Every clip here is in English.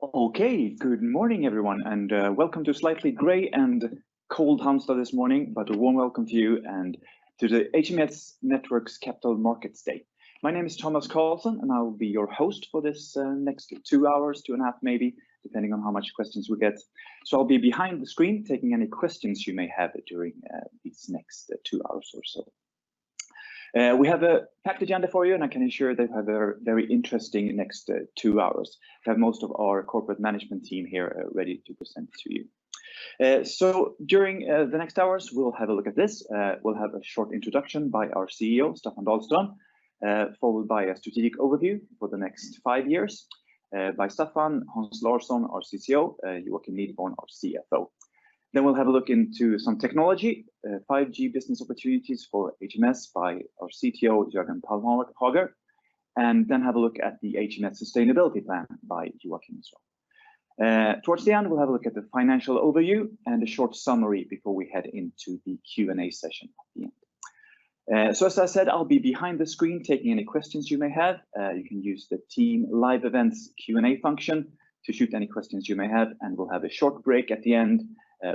Okay. Good morning, everyone, and welcome to slightly gray and cold Halmstad this morning, but a warm welcome to you and to the HMS Networks Capital Markets Day. My name is Thomas Carlsson, I will be your host for this next two hours, two and a half maybe, depending on how much questions we get. I'll be behind the screen taking any questions you may have during these next two hours or so. We have a packed agenda for you, I can assure that you have a very interesting next two hours. We have most of our corporate management team here ready to present to you. During the next hours, we'll have a look at this. We'll have a short introduction by our CEO, Staffan Dahlström, followed by a strategic overview for the next five years by Staffan, Hans Larsson, our CCO, Joakim Nideborn, our CFO. We'll have a look into some technology, 5G business opportunities for HMS by our CTO, Jörgen Palmhager, and then have a look at the HMS sustainability plan by Joakim as well. Towards the end, we'll have a look at the financial overview and a short summary before we head into the Q&A session at the end. As I said, I'll be behind the screen taking any questions you may have. You can use the Team Live Events Q&A function to shoot any questions you may have, and we'll have a short break at the end,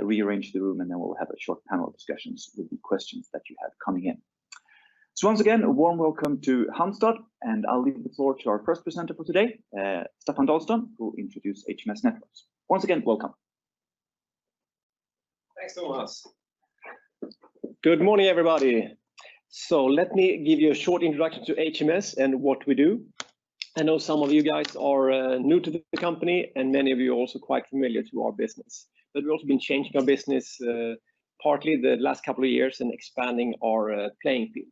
rearrange the room, and then we'll have a short panel discussion with the questions that you have coming in. Once again, a warm welcome to Halmstad, and I'll leave the floor to our first presenter for today, Staffan Dahlström, who will introduce HMS Networks. Once again, welcome. Thanks, Thomas. Good morning, everybody. Let me give you a short introduction to HMS and what we do. I know some of you guys are new to the company, and many of you are also quite familiar to our business. We've also been changing our business, partly the last couple of years and expanding our playing field.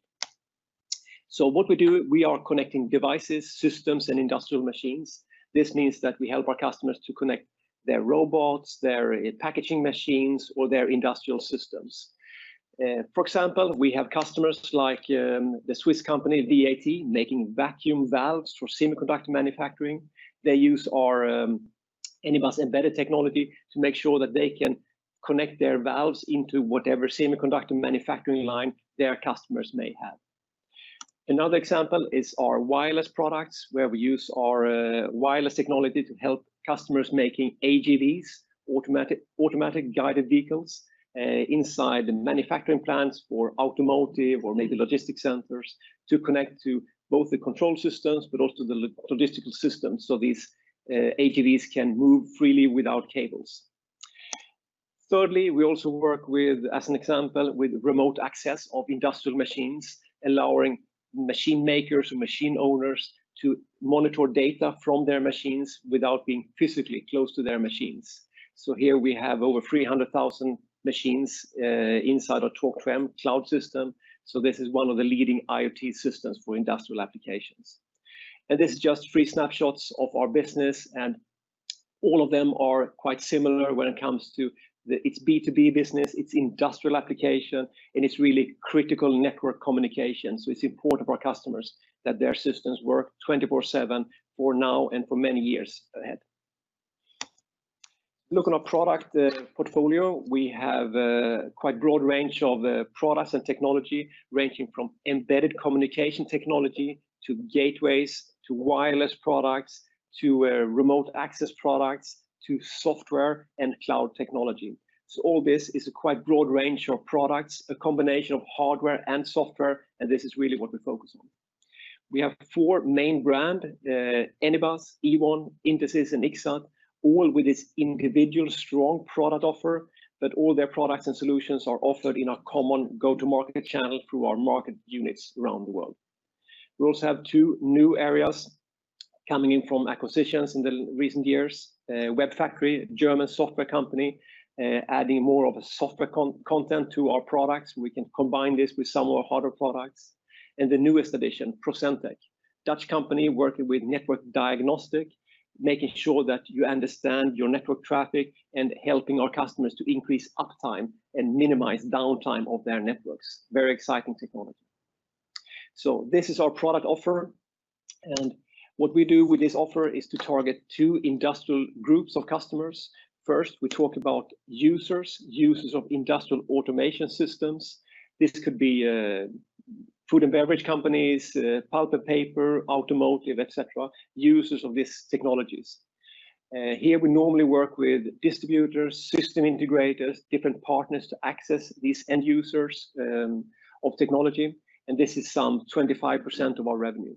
What we do, we are connecting devices, systems, and industrial machines. This means that we help our customers to connect their robots, their packaging machines, or their industrial systems. For example, we have customers like the Swiss company VAT, making vacuum valves for semiconductor manufacturing. They use our Anybus embedded technology to make sure that they can connect their valves into whatever semiconductor manufacturing line their customers may have. Another example is our wireless products, where we use our wireless technology to help customers making AGVs, automatic guided vehicles, inside the manufacturing plants for automotive or maybe logistics centers to connect to both the control systems but also the logistical systems. These AGVs can move freely without cables. Thirdly, we also work with, as an example, with remote access of industrial machines, allowing machine makers or machine owners to monitor data from their machines without being physically close to their machines. Here we have over 300,000 machines inside our Talk2M cloud system. This is one of the leading IoT systems for industrial applications. This is just three snapshots of our business, and all of them are quite similar when it comes to it's B2B business, it's industrial application, and it's really critical network communication. It's important for our customers that their systems work 24/7 for now and for many years ahead. Look at our product portfolio. We have a quite broad range of products and technology, ranging from embedded communication technology to gateways, to wireless products, to remote access products, to software and cloud technology. All this is a quite broad range of products, a combination of hardware and software, and this is really what we focus on. We have four main brand, Anybus, Ewon, Intesis, and Ixxat, all with its individual strong product offer, but all their products and solutions are offered in a common go-to-market channel through our market units around the world. We also have two new areas coming in from acquisitions in the recent years. WEBfactory, a German software company, adding more of a software content to our products. We can combine this with some of our hardware products. The newest addition, Procentec, Dutch company working with network diagnostic, making sure that you understand your network traffic and helping our customers to increase uptime and minimize downtime of their networks. Very exciting technology. This is our product offer. What we do with this offer is to target two industrial groups of customers. First, we talk about users of industrial automation systems. This could be food and beverage companies, pulp and paper, automotive, et cetera, users of these technologies. Here we normally work with distributors, system integrators, different partners to access these end users of technology, and this is some 25% of our revenue.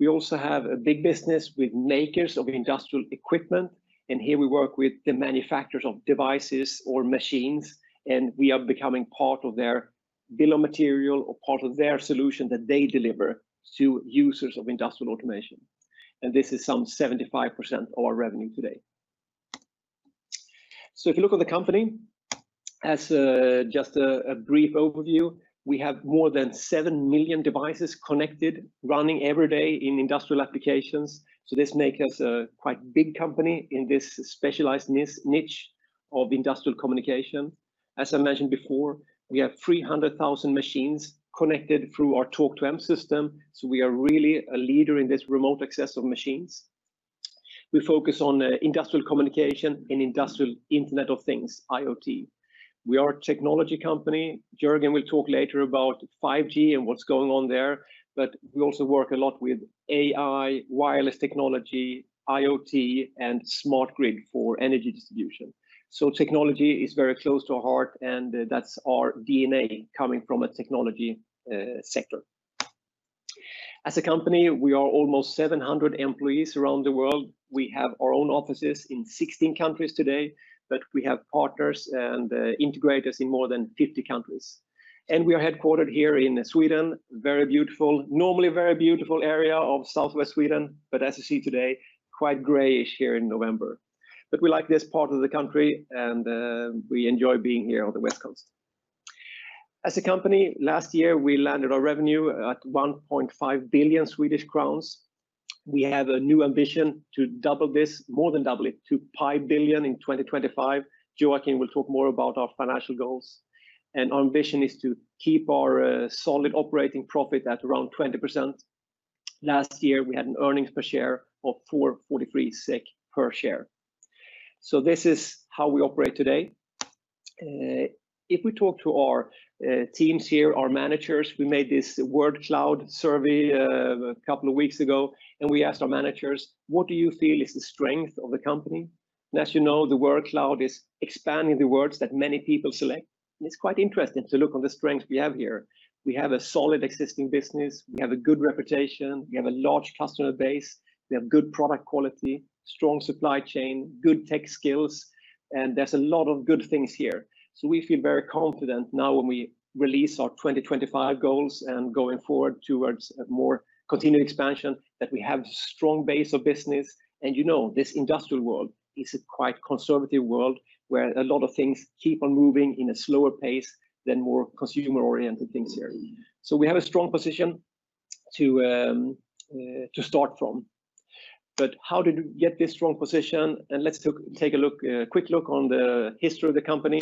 We also have a big business with makers of industrial equipment, and here we work with the manufacturers of devices or machines, and we are becoming part of their bill of material or part of their solution that they deliver to users of industrial automation. This is some 75% of our revenue today. If you look at the company as just a brief overview, we have more than 7 million devices connected, running every day in industrial applications. This make us a quite big company in this specialized niche of industrial communication. As I mentioned before, we have 300,000 machines connected through our Talk2M system. We are really a leader in this remote access of machines. We focus on industrial communication and industrial Internet of Things, IoT. We are a technology company. Jörgen will talk later about 5G and what's going on there. We also work a lot with AI, wireless technology, IoT, and smart grid for energy distribution. Technology is very close to our heart, and that's our DNA coming from a technology sector. As a company, we are almost 700 employees around the world. We have our own offices in 16 countries today. We have partners and integrators in more than 50 countries. We are headquartered here in Sweden. Normally a very beautiful area of southwest Sweden. As you see today, quite grayish here in November. We like this part of the country, and we enjoy being here on the west coast. As a company, last year we landed our revenue at 1.5 billion Swedish crowns. We have a new ambition to double this, more than double it to SEK pi billion in 2025. Joakim will talk more about our financial goals. Our ambition is to keep our solid operating profit at around 20%. Last year, we had an earnings per share of 4.43 SEK per share. This is how we operate today. If we talk to our teams here, our managers, we made this word cloud survey a couple of weeks ago, and we asked our managers, "What do you feel is the strength of the company?" As you know, the word cloud is expanding the words that many people select. It's quite interesting to look on the strength we have here. We have a solid existing business. We have a good reputation. We have a large customer base. We have good product quality, strong supply chain, good tech skills, and there's a lot of good things here. We feel very confident now when we release our 2025 goals and going forward towards more continued expansion, that we have strong base of business. This industrial world is a quite conservative world where a lot of things keep on moving in a slower pace than more consumer-oriented things here. We have a strong position to start from. How did we get this strong position? Let's take a quick look on the history of the company.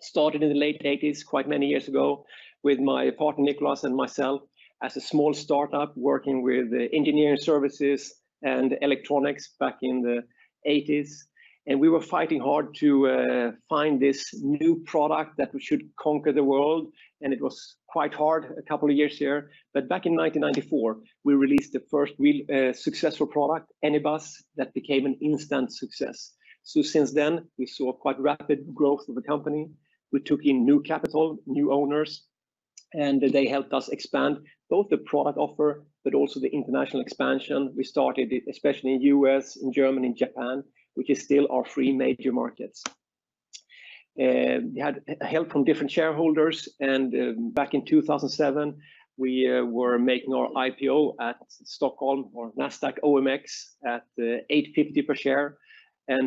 Started in the late 1980s, quite many years ago, with my partner Nicolas and myself as a small startup working with engineering services and electronics back in the 1980s. We were fighting hard to find this new product that we should conquer the world, and it was quite hard a couple of years here. Back in 1994, we released the first successful product, Anybus, that became an instant success. Since then, we saw quite rapid growth of the company. We took in new capital, new owners, and they helped us expand both the product offer but also the international expansion. We started it especially in U.S., in Germany, and Japan, which is still our three major markets. We had help from different shareholders, and back in 2007, we were making our IPO at Stockholm on Nasdaq OMX at 8.50 per share.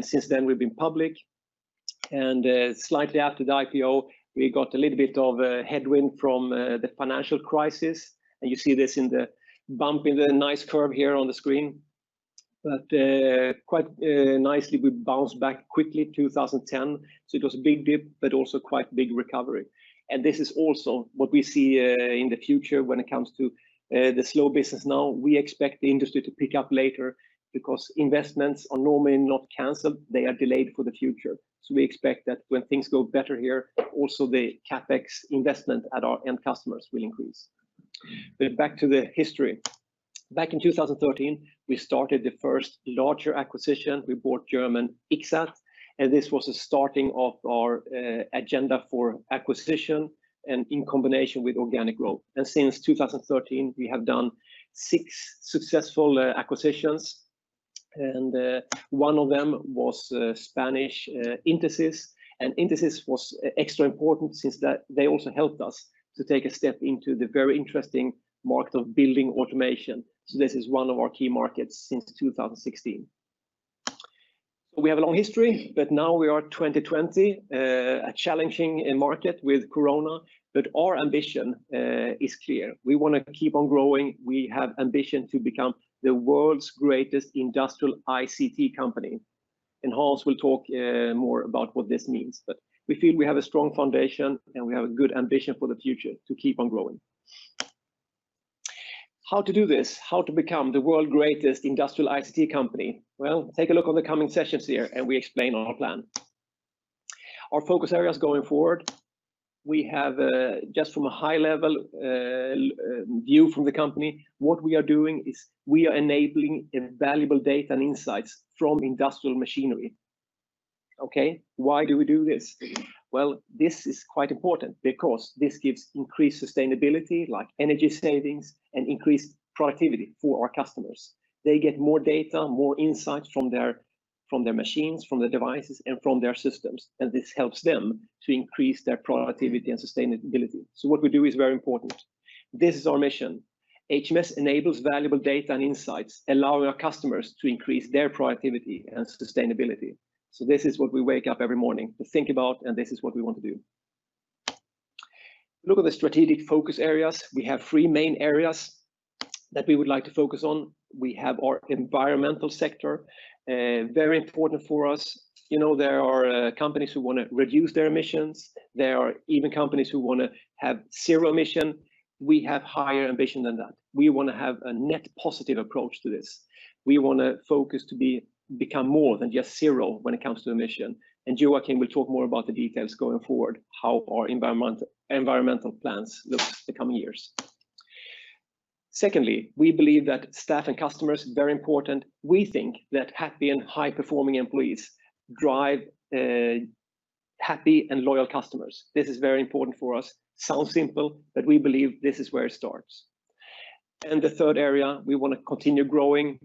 Since then we've been public. Slightly after the IPO, we got a little bit of a headwind from the financial crisis. You see this in the bump in the nice curve here on the screen. Quite nicely, we bounced back quickly 2010. It was a big dip, but also quite big recovery. This is also what we see in the future when it comes to the slow business now. We expect the industry to pick up later because investments are normally not canceled. They are delayed for the future. We expect that when things go better here, also the CapEx investment at our end customers will increase. Back to the history. Back in 2013, we started the first larger acquisition. We bought German Ixxat, and this was a starting of our agenda for acquisition and in combination with organic growth. Since 2013, we have done six successful acquisitions, and one of them was Spanish Intesis. Intesis was extra important since they also helped us to take a step into the very interesting market of building automation. This is one of our key markets since 2016. We have a long history, but now we are 2020, a challenging market with corona, but our ambition is clear. We want to keep on growing. We have ambition to become the world's greatest industrial ICT company. Hans will talk more about what this means. We feel we have a strong foundation, and we have a good ambition for the future to keep on growing. How to do this? How to become the world's greatest industrial ICT company? Well, take a look on the coming sessions here, and we explain our plan. Our focus areas going forward. We have just from a high-level view from the company, what we are doing is we are enabling valuable data and insights from industrial machinery. Okay, why do we do this? Well, this is quite important because this gives increased sustainability like energy savings and increased productivity for our customers. They get more data, more insights from their machines, from their devices, and from their systems, and this helps them to increase their productivity and sustainability. What we do is very important. This is our mission. HMS enables valuable data and insights, allowing our customers to increase their productivity and sustainability. This is what we wake up every morning to think about, and this is what we want to do. Look at the strategic focus areas. We have three main areas that we would like to focus on. We have our environmental sector, very important for us. There are companies who want to reduce their emissions. There are even companies who want to have zero emission. We have higher ambition than that. We want to have a net positive approach to this. We want our focus to become more than just zero when it comes to emission. Joakim will talk more about the details going forward, how our environmental plans look the coming years. Secondly, we believe that staff and customers are very important. We think that happy and high-performing employees drive happy and loyal customers. This is very important for us. Sounds simple, but we believe this is where it starts. The third area, we want to continue growing.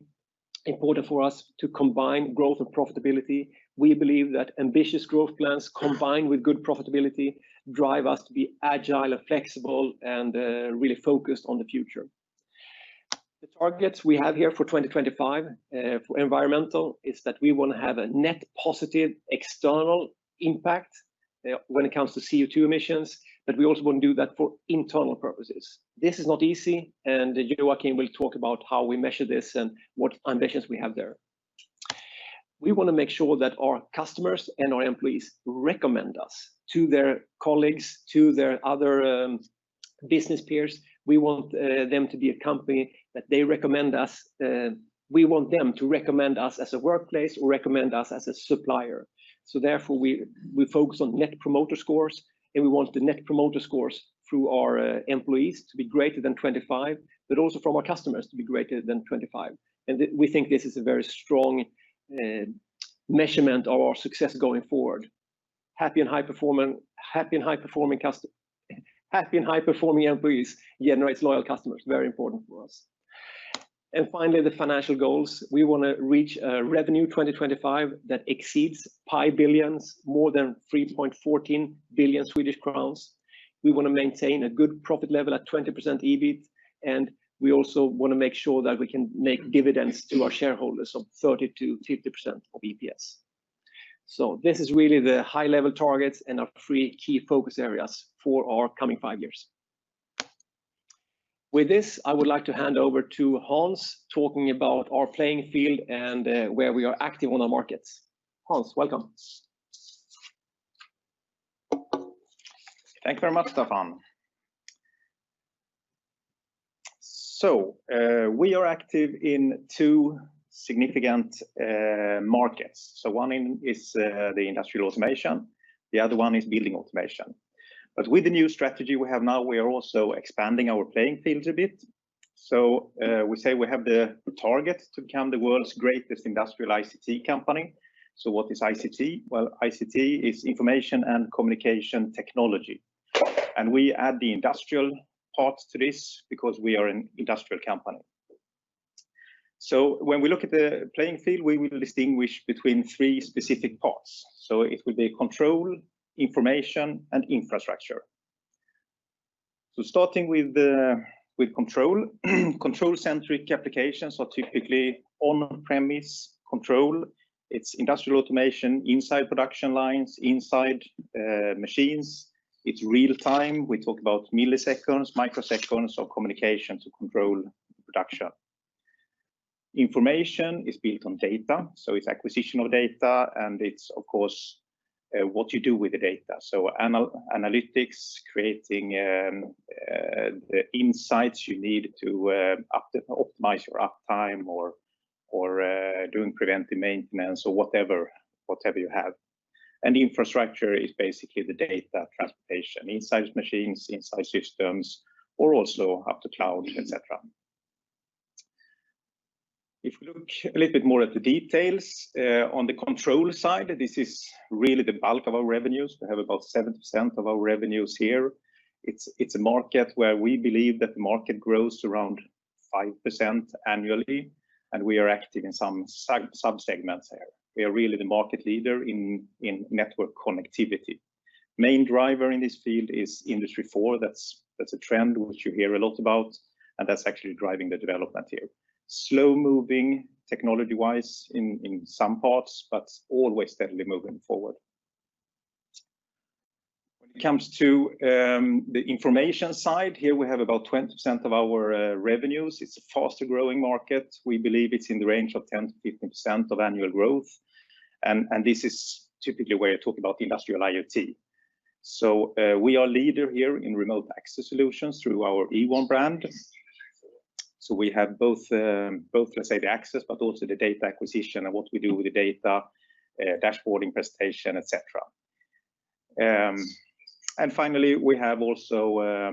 It is important for us to combine growth and profitability. We believe that ambitious growth plans combined with good profitability drive us to be agile and flexible and really focused on the future. The targets we have here for 2025 for environmental is that we want to have a net positive external impact when it comes to CO2 emissions, but we also want to do that for internal purposes. This is not easy, and Joakim will talk about how we measure this and what ambitions we have there. We want to make sure that our customers and our employees recommend us to their colleagues, to their other business peers. We want them to be a company that they recommend us. We want them to recommend us as a workplace or recommend us as a supplier. Therefore, we focus on Net Promoter Scores, and we want the Net Promoter Scores through our employees to be greater than 25, but also from our customers to be greater than 25. We think this is a very strong measurement of our success going forward. Happy and high-performing employees generates loyal customers. Very important for us. Finally, the financial goals. We want to reach a revenue 2025 that exceeds pi billions, more than 3.14 billion Swedish crowns. We want to maintain a good profit level at 20% EBIT. We also want to make sure that we can make dividends to our shareholders of 30%-50% of EPS. This is really the high-level targets and our three key focus areas for our coming five years. With this, I would like to hand over to Hans, talking about our playing field and where we are active on our markets. Hans, welcome. Thank you very much, Staffan. We are active in two significant markets. One is the industrial automation, the other one is building automation. With the new strategy we have now, we are also expanding our playing field a bit. We say we have the target to become the world's greatest industrial ICT company. What is ICT? Well, ICT is information and communication technology. We add the industrial part to this because we are an industrial company. When we look at the playing field, we will distinguish between three specific parts. It will be control, information, and infrastructure. Starting with control. Control-centric applications are typically on-premise control. It's industrial automation inside production lines, inside machines. It's real-time. We talk about milliseconds, microseconds of communication to control production. Information is built on data, so it's acquisition of data and it's, of course, what you do with the data. Analytics, creating the insights you need to optimize your uptime or doing preventive maintenance or whatever you have. Infrastructure is basically the data transportation inside machines, inside systems, or also up to cloud, et cetera. If we look a little bit more at the details on the control side, this is really the bulk of our revenues. We have about 70% of our revenues here. It's a market where we believe that the market grows around 5% annually, and we are active in some sub-segments here. We are really the market leader in network connectivity. Main driver in this field is Industry 4.0. That's a trend which you hear a lot about, and that's actually driving the development here. Slow-moving technology-wise in some parts, but always steadily moving forward. When it comes to the information side, here we have about 20% of our revenues. It's a faster-growing market. We believe it's in the range of 10%-15% of annual growth. This is typically where you talk about industrial IoT. We are leader here in remote access solutions through our Ewon brand. We have both, let's say, the access, but also the data acquisition and what we do with the data, dashboarding presentation, et cetera. Finally, we have also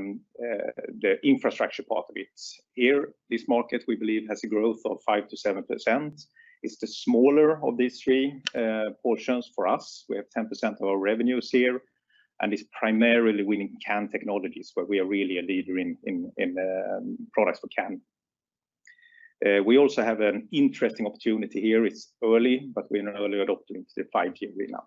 the infrastructure part of it. Here, this market, we believe, has a growth of 5%-7%. It's the smaller of these three portions for us. We have 10% of our revenues here, and it's primarily winning CAN technologies, where we are really a leader in products for CAN. We also have an interesting opportunity here. It's early. We're an early adopter into the 5G arena.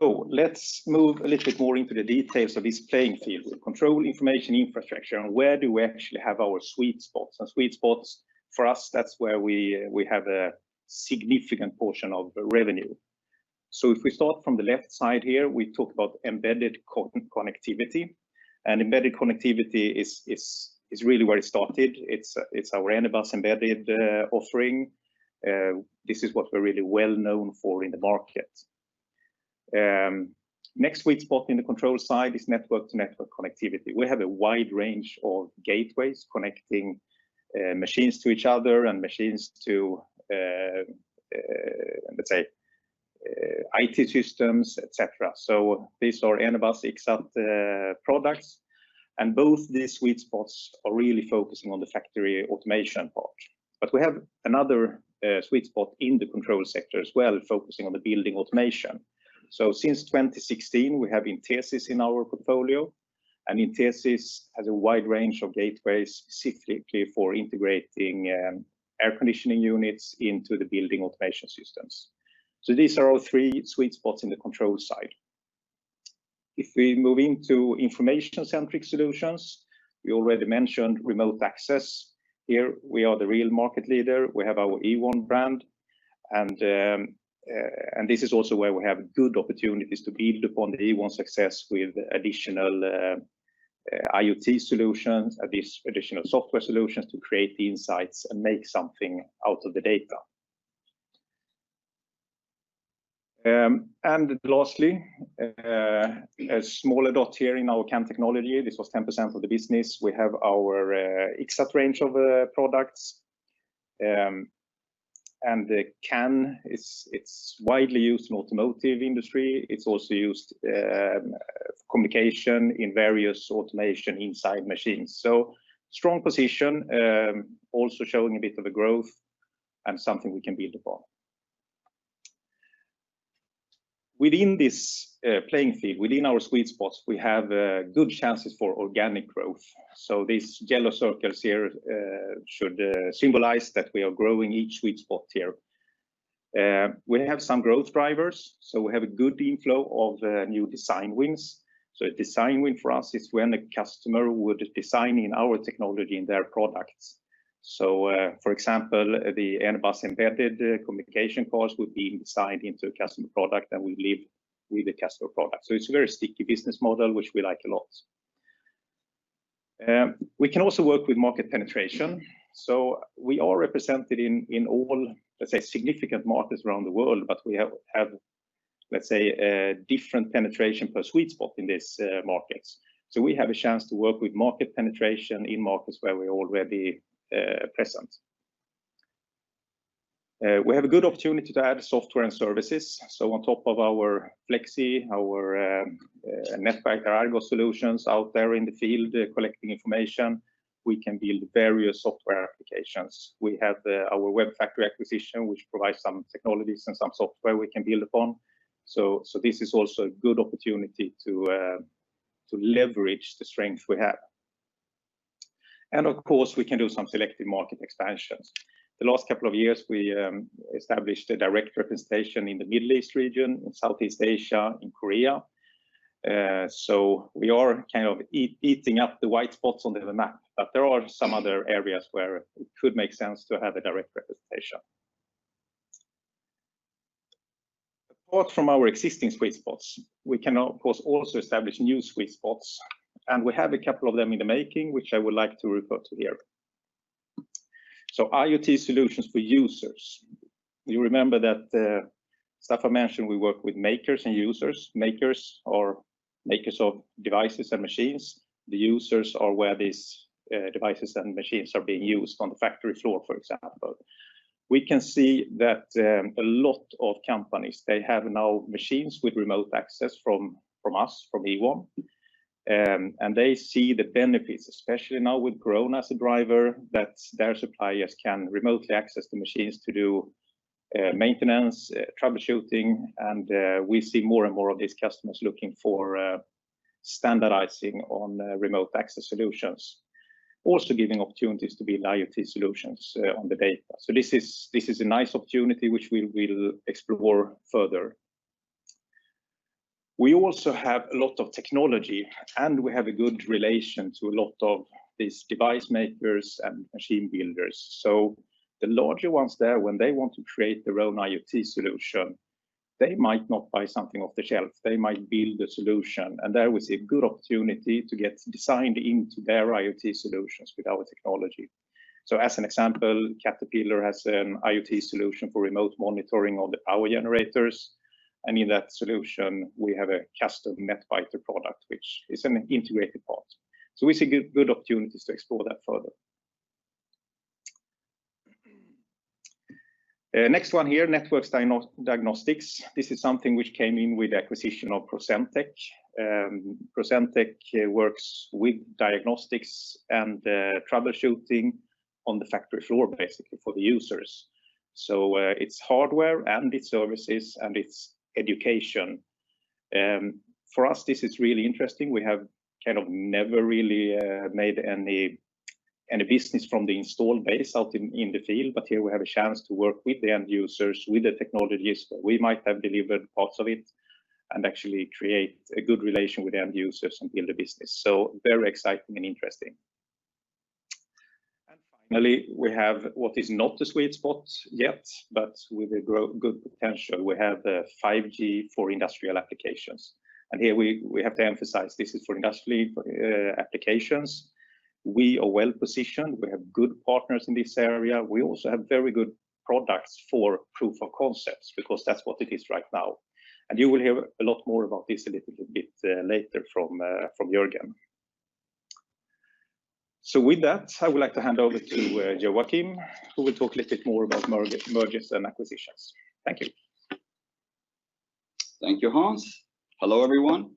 Let's move a little bit more into the details of this playing field. Control, information, infrastructure, where do we actually have our sweet spots? Sweet spots, for us, that's where we have a significant portion of revenue. If we start from the left side here, we talk about embedded connectivity. Embedded connectivity is really where it started. It's our Anybus embedded offering. This is what we're really well-known for in the market. Next sweet spot in the control side is network-to-network connectivity. We have a wide range of gateways connecting machines to each other and machines to, let's say, IT systems, et cetera. These are Anybus, Ixxat products. Both these sweet spots are really focusing on the factory automation part. We have another sweet spot in the control sector as well, focusing on the building automation. Since 2016, we have Intesis in our portfolio, and Intesis has a wide range of gateways specifically for integrating air conditioning units into the building automation systems. These are all three sweet spots in the control side. If we move into information-centric solutions, we already mentioned remote access. Here we are the real market leader. We have our Ewon brand, and this is also where we have good opportunities to build upon the Ewon success with additional IoT solutions, these additional software solutions to create the insights and make something out of the data. Lastly, a smaller dot here in our CAN technology, this was 10% of the business. We have our Ixxat range of products. The CAN, it's widely used in automotive industry. It's also used for communication in various automation inside machines. Strong position, also showing a bit of a growth and something we can build upon. Within this playing field, within our sweet spots, we have good chances for organic growth. These yellow circles here should symbolize that we are growing each sweet spot here. We have some growth drivers, so we have a good inflow of new design wins. A design win for us is when a customer would design in our technology in their products. For example, the Anybus embedded communication cores would be designed into a customer product, and we live with the customer product. It's a very sticky business model, which we like a lot. We can also work with market penetration. We are represented in all, let's say, significant markets around the world, but we have, let's say, different penetration per sweet spot in these markets. We have a chance to work with market penetration in markets where we're already present. We have a good opportunity to add software and services. On top of our Flexy, our Netbiter Argos solutions out there in the field collecting information, we can build various software applications. We have our WEBfactory acquisition, which provides some technologies and some software we can build upon. This is also a good opportunity to leverage the strength we have. Of course, we can do some selective market expansions. The last couple of years, we established a direct representation in the Middle East region, in Southeast Asia, in Korea. We are kind of eating up the white spots on the map, but there are some other areas where it could make sense to have a direct representation. Apart from our existing sweet spots, we can of course also establish new sweet spots, and we have a couple of them in the making, which I would like to refer to here. IoT solutions for users. You remember that Staffan mentioned we work with makers and users. Makers are makers of devices and machines. The users are where these devices and machines are being used on the factory floor, for example. We can see that a lot of companies, they have now machines with remote access from us, from Ewon. They see the benefits, especially now with Corona as a driver, that their suppliers can remotely access the machines to do maintenance, troubleshooting, and we see more and more of these customers looking for standardizing on remote access solutions, also giving opportunities to build IoT solutions on the data. This is a nice opportunity which we will explore further. We also have a lot of technology, and we have a good relation to a lot of these device makers and machine builders. The larger ones there, when they want to create their own IoT solution, they might not buy something off the shelf. They might build a solution, and there we see a good opportunity to get designed into their IoT solutions with our technology. As an example, Caterpillar has an IoT solution for remote monitoring of the power generators, and in that solution, we have a custom Netbiter product, which is an integrated part. We see good opportunities to explore that further. The next one here, networks diagnostics. This is something which came in with the acquisition of Procentec. Procentec works with diagnostics and troubleshooting on the factory floor, basically for the users. It's hardware and it's services and it's education. For us, this is really interesting. We have kind of never really made any business from the install base out in the field, but here we have a chance to work with the end users, with the technologies we might have delivered parts of it and actually create a good relation with the end users and build a business. Very exciting and interesting. Finally, we have what is not the sweet spot yet, but with a good potential. We have the 5G for industrial applications. Here we have to emphasize this is for industrial applications. We are well-positioned. We have good partners in this area. We also have very good products for proof of concepts because that's what it is right now. You will hear a lot more about this a little bit later from Jörgen. With that, I would like to hand over to Joakim, who will talk a little bit more about mergers and acquisitions. Thank you. Thank you, Hans. Hello, everyone.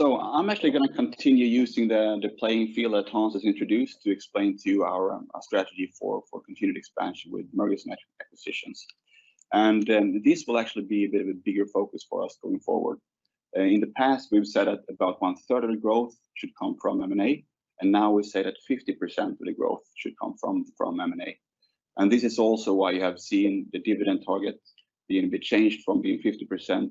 I'm actually going to continue using the playing field that Hans has introduced to explain to you our strategy for continued expansion with mergers and acquisitions. This will actually be the bigger focus for us going forward. In the past, we've said about one third of the growth should come from M&A, and now we say that 50% of the growth should come from M&A. This is also why you have seen the dividend target being a bit changed from being 50% to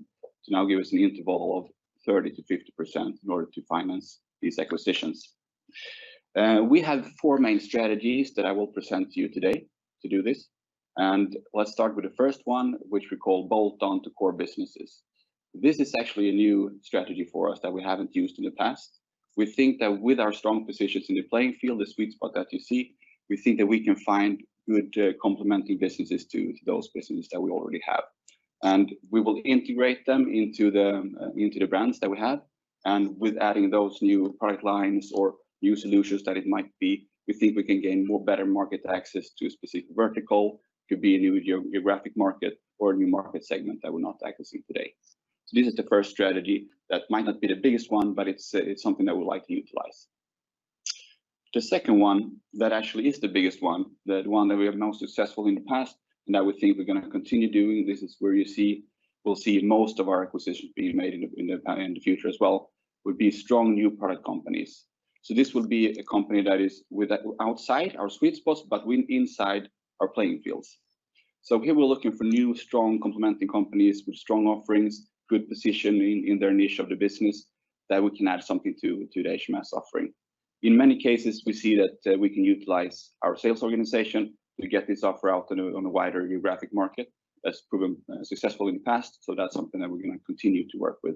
now give us an interval of 30%-50% in order to finance these acquisitions. We have four main strategies that I will present to you today to do this. Let's start with the first one, which we call bolt-on to core businesses. This is actually a new strategy for us that we haven't used in the past. We think that with our strong positions in the playing field, the sweet spot that you see, we think that we can find good complementary businesses to those businesses that we already have. We will integrate them into the brands that we have. With adding those new product lines or new solutions that it might be, we think we can gain more better market access to a specific vertical. It could be a new geographic market or a new market segment that we're not accessing today. This is the first strategy that might not be the biggest one, but it's something that we'd like to utilize. The second one, that actually is the biggest one, the one that we have most successful in the past, and that we think we're going to continue doing. This is where we'll see most of our acquisitions being made in the future as well, would be strong new product companies. This would be a company that is outside our sweet spot but inside our playing fields. Here we're looking for new, strong, complementary companies with strong offerings, good position in their niche of the business that we can add something to the HMS offering. In many cases, we see that we can utilize our sales organization to get this offer out on a wider geographic market. That's proven successful in the past. That's something that we're going to continue to work with.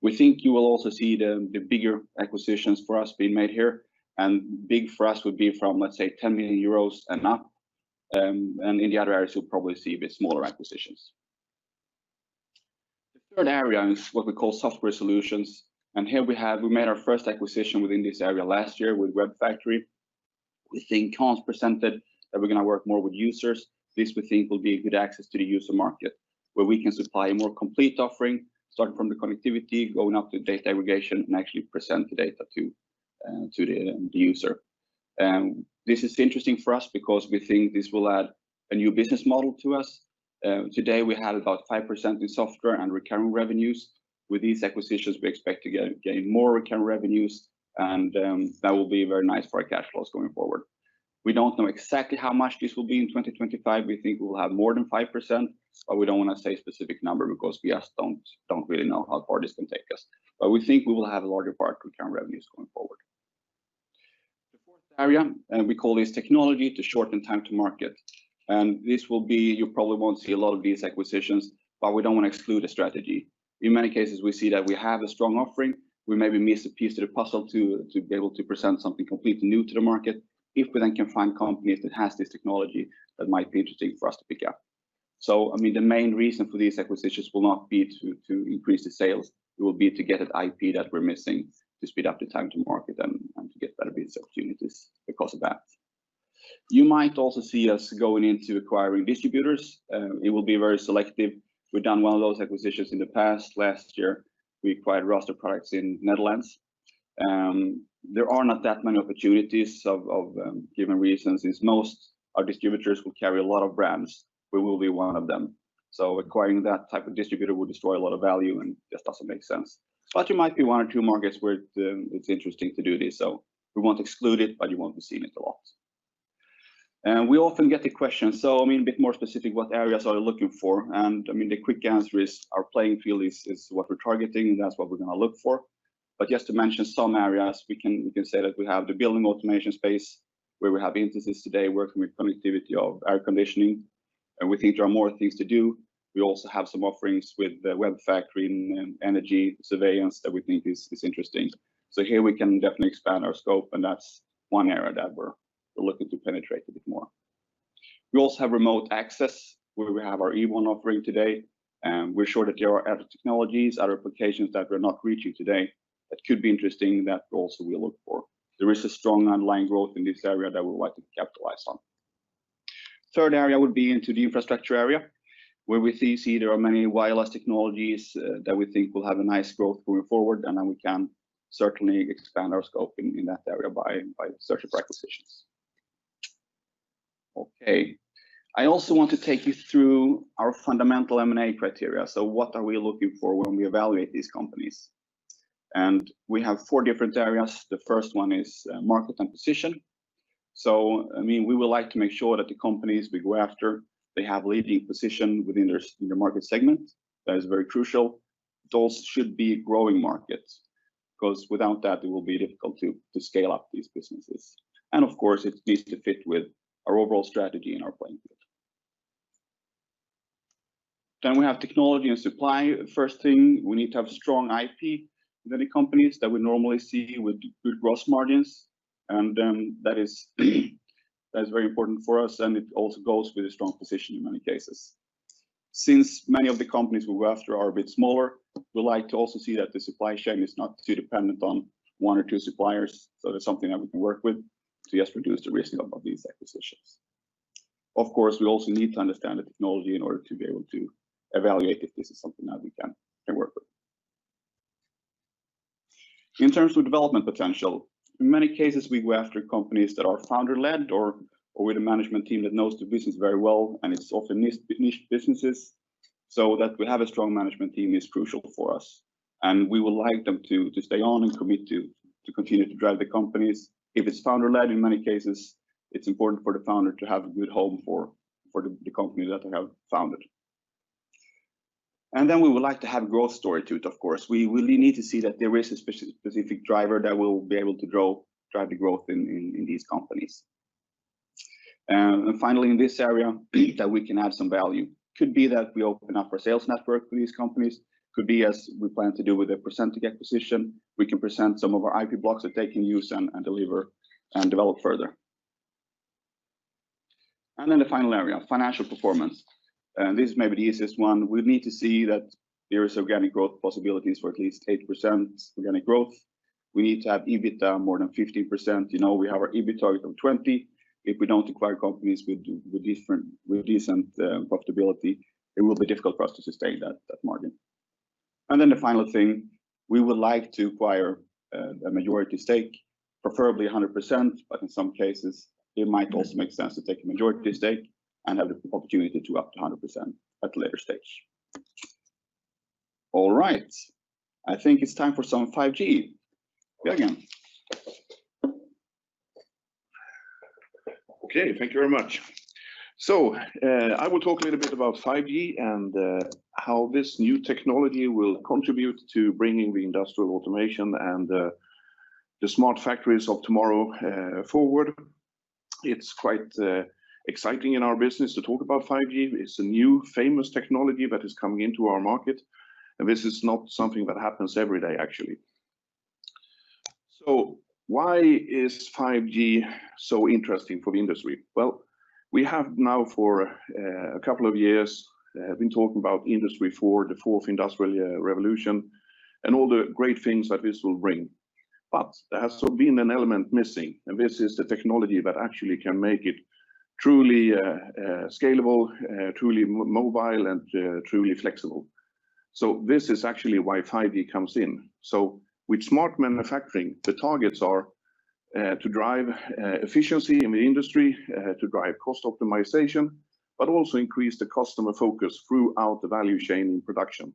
We think you will also see the bigger acquisitions for us being made here, and big for us would be from, let's say, 10 million euros and up. In the other areas, you'll probably see a bit smaller acquisitions. The third area is what we call software solutions, and here we made our first acquisition within this area last year with WEBfactory. We think Hans presented that we're going to work more with users. This, we think, will be a good access to the user market where we can supply a more complete offering, starting from the connectivity, going up to data aggregation, and actually present the data to the end user. This is interesting for us because we think this will add a new business model to us. Today, we had about 5% in software and recurring revenues. With these acquisitions, we expect to gain more recurring revenues, and that will be very nice for our cash flows going forward. We don't know exactly how much this will be in 2025. We think we'll have more than 5%, but we don't want to say a specific number because we just don't really know how far this can take us. We think we will have a larger part recurring revenues going forward. The fourth area, and we call this technology to shorten time to market. You probably won't see a lot of these acquisitions, but we don't want to exclude a strategy. In many cases, we see that we have a strong offering. We maybe miss a piece of the puzzle to be able to present something completely new to the market. If we then can find companies that have this technology, that might be interesting for us to pick up. The main reason for these acquisitions will not be to increase the sales. It will be to get an IP that we're missing to speed up the time to market and to get better business opportunities because of that. You might also see us going into acquiring distributors. It will be very selective. We've done one of those acquisitions in the past. Last year, we acquired Raster Products in Netherlands. There are not that many opportunities of given reasons is most our distributors will carry a lot of brands. We will be one of them. Acquiring that type of distributor would destroy a lot of value and just doesn't make sense. There might be one or two markets where it's interesting to do this. We won't exclude it, but you won't be seeing it a lot. We often get the question, so a bit more specific, what areas are you looking for? The quick answer is our playing field is what we're targeting, and that's what we're going to look for. Just to mention some areas, we can say that we have the building automation space where we have Intesis today working with connectivity of air conditioning, and we think there are more things to do. We also have some offerings with WeBfactory and energy surveillance that we think is interesting. Here we can definitely expand our scope, and that's one area that we're looking to penetrate a bit more. We also have remote access where we have our Ewon offering today, and we're sure that there are other technologies, other applications that we're not reaching today that could be interesting that also we look for. There is a strong underlying growth in this area that we would like to capitalize on. Third area would be into the infrastructure area where we see there are many wireless technologies that we think will have a nice growth going forward, and then we can certainly expand our scope in that area by searching for acquisitions. Okay. I also want to take you through our fundamental M&A criteria. What are we looking for when we evaluate these companies? We have four different areas. The first one is market and position. We would like to make sure that the companies we go after, they have leading position within their market segment. That is very crucial. Those should be growing markets. Because without that, it will be difficult to scale up these businesses. Of course, it needs to fit with our overall strategy and our playing field. We have technology and supply. First thing, we need to have strong IP in any companies that we normally see with good gross margins. That is very important for us, and it also goes with a strong position in many cases. Since many of the companies we go after are a bit smaller, we like to also see that the supply chain is not too dependent on one or two suppliers, so that's something that we can work with to just reduce the risk of these acquisitions. Of course, we also need to understand the technology in order to be able to evaluate if this is something that we can work with. In terms of development potential, in many cases, we go after companies that are founder-led or with a management team that knows the business very well, and it's often niche businesses, so that we have a strong management team is crucial for us. We would like them to stay on and commit to continue to drive the companies. If it's founder-led, in many cases, it's important for the founder to have a good home for the company that they have founded. Then we would like to have growth story to it, of course. We will need to see that there is a specific driver that will be able to drive the growth in these companies. Finally, in this area, that we can add some value. Could be that we open up our sales network for these companies. Could be, as we plan to do with the Procentec acquisition, we can present some of our IP blocks that they can use and deliver and develop further. The final area, financial performance. This may be the easiest one. We need to see that there is organic growth possibilities for at least 8% organic growth. We need to have EBITDA more than 15%. We have our EBIT target of 20%. If we don't acquire companies with decent profitability, it will be difficult for us to sustain that margin. The final thing, we would like to acquire a majority stake, preferably 100%, but in some cases, it might also make sense to take a majority stake and have the opportunity to up to 100% at a later stage. All right. I think it's time for some 5G. Jörgen. Okay. Thank you very much. I will talk a little bit about 5G and how this new technology will contribute to bringing the industrial automation and the smart factories of tomorrow forward. It is quite exciting in our business to talk about 5G. It is a new famous technology that is coming into our market. This is not something that happens every day, actually. Why is 5G so interesting for the industry? Well, we have now for a couple of years have been talking about Industry 4.0, the fourth industrial revolution, and all the great things that this will bring. There has still been an element missing, and this is the technology that actually can make it truly scalable, truly mobile, and truly flexible. This is actually where 5G comes in. With smart manufacturing, the targets are to drive efficiency in the industry, to drive cost optimization, but also increase the customer focus throughout the value chain in production.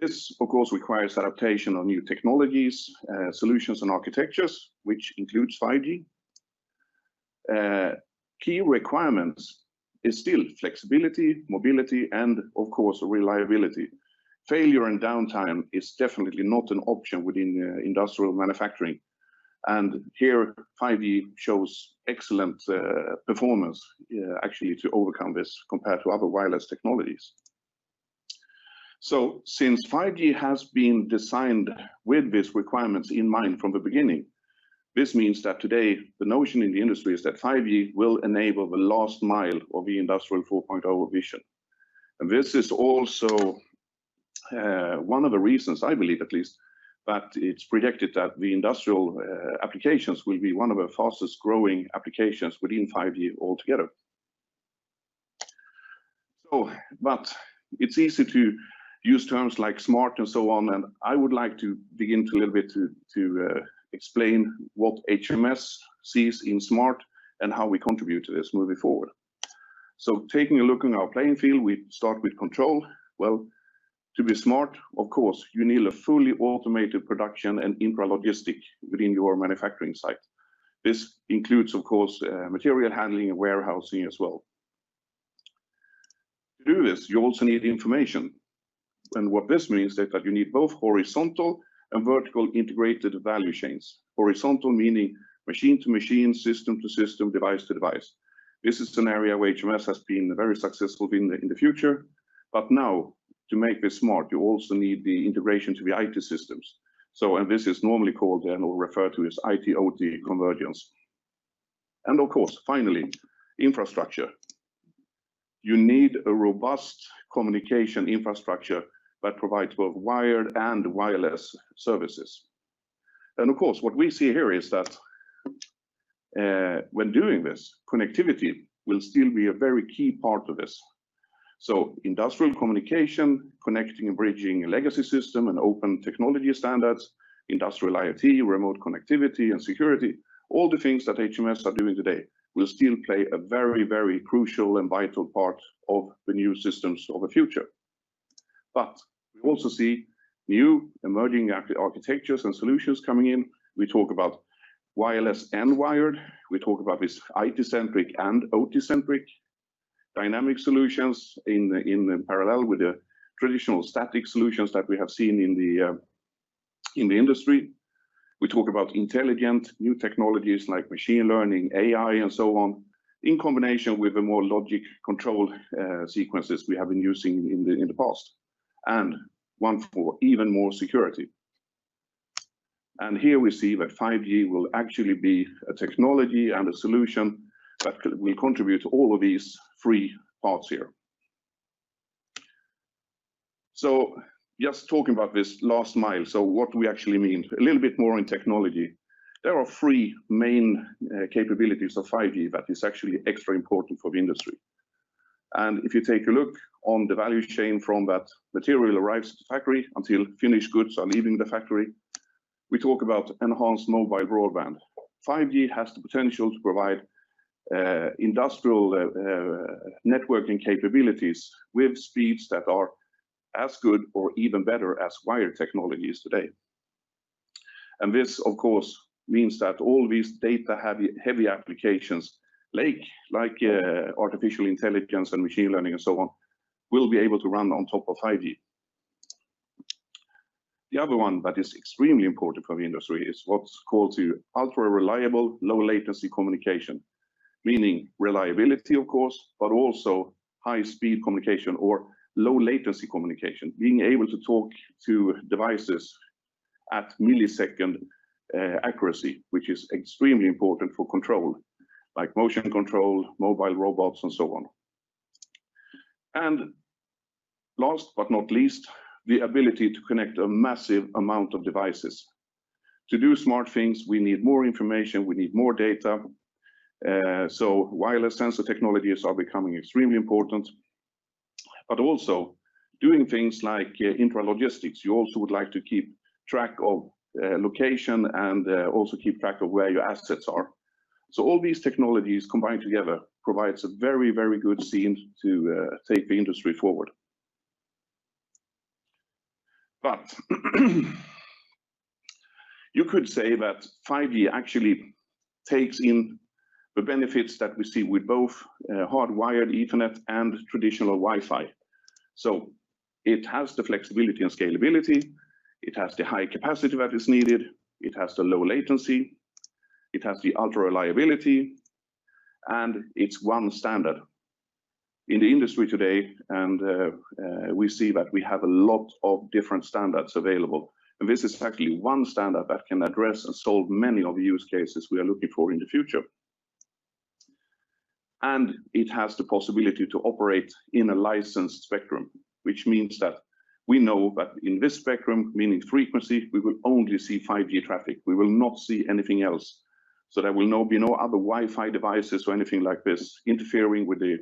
This, of course, requires adaptation of new technologies, solutions, and architectures, which includes 5G. Key requirements is still flexibility, mobility, and of course, reliability. Failure and downtime is definitely not an option within industrial manufacturing. Here, 5G shows excellent performance actually to overcome this compared to other wireless technologies. Since 5G has been designed with these requirements in mind from the beginning, this means that today the notion in the industry is that 5G will enable the last mile of the Industrial 4.0 vision. This is also one of the reasons, I believe at least, that it's predicted that the industrial applications will be one of our fastest-growing applications within 5G altogether. It's easy to use terms like smart and so on, and I would like to begin a little bit to explain what HMS sees in smart and how we contribute to this moving forward. Taking a look in our playing field, we start with control. Well, to be smart, of course, you need a fully automated production and intra-logistic within your manufacturing site. This includes, of course, material handling and warehousing as well. To do this, you also need information. What this means is that you need both horizontal and vertical integrated value chains. Horizontal meaning machine to machine, system to system, device to device. This is an area where HMS has been very successful in the future. Now to make this smart, you also need the integration to the IT systems. This is normally called and/or referred to as IT/OT convergence. Of course, finally, infrastructure. You need a robust communication infrastructure that provides both wired and wireless services. Of course, what we see here is that when doing this, connectivity will still be a very key part of this. Industrial communication, connecting and bridging legacy system and open technology standards, industrial IoT, remote connectivity and security, all the things that HMS are doing today will still play a very crucial and vital part of the new systems of the future. We also see new emerging architectures and solutions coming in. We talk about wireless and wired. We talk about this IT-centric and OT-centric, dynamic solutions in parallel with the traditional static solutions that we have seen in the industry. We talk about intelligent new technologies like machine learning, AI, and so on, in combination with the more logic control sequences we have been using in the past, one for even more security. Here we see that 5G will actually be a technology and a solution that will contribute to all of these three parts here. Just talking about this last mile, what we actually mean a little bit more in technology. There are three main capabilities of 5G that is actually extra important for the industry. If you take a look on the value chain from that material arrives to factory until finished goods are leaving the factory, we talk about enhanced mobile broadband. 5G has the potential to provide industrial networking capabilities with speeds that are as good or even better as wired technologies today. This, of course, means that all these data-heavy applications like artificial intelligence and machine learning and so on, will be able to run on top of 5G. The other one that is extremely important for the industry is what's called the ultra-reliable low latency communication. Meaning reliability, of course, but also high-speed communication or low latency communication, being able to talk to devices at millisecond accuracy, which is extremely important for control like motion control, mobile robots, and so on. Last but not least, the ability to connect a massive amount of devices. To do smart things, we need more information, we need more data. Wireless sensor technologies are becoming extremely important, but also doing things like intra-logistics. You also would like to keep track of location and also keep track of where your assets are. All these technologies combined together provides a very good scene to take the industry forward. You could say that 5G actually takes in the benefits that we see with both hardwired Ethernet and traditional Wi-Fi. It has the flexibility and scalability, it has the high capacity that is needed, it has the low latency, it has the ultra-reliability, and it's one standard. In the industry today, and we see that we have a lot of different standards available, and this is actually one standard that can address and solve many of the use cases we are looking for in the future. It has the possibility to operate in a licensed spectrum, which means that we know that in this spectrum, meaning frequency, we will only see 5G traffic. We will not see anything else. There will be no other Wi-Fi devices or anything like this interfering with the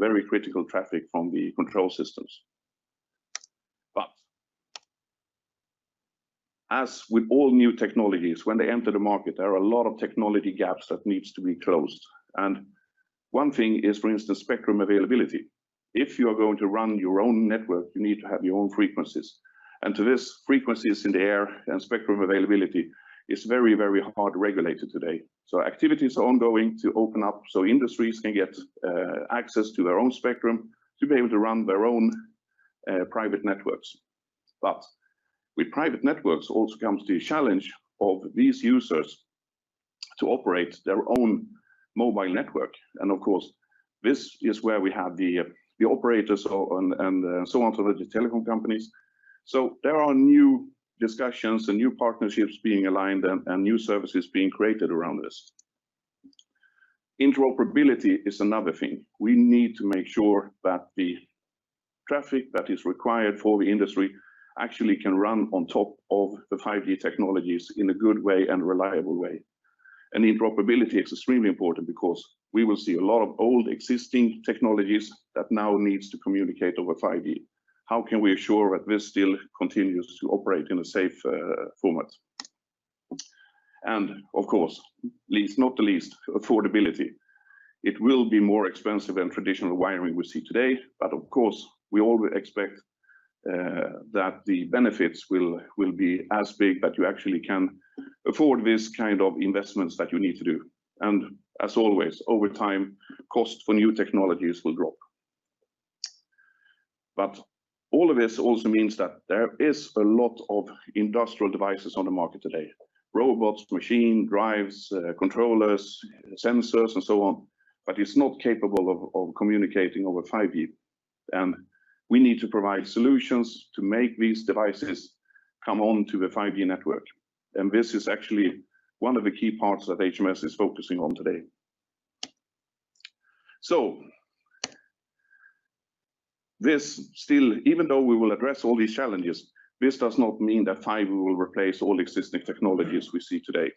very critical traffic from the control systems. As with all new technologies, when they enter the market, there are a lot of technology gaps that needs to be closed. One thing is, for instance, spectrum availability. If you are going to run your own network, you need to have your own frequencies. To this, frequencies in the air and spectrum availability is very hard regulated today. Activities are ongoing to open up so industries can get access to their own spectrum to be able to run their own private networks. With private networks also comes the challenge of these users to operate their own mobile network. Of course, this is where we have the operators and so on, so the telecom companies. There are new discussions and new partnerships being aligned and new services being created around this. Interoperability is another thing. We need to make sure that the traffic that is required for the industry actually can run on top of the 5G technologies in a good way and reliable way. Interoperability is extremely important because we will see a lot of old existing technologies that now needs to communicate over 5G. How can we assure that this still continues to operate in a safe format? Of course, not the least, affordability. It will be more expensive than traditional wiring we see today, but of course, we all expect that the benefits will be as big that you actually can afford this kind of investments that you need to do. As always, over time, cost for new technologies will drop. All of this also means that there is a lot of industrial devices on the market today. Robots, machine drives, controllers, sensors, and so on, it's not capable of communicating over 5G. We need to provide solutions to make these devices come on to the 5G network. This is actually one of the key parts that HMS is focusing on today. Even though we will address all these challenges, this does not mean that 5G will replace all existing technologies we see today.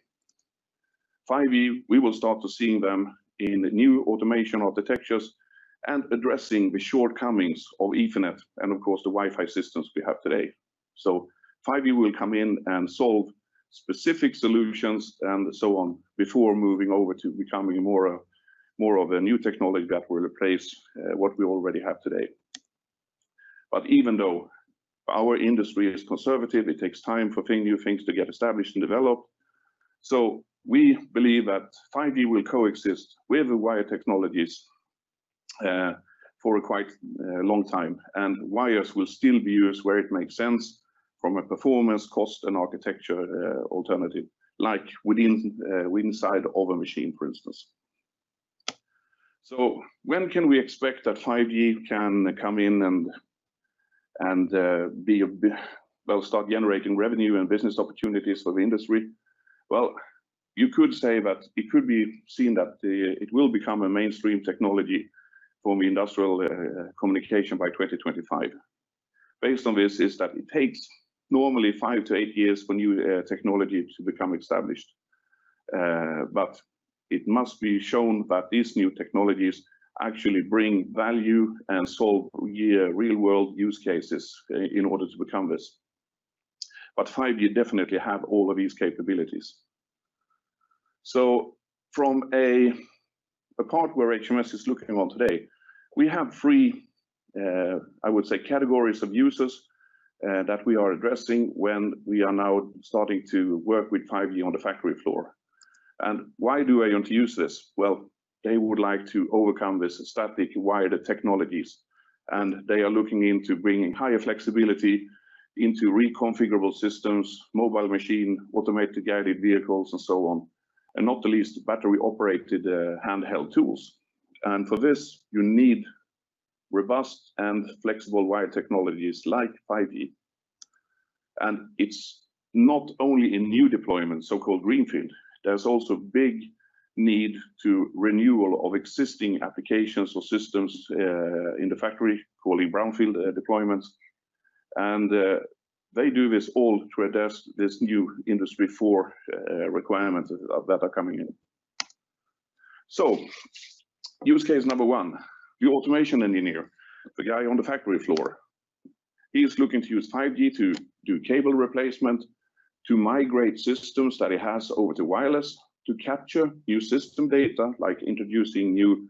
5G, we will start to seeing them in new automation architectures and addressing the shortcomings of Ethernet and of course, the Wi-Fi systems we have today. 5G will come in and solve specific solutions and so on before moving over to becoming more of a new technology that will replace what we already have today. Even though our industry is conservative, it takes time for new things to get established and developed. We believe that 5G will coexist with wired technologies for quite a long time, and wires will still be used where it makes sense from a performance, cost, and architecture alternative, like inside of a machine, for instance. When can we expect that 5G can come in and start generating revenue and business opportunities for the industry? You could say that it could be seen that it will become a mainstream technology for industrial communication by 2025. Based on this is that it takes normally five to eight years for new technology to become established. It must be shown that these new technologies actually bring value and solve real-world use cases in order to become this. 5G definitely have all of these capabilities. From a part where HMS is looking on today, we have three, I would say, categories of users that we are addressing when we are now starting to work with 5G on the factory floor. Why do I want to use this? Well, they would like to overcome this static wired technologies, and they are looking into bringing higher flexibility into reconfigurable systems, mobile machine, Automated Guided Vehicles, and so on. Not the least, battery-operated handheld tools. For this, you need robust and flexible wire technologies like 5G. It's not only in new deployment, so-called greenfield, there is also big need to renewal of existing applications or systems in the factory, called brownfield deployments. They do this all to address this new Industry 4.0 requirements that are coming in. Use case number one, the automation engineer, the guy on the factory floor. He's looking to use 5G to do cable replacement, to migrate systems that he has over to wireless to capture new system data, like introducing new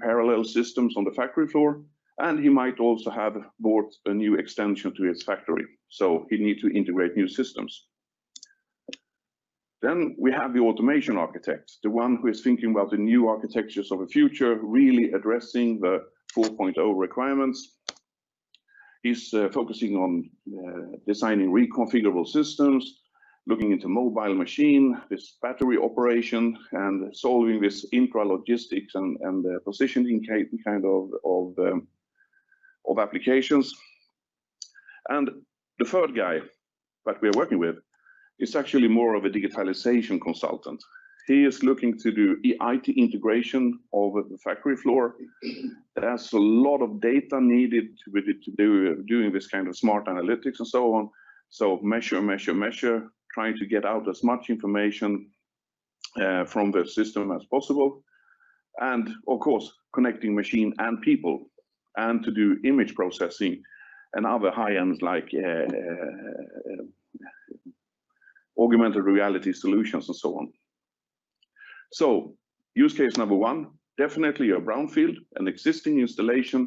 parallel systems on the factory floor. He might also have bought a new extension to his factory, so he need to integrate new systems. We have the automation architect, the one who is thinking about the new architectures of the future, really addressing the 4.0 requirements. He's focusing on designing reconfigurable systems, looking into mobile machine, this battery operation, and solving this intra-logistics and the positioning kind of applications. The third guy that we're working with is actually more of a digitalization consultant. He is looking to do IT integration over the factory floor. That's a lot of data needed with it to doing this kind of smart analytics and so on. Measure, measure, trying to get out as much information from the system as possible. Of course, connecting machine and people and to do image processing and other high-ends like augmented reality solutions and so on. Use case number one, definitely a brownfield, an existing installation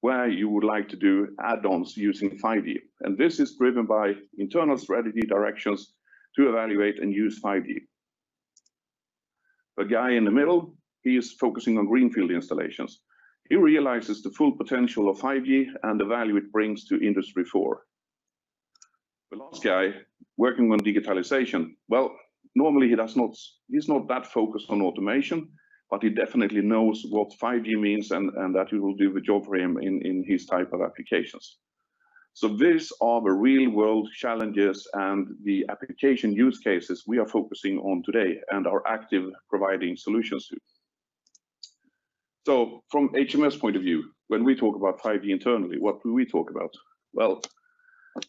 where you would like to do add-ons using 5G. This is driven by internal strategy directions to evaluate and use 5G. The guy in the middle, he is focusing on greenfield installations. He realizes the full potential of 5G and the value it brings to Industry 4.0. The last guy working on digitalization, normally he's not that focused on automation, but he definitely knows what 5G means and that it will do the job for him in his type of applications. These are the real-world challenges and the application use cases we are focusing on today and are active providing solutions to. From HMS point of view, when we talk about 5G internally, what do we talk about?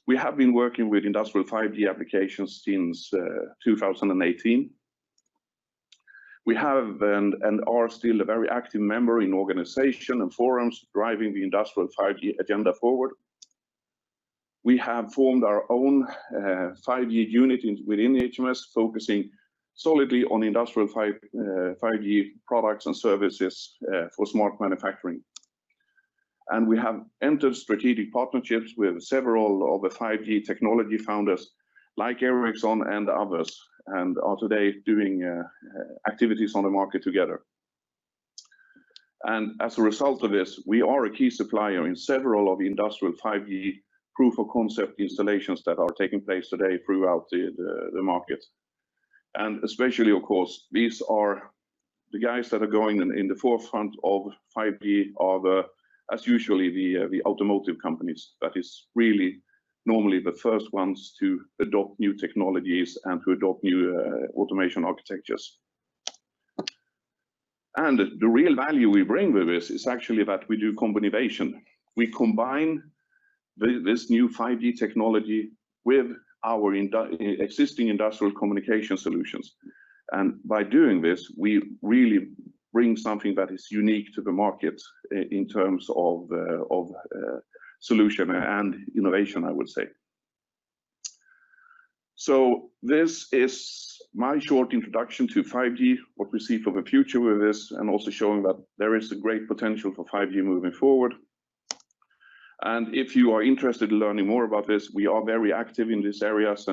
We have been working with industrial 5G applications since 2018. We have and are still a very active member in organization and forums driving the industrial 5G agenda forward. We have formed our own 5G unit within HMS, focusing solidly on industrial 5G products and services for smart manufacturing. We have entered strategic partnerships with several of the 5G technology founders like Ericsson and others, and are today doing activities on the market together. As a result of this, we are a key supplier in several of the industrial 5G proof-of-concept installations that are taking place today throughout the market. Especially, of course, these are the guys that are going in the forefront of 5G are the, as usually, the automotive companies. That is really normally the first ones to adopt new technologies and to adopt new automation architectures. The real value we bring with this is actually that we do combination. We combine this new 5G technology with our existing industrial communication solutions. By doing this, we really bring something that is unique to the market in terms of solution and innovation, I would say. This is my short introduction to 5G, what we see for the future with this, and also showing that there is a great potential for 5G moving forward. If you are interested in learning more about this, we are very active in these areas.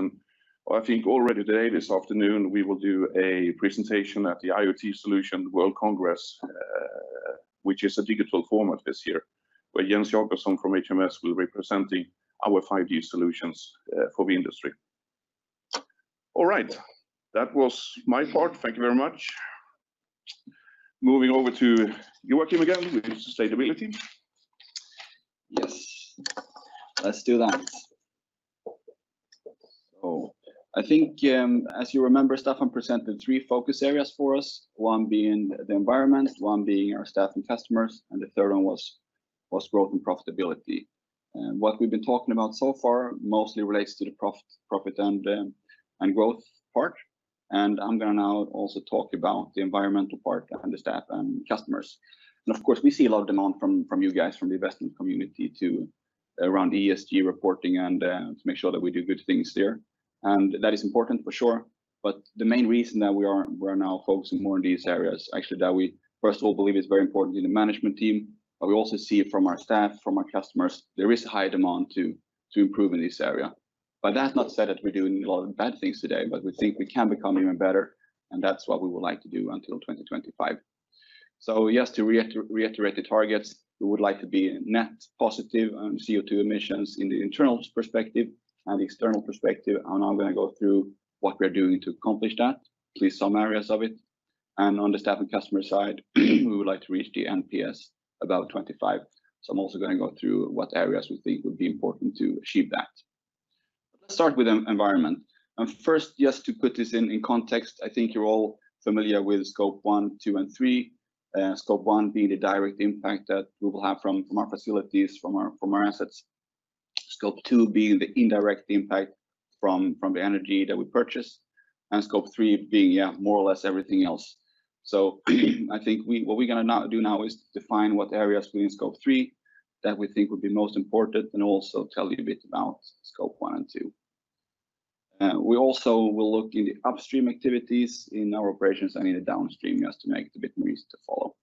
I think already today, this afternoon, we will do a presentation at the IoT Solutions World Congress, which is a digital format this year, where Jens Jakobsson from HMS will be representing our 5G solutions for the industry. All right. That was my part. Thank you very much. Moving over to Joakim again with sustainability. Yes. Let's do that. I think, as you remember, Staffan presented three focus areas for us, one being the environment, one being our staff and customers, and the third one was growth and profitability. What we've been talking about so far mostly relates to the profit and growth part, and I'm going to now also talk about the environmental part and the staff and customers. Of course, we see a lot of demand from you guys, from the investment community too, around ESG reporting and to make sure that we do good things there. That is important for sure, but the main reason that we are now focusing more on these areas, actually, that we first of all believe is very important in the management team, but we also see it from our staff, from our customers. There is high demand to improve in this area. That's not said that we're doing a lot of bad things today, we think we can become even better, that's what we would like to do until 2025. Yes, to reiterate the targets, we would like to be net positive on CO2 emissions in the internal perspective and the external perspective. I'm going to go through what we're doing to accomplish that, at least some areas of it. On the staff and customer side, we would like to reach the NPS about 25. I'm also going to go through what areas we think would be important to achieve that. Let's start with environment. First, just to put this in context, I think you're all familiar with Scope one, two, and three. Scope one being the direct impact that we will have from our facilities, from our assets. Scope two being the indirect impact from the energy that we purchase. Scope three being more or less everything else. I think what we're going to do now is define what areas within scope three that we think would be most important and also tell you a bit about scope one and two. We also will look in the upstream activities in our operations and in the downstream just to make it a bit more easy to follow.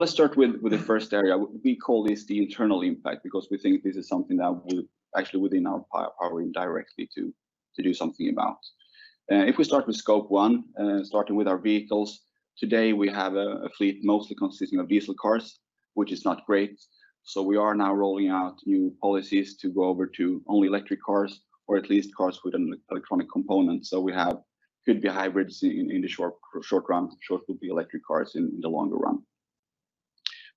Let's start with the first area. We call this the internal impact because we think this is something that would actually within our power indirectly to do something about. If we start with scope one, starting with our vehicles, today we have a fleet mostly consisting of diesel cars, which is not great. We are now rolling out new policies to go over to only electric cars or at least cars with an electronic component. We have could be hybrids in the short run, sure could be electric cars in the longer run.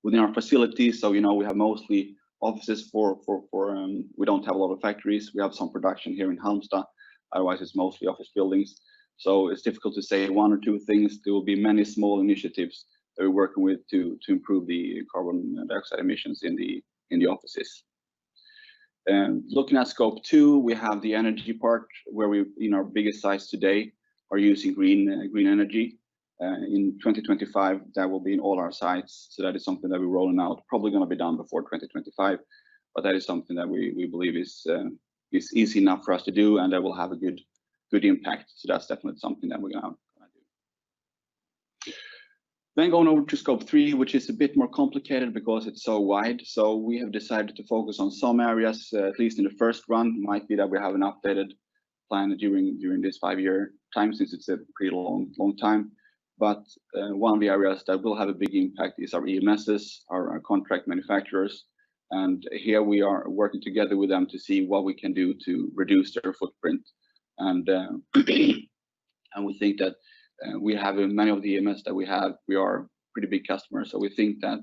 Within our facilities, so you know we have mostly offices. We don't have a lot of factories. We have some production here in Halmstad. Otherwise, it's mostly office buildings. It's difficult to say one or two things. There will be many small initiatives that we're working with to improve the carbon dioxide emissions in the offices. Looking at scope two, we have the energy part where we, in our biggest sites today, are using green energy. In 2025, that will be in all our sites. That is something that we're rolling out, probably going to be done before 2025, but that is something that we believe is easy enough for us to do, and that will have a good impact. That's definitely something that we're going to do. Going over to scope three, which is a bit more complicated because it's so wide. We have decided to focus on some areas, at least in the first run. Might be that we have an updated plan during this five-year time since it's a pretty long time. One of the areas that will have a big impact is our EMSs, our contract manufacturers. Here we are working together with them to see what we can do to reduce their footprint. We think that we have many of the EMS that we have. We are pretty big customers, so we think that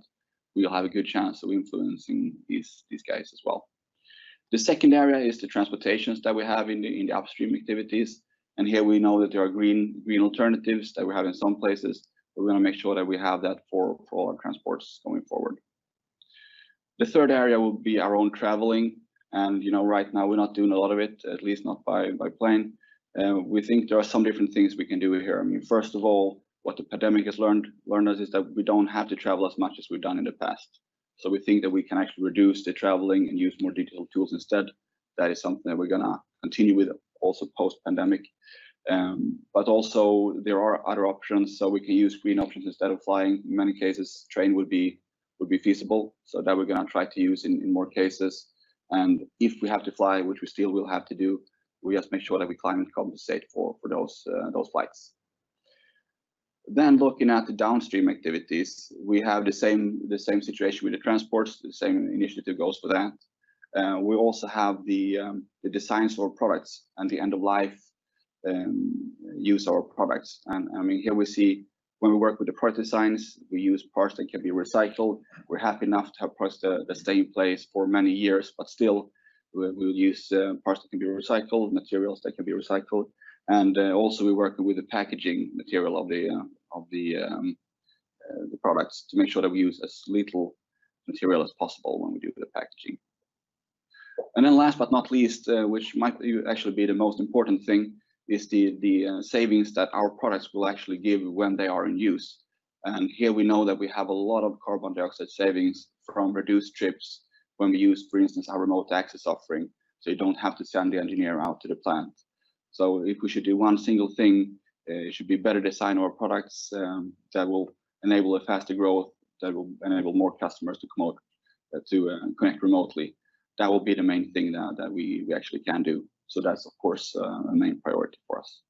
we will have a good chance of influencing these guys as well. The second area is the transportations that we have in the upstream activities. Here we know that there are green alternatives that we have in some places. We're going to make sure that we have that for all our transports going forward. The third area will be our own traveling. Right now we're not doing a lot of it, at least not by plane. We think there are some different things we can do here. First of all, what the pandemic has learned us is that we don't have to travel as much as we've done in the past. We think that we can actually reduce the traveling and use more digital tools instead. That is something that we're going to continue with also post-pandemic. Also there are other options. We can use green options instead of flying. In many cases, train would be feasible. That we're going to try to use in more cases. If we have to fly, which we still will have to do, we just make sure that we climate compensate for those flights. Looking at the downstream activities, we have the same situation with the transports, the same initiative goes for that. We also have the designs for products and the end-of-life use our products. Here we see when we work with the product designs, we use parts that can be recycled. We're happy enough to have parts that stay in place for many years, but still we'll use parts that can be recycled, materials that can be recycled. Also we work with the packaging material of the products to make sure that we use as little material as possible when we do the packaging. Last but not least, which might actually be the most important thing, is the savings that our products will actually give when they are in use. Here we know that we have a lot of carbon dioxide savings from reduced trips when we use, for instance, our remote access offering, so you don't have to send the engineer out to the plant. If we should do one single thing, it should be better design our products that will enable a faster growth, that will enable more customers to connect remotely. That will be the main thing now that we actually can do. That's of course, a main priority for us.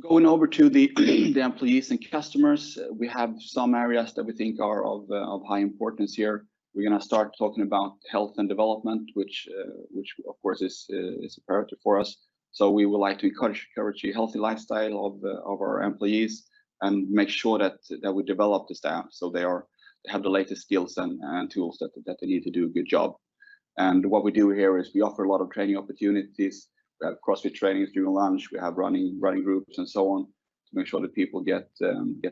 Going over to the employees and customers, we have some areas that we think are of high importance here. We're going to start talking about health and development, which of course is a priority for us. We would like to encourage a healthy lifestyle of our employees and make sure that we develop the staff so they have the latest skills and tools that they need to do a good job. What we do here is we offer a lot of training opportunities. We have CrossFit trainings during lunch. We have running groups and so on to make sure that people get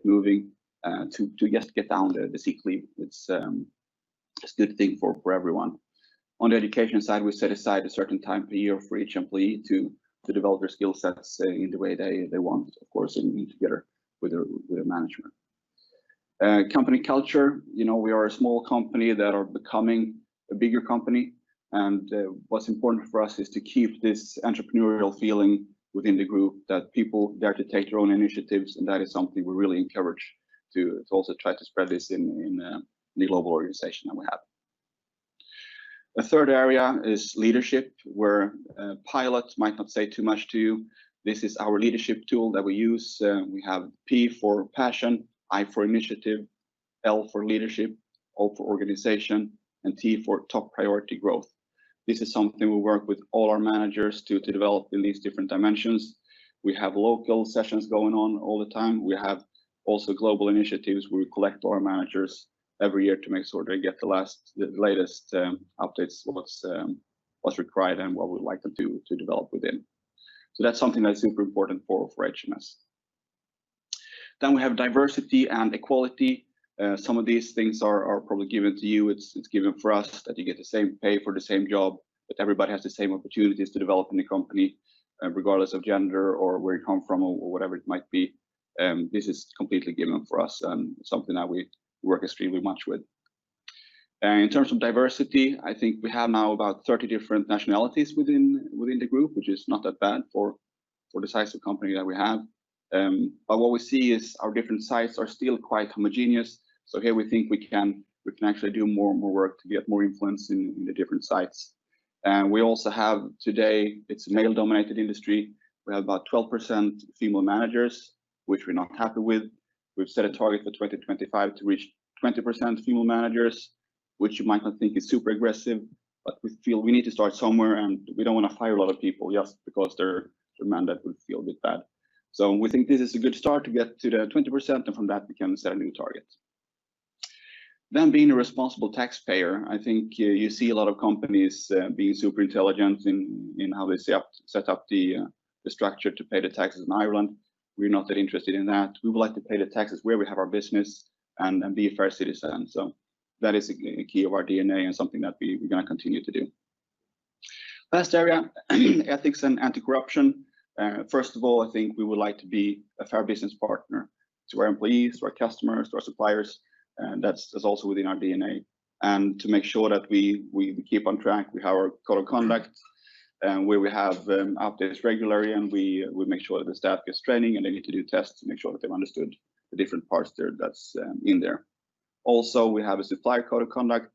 moving, to just get down the sick leave. It's a good thing for everyone. On the education side, we set aside a certain time per year for each employee to develop their skill sets in the way they want. Of course, in together with their management. Company culture. We are a small company that are becoming a bigger company. What's important for us is to keep this entrepreneurial feeling within the group that people dare to take their own initiatives, and that is something we really encourage to also try to spread this in the global organization that we have. The third area is leadership, where PILOT might not say too much to you. This is our leadership tool that we use. We have P for passion, I for initiative, L for leadership, O for organization, and T for top priority growth. This is something we work with all our managers to develop in these different dimensions. We have local sessions going on all the time. We have also global initiatives where we collect our managers every year to make sure they get the latest updates on what's required and what we'd like them to develop within. That's something that's super important for HMS. We have diversity and equality. Some of these things are probably given to you. It's given for us that you get the same pay for the same job, that everybody has the same opportunities to develop in the company, regardless of gender or where you come from or whatever it might be. This is completely given for us and something that we work extremely much with. In terms of diversity, I think we have now about 30 different nationalities within the group, which is not that bad for the size of company that we have. What we see is our different sites are still quite homogeneous. Here we think we can actually do more and more work to get more influence in the different sites. We also have today, it's a male-dominated industry. We have about 12% female managers, which we're not happy with. We've set a target for 2025 to reach 20% female managers, which you might not think is super aggressive, but we feel we need to start somewhere, and we don't want to fire a lot of people just because the demand that would feel a bit bad. We think this is a good start to get to the 20%, and from that become a certain target. Being a responsible taxpayer, I think you see a lot of companies being super intelligent in how they set up the structure to pay the taxes in Ireland. We're not that interested in that. We would like to pay the taxes where we have our business and be a fair citizen. That is a key of our DNA and something that we're going to continue to do. Last area, ethics and anti-corruption. First of all, I think we would like to be a fair business partner to our employees, to our customers, to our suppliers. That's also within our DNA. To make sure that we keep on track, we have our code of conduct, where we have updates regularly, and we make sure that the staff gets training, and they need to do tests to make sure that they've understood the different parts that's in there. We have a supplier code of conduct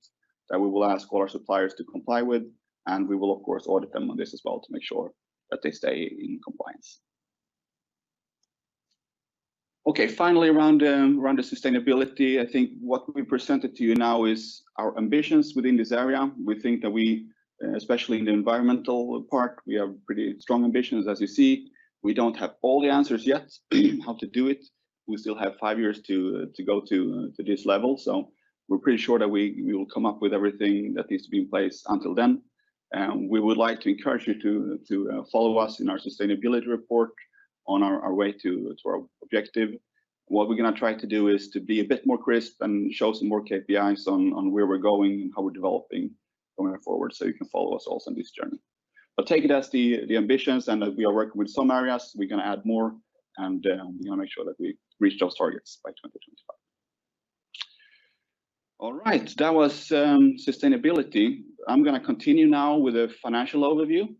that we will ask all our suppliers to comply with, and we will, of course, audit them on this as well to make sure that they stay in compliance. Okay, finally, around the sustainability, I think what we presented to you now is our ambitions within this area. We think that we, especially in the environmental part, we have pretty strong ambitions, as you see. We don't have all the answers yet, how to do it. We still have five years to go to this level. We're pretty sure that we will come up with everything that needs to be in place until then. We would like to encourage you to follow us in our sustainability report on our way to our objective. What we're going to try to do is to be a bit more crisp and show some more KPIs on where we're going and how we're developing going forward so you can follow us also on this journey. Take it as the ambitions and that we are working with some areas. We're going to add more and we want to make sure that we reach those targets by 2025. All right. That was sustainability. I'm going to continue now with a financial overview,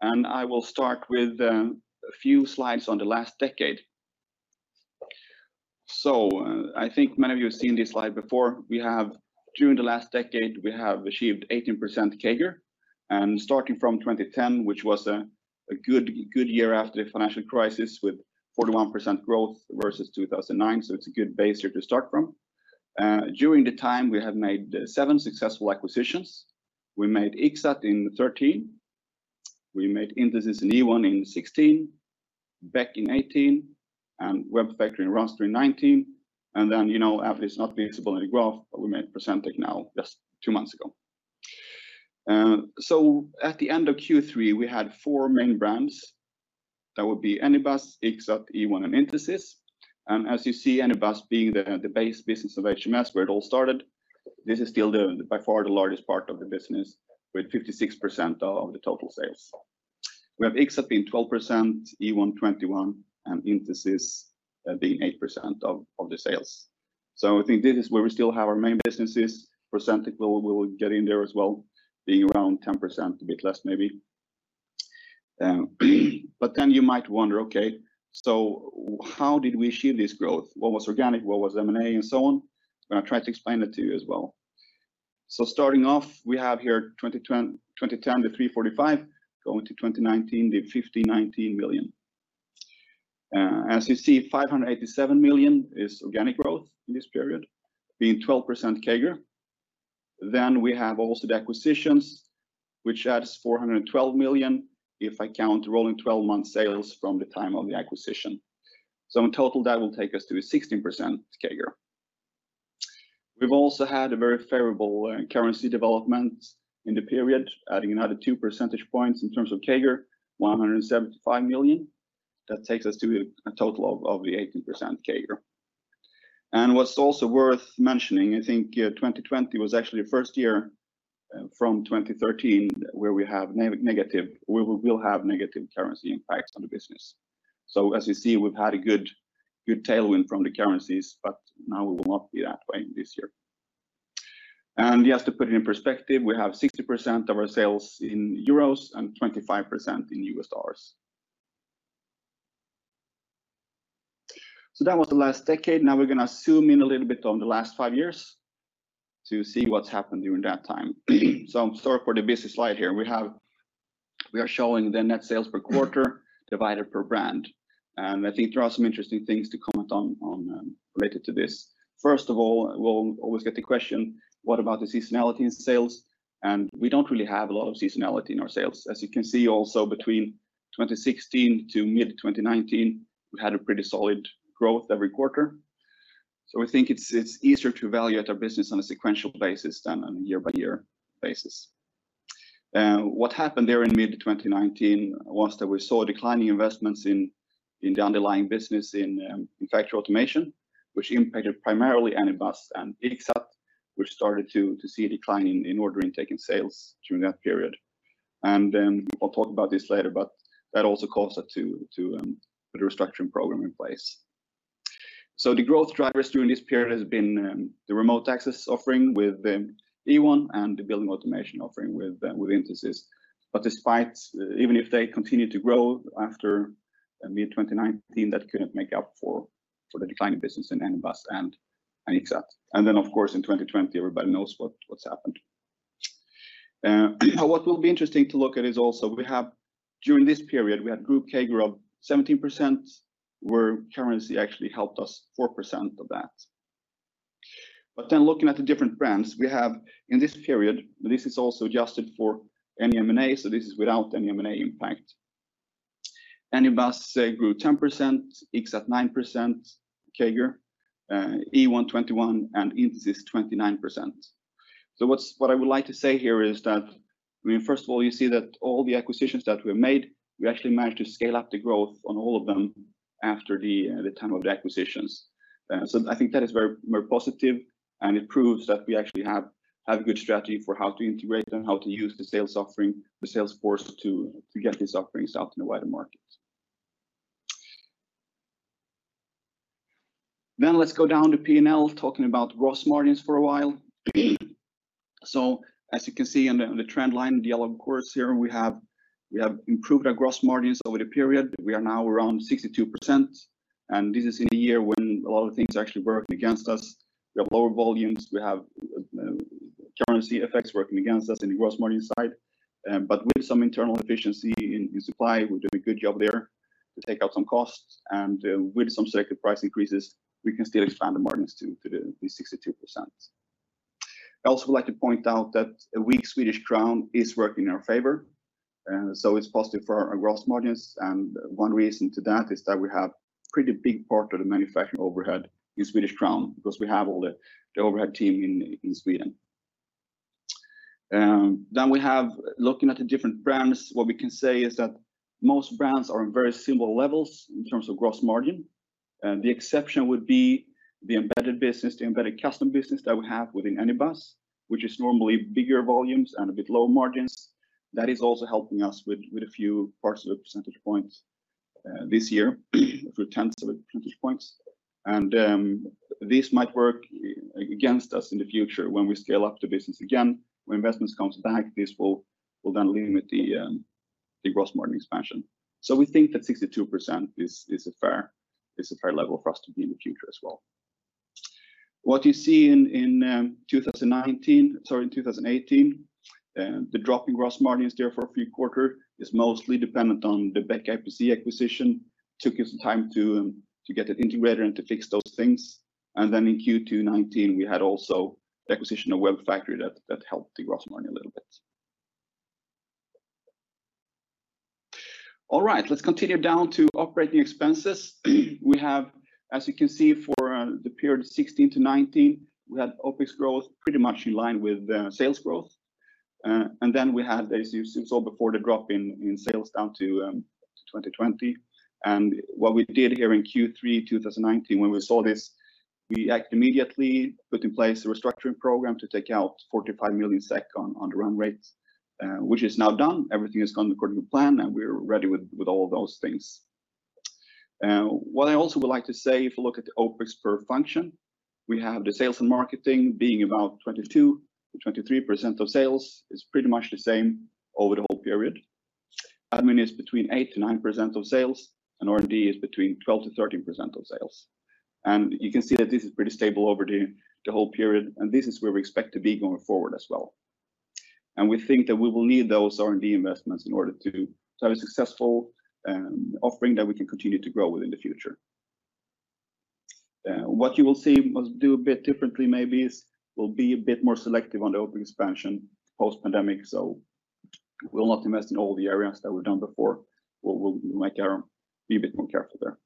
and I will start with a few slides on the last decade. I think many of you have seen this slide before. During the last decade, we have achieved 18% CAGR. Starting from 2010, which was a good year after the financial crisis with 41% growth versus 2009, so it's a good base year to start from. During the time, we have made seven successful acquisitions. We made Ixxat in 2013. We made Intesis and Ewon in 2016, Beck in 2018, and WEBfactory and Raster in 2019. Then, obviously it is not visible in the graph, but we made Procentec now just two months ago. At the end of Q3, we had four main brands. That would be Anybus, Ixxat, Ewon, and Intesis. As you see, Anybus being the base business of HMS, where it all started, this is still by far the largest part of the business with 56% of the total sales. We have Ixxat being 12%, Ewon 21%, and Intesis being 8% of the sales. I think this is where we still have our main businesses. Procentec, we will get in there as well, being around 10%, a bit less maybe. You might wonder, okay, so how did we achieve this growth? What was organic? What was M&A and so on? I'm going to try to explain it to you as well. Starting off, we have here 2010, the 345, going to 2019, the 1,519 million. As you see, 587 million is organic growth in this period, being 12% CAGR. We have also the acquisitions, which adds 412 million, if I count rolling 12 months sales from the time of the acquisition. In total, that will take us to a 16% CAGR. We've also had a very favorable currency development in the period, adding another two percentage points in terms of CAGR, 175 million. That takes us to a total of the 18% CAGR. What's also worth mentioning, I think 2020 was actually the first year from 2013 where we will have negative currency impacts on the business. As you see, we've had a good tailwind from the currencies, but now it will not be that way this year. Yes, to put it in perspective, we have 60% of our sales in EUR and 25% in USD. That was the last decade. Now we're going to zoom in a little bit on the last five years to see what's happened during that time. Sorry for the busy slide here. We are showing the net sales per quarter divided per brand. I think there are some interesting things to comment on related to this. First of all, we'll always get the question, what about the seasonality in sales? We don't really have a lot of seasonality in our sales. As you can see also between 2016 to mid-2019, we had a pretty solid growth every quarter. We think it's easier to evaluate our business on a sequential basis than on a year-by-year basis. What happened there in mid-2019 was that we saw declining investments in the underlying business in factory automation, which impacted primarily Anybus and Ixxat, which started to see a decline in order intake and sales during that period. I'll talk about this later, but that also caused us to put a restructuring program in place. The growth drivers during this period has been the remote access offering with Ewon and the building automation offering with Intesis. Even if they continued to grow after mid-2019, that couldn't make up for the decline in business in Anybus and Ixxat. Of course, in 2020, everybody knows what's happened. What will be interesting to look at is also we have during this period, we had group CAGR of 17%, where currency actually helped us 4% of that. Looking at the different brands we have in this period, this is also adjusted for any M&A, so this is without any M&A impact. Anybus grew 10%, Ixxat 9% CAGR, Ewon 21%, and Intesis 29%. What I would like to say here is that, first of all, you see that all the acquisitions that we made, we actually managed to scale up the growth on all of them after the time of the acquisitions. I think that is very positive, and it proves that we actually have a good strategy for how to integrate them, how to use the sales force to get these offerings out in the wider markets. Let's go down to P&L, talking about gross margins for a while. As you can see on the trend line, the yellow course here, we have improved our gross margins over the period. We are now around 62%, and this is in a year when a lot of things actually work against us. We have lower volumes, we have currency effects working against us in the gross margin side. With some internal efficiency in supply, we're doing a good job there to take out some costs, and with some selected price increases, we can still expand the margins to the 62%. I also would like to point out that a weak Swedish crown is working in our favor, so it's positive for our gross margins, and one reason to that is that we have pretty big part of the manufacturing overhead in Swedish crown because we have all the overhead team in Sweden. We have, looking at the different brands, what we can say is that most brands are on very similar levels in terms of gross margin. The exception would be the embedded business, the embedded custom business that we have within Anybus, which is normally bigger volumes and a bit lower margins. That is also helping us with a few parts of a percentage point this year, a few tenths of a percentage points. And this might work against us in the future when we scale up the business again. When investments comes back, this will then limit the gross margin expansion. We think that 62% is a fair level for us to be in the future as well. What you see in 2019, sorry, in 2018, the drop in gross margins there for a few quarter is mostly dependent on the Beck IPC acquisition. Took us time to get it integrated and to fix those things. Then in Q2 2019, we had also the acquisition of WEBfactory that helped the gross margin a little bit. All right. Let's continue down to operating expenses. We have, as you can see for the period 2016 to 2019, we had OpEx growth pretty much in line with sales growth. Then we had, as you saw before, the drop in sales down to 2020. What we did here in Q3 2019, when we saw this, we act immediately, put in place a restructuring program to take out 45 million SEK on the run rates, which is now done. Everything has gone according to plan, and we're ready with all those things. What I also would like to say, if you look at the OpEx per function, we have the sales and marketing being about 22%-23% of sales. It's pretty much the same over the whole period. Admin is between 8%-9% of sales, and R&D is between 12%-13% of sales. You can see that this is pretty stable over the whole period, and this is where we expect to be going forward as well. We think that we will need those R&D investments in order to have a successful offering that we can continue to grow with in the future. What you will see us do a bit differently maybe is, will be a bit more selective on the OpEx expansion post-pandemic. We'll not invest in all the areas that we've done before, but we'll be a bit more careful there.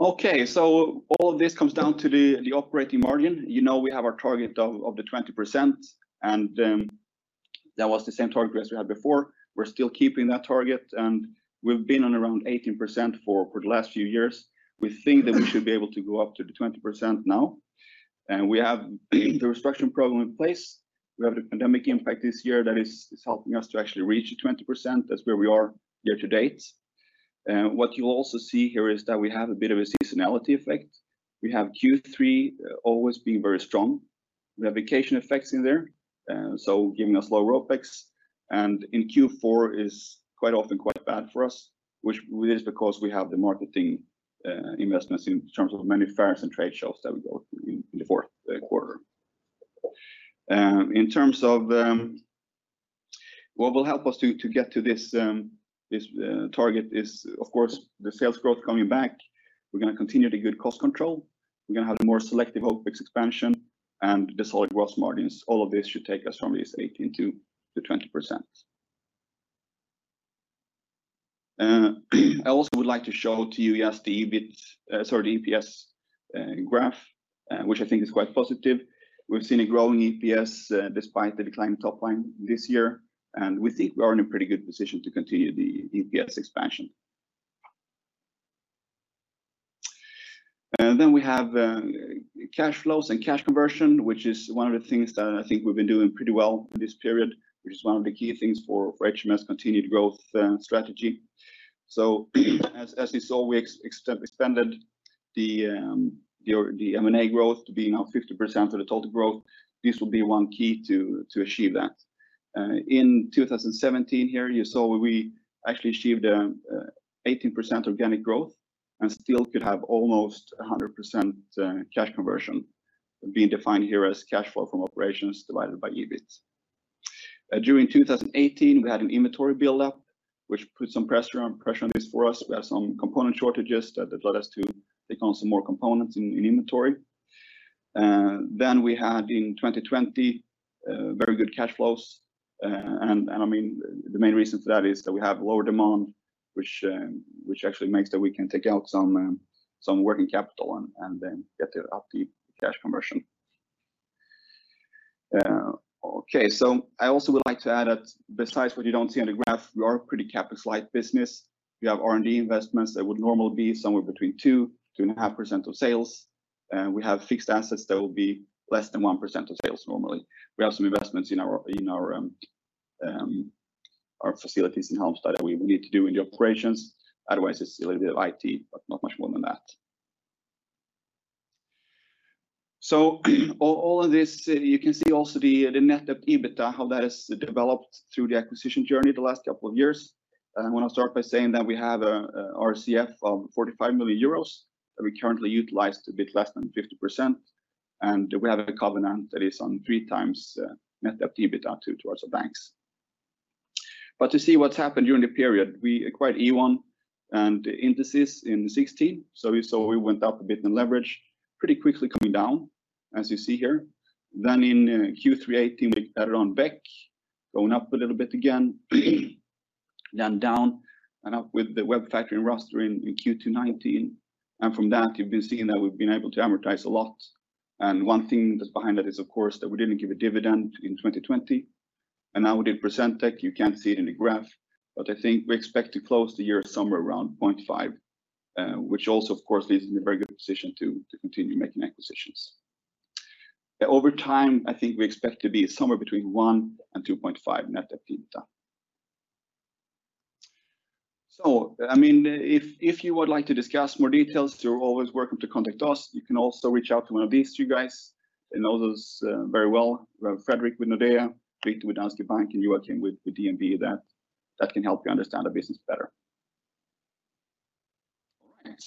All of this comes down to the operating margin. You know we have our target of the 20%, and that was the same target as we had before. We're still keeping that target, and we've been on around 18% for the last few years. We think that we should be able to go up to the 20% now. We have the restructuring program in place. We have the pandemic impact this year that is helping us to actually reach the 20%. That's where we are here to date. What you'll also see here is that we have a bit of a seasonality effect. We have Q3 always being very strong. We have vacation effects in there, giving us lower OpEx. In Q4 is quite often quite bad for us, which is because we have the marketing investments in terms of many fairs and trade shows that we go to in the fourth quarter. In terms of what will help us to get to this target is, of course, the sales growth coming back. We're going to continue the good cost control. We're going to have a more selective OpEx expansion and the solid growth margins. All of this should take us from this 18% to the 20%. I also would like to show to you the EBIT-- sorry, the EPS graph, which I think is quite positive. We've seen a growing EPS despite the decline in top line this year. We think we are in a pretty good position to continue the EPS expansion. We have cash flows and cash conversion, which is one of the things that I think we've been doing pretty well this period, which is one of the key things for HMS continued growth strategy. As you saw, we extended the M&A growth to be now 50% of the total growth. This will be one key to achieve that. In 2017 here, you saw we actually achieved 18% organic growth and still could have almost 100% cash conversion, being defined here as cash flow from operations divided by EBIT. During 2018, we had an inventory buildup, which put some pressure on this for us. We had some component shortages that led us to take on some more components in inventory. We had in 2020 very good cash flows, and the main reason for that is that we have lower demand, which actually makes that we can take out some working capital and then get up the cash conversion. Okay. I also would like to add that besides what you don't see on the graph, we are a pretty capital light business. We have R&D investments that would normally be somewhere between 2%, 2.5% of sales. We have fixed assets that will be less than 1% of sales normally. We have some investments in our facilities in Halmstad that we will need to do in the operations. Otherwise, it's a little bit of IT, but not much more than that. All of this, you can see also the net debt EBITDA, how that has developed through the acquisition journey the last couple of years. I want to start by saying that we have our CF of 45 million euros, that we currently utilized a bit less than 50%, and we have a covenant that is on 3x net debt to EBITDA too, towards the banks. To see what's happened during the period, we acquired Ewon and Intesis in 2016. We went up a bit in leverage, pretty quickly coming down, as you see here. In Q3 2018, we acquired Beck, going up a little bit again, then down and up with the WEBfactory and Raster in Q2 2019. From that, you've been seeing that we've been able to amortize a lot. One thing that's behind that is, of course, that we didn't give a dividend in 2020. Now with Procentec, you can't see it in the graph, but I think we expect to close the year somewhere around 0.5, which also, of course, leaves us in a very good position to continue making acquisitions. Over time, I think we expect to be somewhere between one and 2.5 net debt EBITDA. If you would like to discuss more details, you're always welcome to contact us. You can also reach out to one of these two guys. They know us very well. Fredrik with Nordea, Brit with DNB Bank, and Joakim with DNB that can help you understand the business better. All right.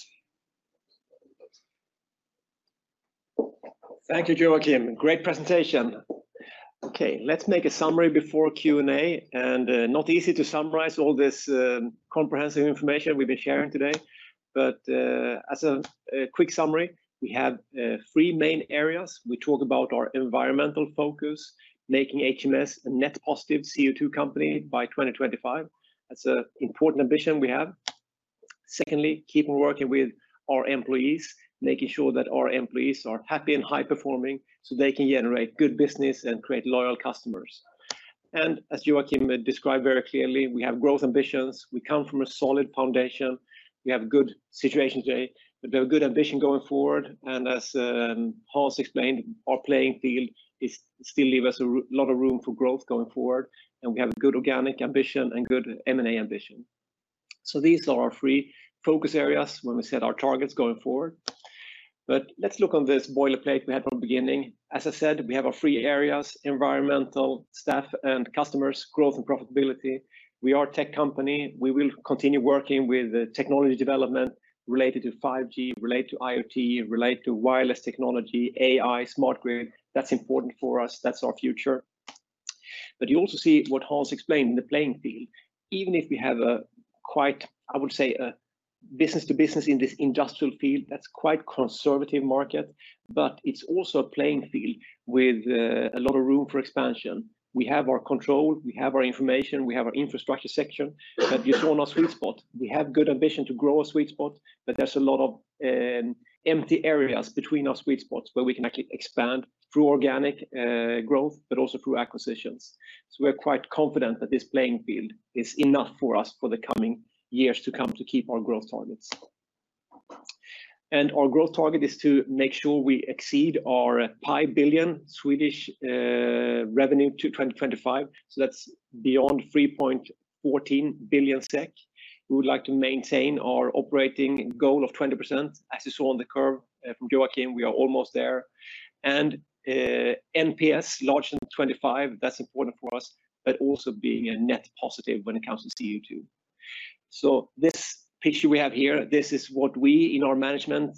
Thank you, Joakim. Great presentation. Okay, let's make a summary before Q&A. Not easy to summarize all this comprehensive information we've been sharing today. As a quick summary, we have three main areas. We talk about our environmental focus, making HMS a net positive CO2 company by 2025. That's an important ambition we have. Secondly, keep on working with our employees, making sure that our employees are happy and high-performing so they can generate good business and create loyal customers. As Joakim described very clearly, we have growth ambitions. We come from a solid foundation. We have a good situation today, but we have good ambition going forward. As Hans explained, our playing field still leaves us a lot of room for growth going forward, and we have good organic ambition and good M&A ambition. These are our three focus areas when we set our targets going forward. Let's look on this boilerplate we had from the beginning. As I said, we have our three areas, environmental, staff and customers, growth, and profitability. We are a tech company. We will continue working with the technology development related to 5G, related to IoT, related to wireless technology, AI, smart grid. That's important for us. That's our future. You also see what Hans explained in the playing field. Even if we have a, I would say, business to business in this industrial field that's quite conservative market, but it's also a playing field with a lot of room for expansion. We have our control, we have our information, we have our infrastructure section. You saw in our sweet spot, we have good ambition to grow our sweet spot, but there's a lot of empty areas between our sweet spots where we can actually expand through organic growth, but also through acquisitions. We're quite confident that this playing field is enough for us for the coming years to come to keep our growth targets. Our growth target is to make sure we exceed our SEK pi billion revenue to 2025, so that's beyond 3.14 billion SEK. We would like to maintain our operating goal of 20%, as you saw on the curve from Joakim, we are almost there. NPS larger than 25, that's important for us, but also being a net positive when it comes to CO2. This picture we have here, this is what we in our management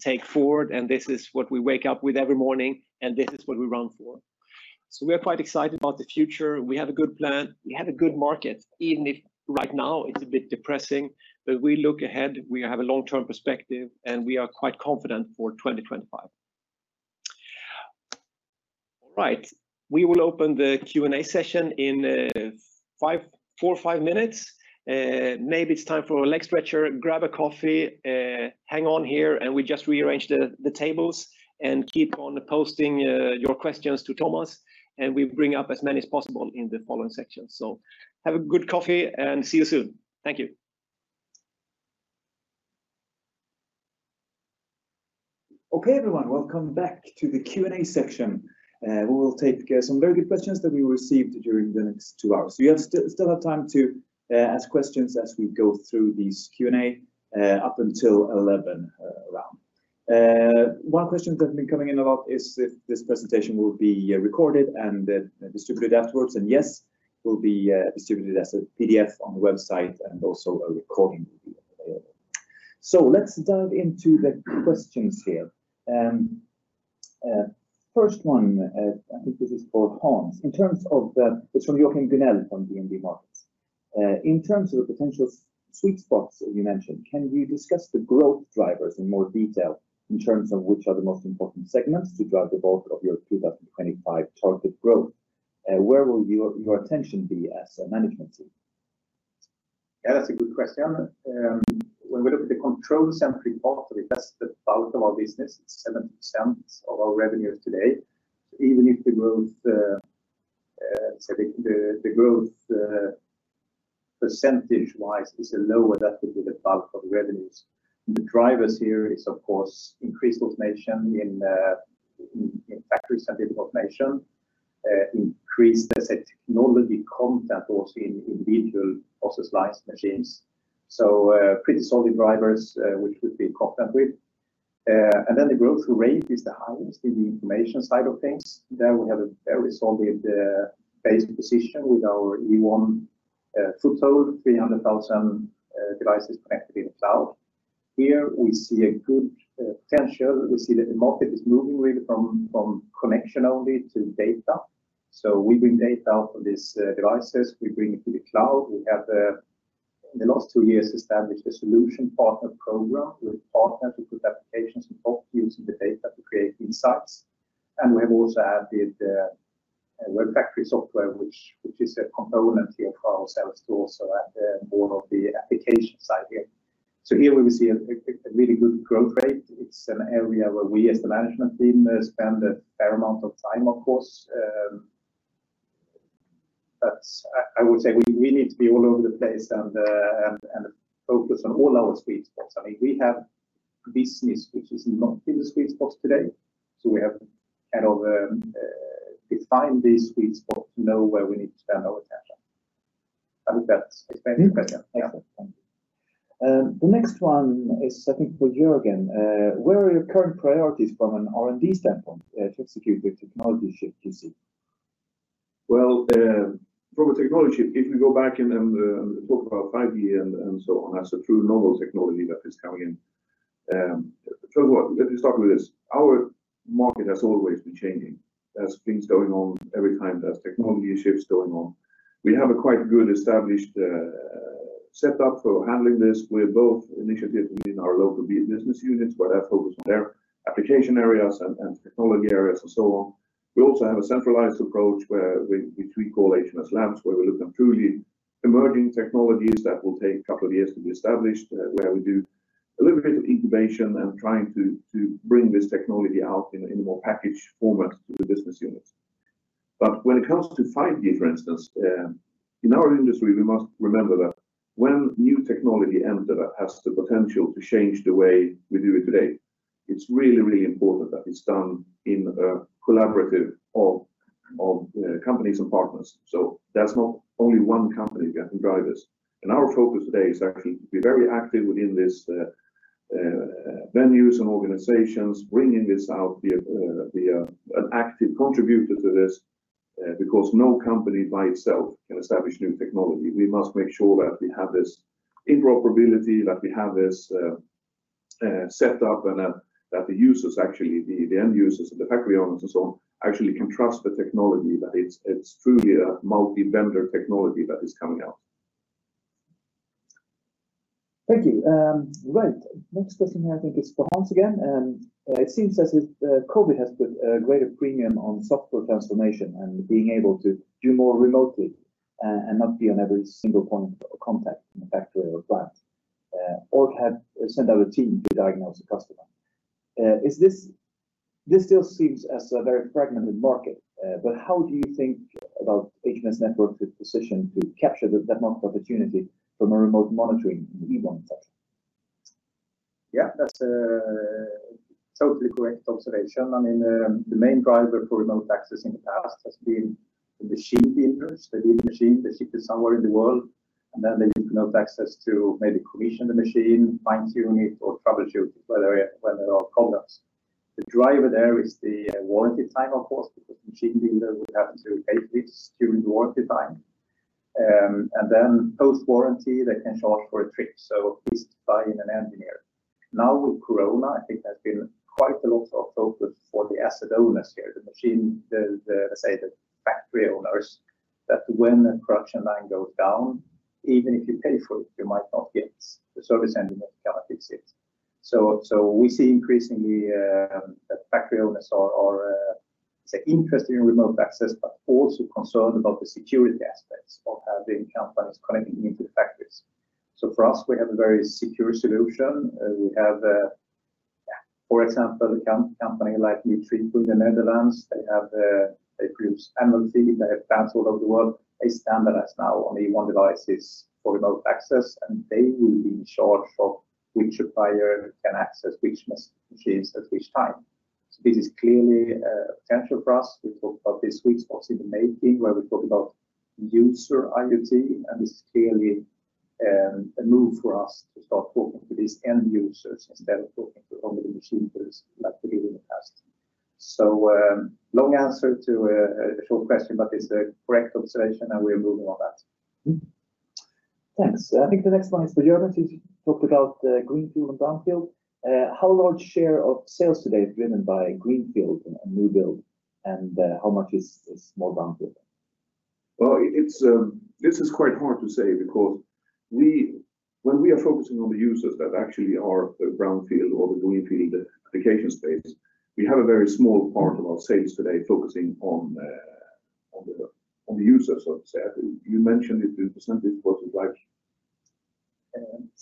take forward, and this is what we wake up with every morning, and this is what we run for. We are quite excited about the future. We have a good plan. We have a good market. Even if right now it's a bit depressing, but we look ahead, we have a long-term perspective, and we are quite confident for 2025. All right. We will open the Q&A session in four or five minutes. Maybe it's time for a leg stretcher, grab a coffee, hang on here, and we just rearrange the tables, and keep on posting your questions to Thomas, and we bring up as many as possible in the following section. Have a good coffee and see you soon. Thank you. Okay, everyone. Welcome back to the Q&A section. We will take some very good questions that we received during the next two hours. You still have time to ask questions as we go through this Q&A up until 11:00. One question that's been coming in a lot is if this presentation will be recorded and distributed afterwards. Yes, will be distributed as a PDF on the website and also a recording will be available. Let's dive into the questions here. First one, I think this is for Hans. It's from Joakim Gunell from DNB Markets. In terms of the potential sweet spots that you mentioned, can you discuss the growth drivers in more detail in terms of which are the most important segments to drive the bulk of your 2025 target growth? Where will your attention be as a management team? Yeah, that's a good question. When we look at the control center part of it, that's the bulk of our business. It's 70% of our revenues today. Even if the growth percentage-wise is lower, that will be the bulk of the revenues. The drivers here is, of course, increased automation in factory automation, increased technology content also in individual process lines machines. Pretty solid drivers which we've been confident with. The growth rate is the highest in the information side of things. There we have a very solid base position with our Ewon footprint, 300,000 devices connected in the cloud. Here we see a good potential. We see that the market is moving really from connection only to data. We bring data from these devices, we bring it to the cloud. We have in the last two years established a solution partner program with partners who put applications and using the data to create insights. We have also added WEBfactory software, which is a component here for our sales tool, so at more of the application side here. Here we see a really good growth rate. It's an area where we as the management team spend a fair amount of time, of course. I would say we need to be all over the place and focus on all our sweet spots. I mean, we have business which is not in the sweet spots today. We have kind of defined these sweet spots to know where we need to spend our attention. I think that explains the question. Yeah. Yeah. Thank you. The next one is, I think, for Joakim. Where are your current priorities from an R&D standpoint to execute the technology shift you see? Well, from a technology shift, if we go back and talk about 5G and so on as a true normal technology that is coming in. First of all, let me start with this. Our market has always been changing. There's things going on every time. There's technology shifts going on. We have a quite good established setup for handling this with both initiatives within our local business units where they're focused on their application areas and technology areas and so on. We also have a centralized approach which we call HMS Labs, where we look at truly emerging technologies that will take a couple of years to be established, where we do a little bit of incubation and trying to bring this technology out in a more packaged format to the business units. When it comes to 5G, for instance, in our industry, we must remember that when new technology enters that has the potential to change the way we do it today, it's really important that it's done in a collaborative of companies and partners. That's not only one company that can drive this. Our focus today is actually to be very active within these venues and organizations, bringing this out, be an active contributor to this, because no company by itself can establish new technology. We must make sure that we have this interoperability, that we have this set up, and that the end users and the factory owners and so on actually can trust the technology, that it's truly a multi-vendor technology that is coming out. Thank you. Right. Next question here, I think it's for Hans again. It seems as if COVID has put a greater premium on software transformation and being able to do more remotely and not be on every single point of contact in a factory or a plant, or have send out a team to diagnose a customer. This still seems as a very fragmented market. How do you think about HMS Networks' position to capture that market opportunity from a remote monitoring and e-monitoring function? Yeah, that's a totally correct observation. The main driver for remote access in the past has been the machine builders. They build a machine, they ship it somewhere in the world, and then they need remote access to maybe commission the machine, fine-tune it, or troubleshoot whether when there are problems. The driver there is the warranty time, of course, because machine builder would have to pay this during the warranty time. Then post-warranty, they can charge for a trip, so at least fly in an engineer. Now with Corona, I think there's been quite a lot of focus for the asset owners here, let's say the factory owners, that when a production line goes down, even if you pay for it, you might not get the service engineer to come and fix it. We see increasingly that factory owners are interested in remote access, but also concerned about the security aspects of having companies connecting into the factories. For us, we have a very secure solution. We have, for example, a company like Nutreco in the Netherlands, they produce animal feed. They have plants all over the world. They standardize now on Ewon devices for remote access, and they will be in charge of which supplier can access which machines at which time. This is clearly a potential for us. We talk about this week's "Spot in the Making," where we talk about user IoT, and this is clearly a move for us to start talking to these end users instead of talking to only the machine builders like we did in the past. Long answer to a short question, but it's a correct observation and we are moving on that. Thanks. I think the next one is for Jörgen, since you talked about greenfield and brownfield. How large share of sales today is driven by greenfield and new build, and how much is more brownfield? Well, this is quite hard to say because when we are focusing on the users that actually are the brownfield or the greenfield application space, we have a very small part of our sales today focusing on the user, so to say. I think you mentioned it, the percentage was like.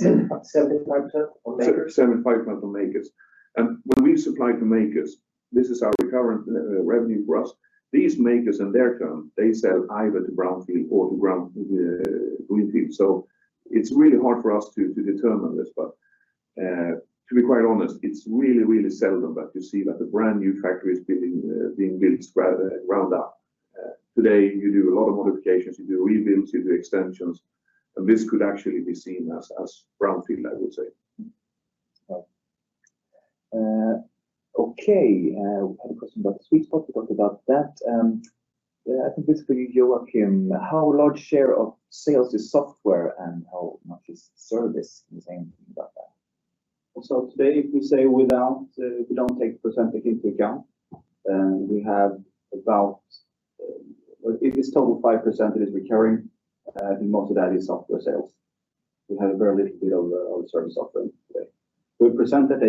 75% or makers. 75% are makers. When we supply to makers, this is our recurrent revenue for us. These makers in their turn, they sell either to brownfield or to greenfield. It's really hard for us to determine this, but to be quite honest, it's really seldom that you see that a brand-new factory is being built ground up. Today, you do a lot of modifications, you do rebuilds, you do extensions, and this could actually be seen as brownfield, I would say. Okay. We had a question about the sweet spot. We talked about that. I think this is for you, Joakim. How large share of sales is software and how much is service? Can you say anything about that? Today, if we don't take Procentec into account, it is total 5% that is recurring, and most of that is software sales. We have a very little bit of service offering today. With Procentec,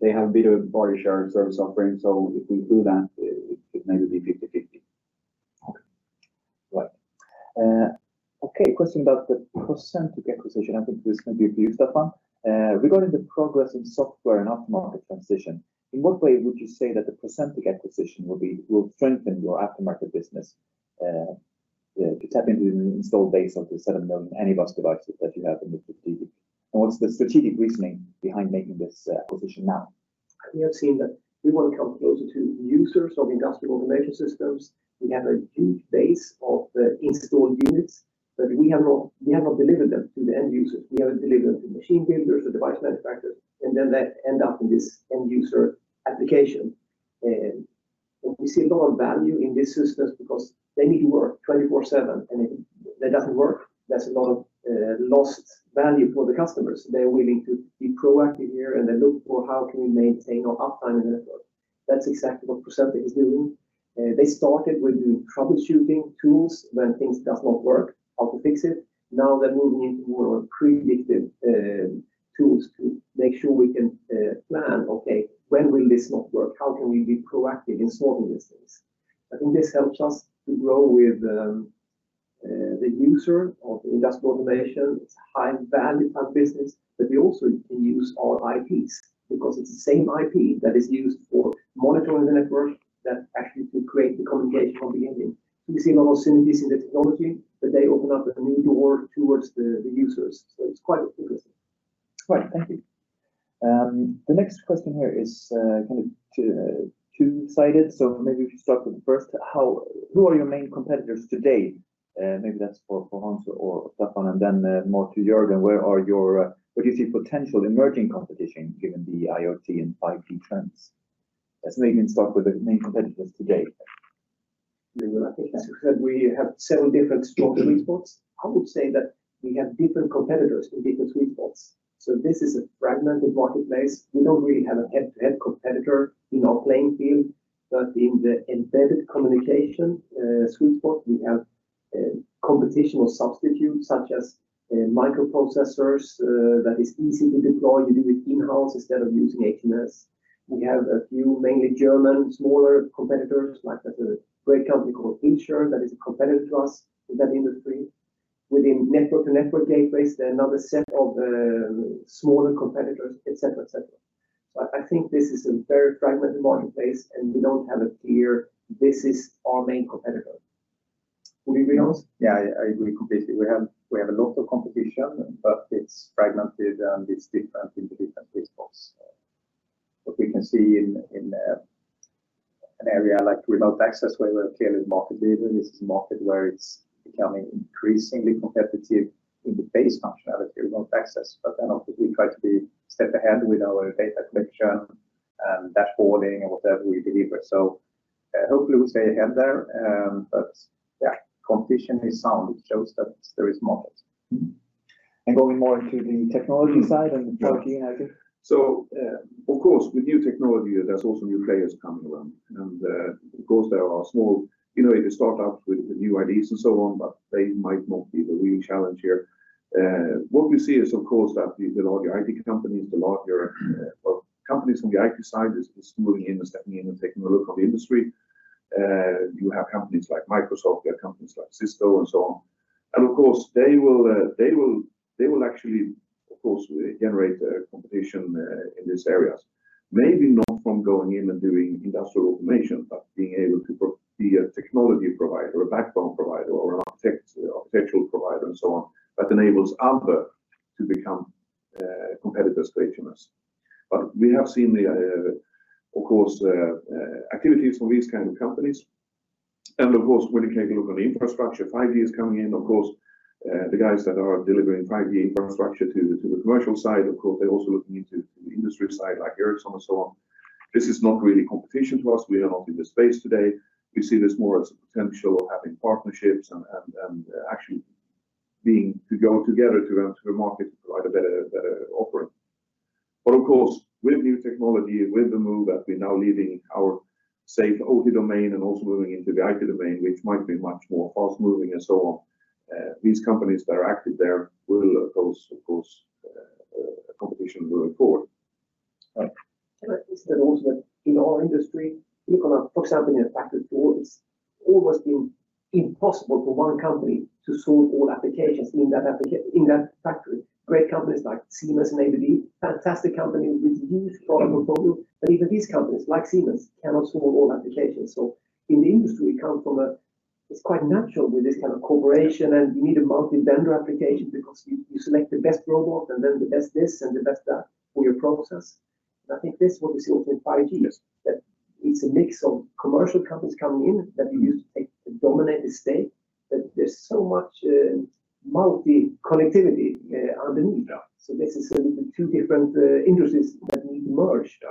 they have a bit of bigger share service offering. If we do that, it may be 50/50. Okay. Right. Okay, question about the Procentec acquisition. I think this may be for you, Staffan. Regarding the progress in software and aftermarket transition, in what way would you say that the Procentec acquisition will strengthen your aftermarket business to tap into the installed base of the seven million Anybus devices that you have in the field? What's the strategic reasoning behind making this acquisition now? We have seen that we want to come closer to users of industrial automation systems. We have a huge base of the installed units, we have not delivered them to the end users. We have delivered them to machine builders or device manufacturers, then they end up in this end user application. We see a lot of value in these systems because they need to work 24/7, if that doesn't work, that's a lot of lost value for the customers. They are willing to be proactive here then look for how can we maintain or uptime the network. That's exactly what Procentec is doing. They started with the troubleshooting tools when things do not work, how to fix it. Now they're moving into more predictive tools to make sure we can plan, okay, when will this not work? How can we be proactive in solving these things? I think this helps us to grow with the user of industrial automation. It's a high value add business, but we also can use our IPs, because it's the same IP that is used for monitoring the network that actually could create the communication from the ending. We see a lot of synergies in the technology, that they open up a new door towards the users. It's quite interesting. Right. Thank you. The next question here is kind of two-sided, so maybe if you start with the first. Who are your main competitors today? Maybe that's for Hans or Staffan, and then more to Jörgen, what do you see potential emerging competition given the IoT and 5G trends? Let's maybe start with the main competitors today. I think as you said, we have several different sweet spots. I would say that we have different competitors in different sweet spots. This is a fragmented marketplace. We don't really have a head-to-head competitor in our playing field. In the embedded communication sweet spot, we have competitive substitutes such as microprocessors that is easy to deploy. You do it in-house instead of using HMS. We have a few, mainly German, smaller competitors like there's a great company called Insys that is a competitor to us in that industry. Within network-to-network gateways, there are another set of smaller competitors, et cetera. I think this is a very fragmented marketplace, and we don't have a clear, "This is our main competitor. Yeah, I agree completely. We have a lot of competition, it's fragmented and it's different in the different sweet spots. We can see in an area like remote access where we're clearly the market leader, this is a market where it's becoming increasingly competitive in the base functionality, remote access. Obviously we try to be a step ahead with our data collection and dashboarding and whatever we deliver. Hopefully we'll stay ahead there. Yeah, competition is sound. It shows that there is models. Going more into the technology side and talking, I think. Of course with new technology, there's also new players coming around. Of course there are small innovative startups with new ideas and so on. They might not be the real challenge here. What we see is, of course, that with all the IT companies, a lot of companies from the IT side is moving in and stepping in and taking a look on the industry. You have companies like Microsoft, you have companies like Cisco and so on. Of course, they will actually, of course, generate competition in these areas. Maybe not from going in and doing industrial automation. Being able to be a technology provider, a backbone provider or an architectural provider and so on, that enables other to become competitors to HMS. We have seen the, of course, activities from these kind of companies. Of course, when you take a look on the infrastructure, 5G is coming in, of course, the guys that are delivering 5G infrastructure to the commercial side, of course, they are also looking into the industry side like Ericsson and so on. This is not really competition to us. We are not in the space today. We see this more as a potential of having partnerships and actually being to go together to the market to provide a better offering. Of course, with new technology, with the move that we are now leaving our safe OT domain and also moving into the IT domain, which might be much more fast-moving and so on, these companies that are active there will of course, competition will occur. Right. For example, in a factory floor, it's almost been impossible for one company to solve all applications in that factory. Great companies like Siemens and ABB, fantastic company with huge product portfolio, even these companies like Siemens cannot solve all applications. In the industry, it's quite natural with this kind of cooperation, and you need a multi-vendor application because you select the best robot and then the best this and the best that for your process. I think this is what we see also in 5G. Yes. It's a mix of commercial companies coming in that we use to take a dominant state, but there's so much multi-connectivity underneath. Yeah. This is two different industries that need to merge. Yeah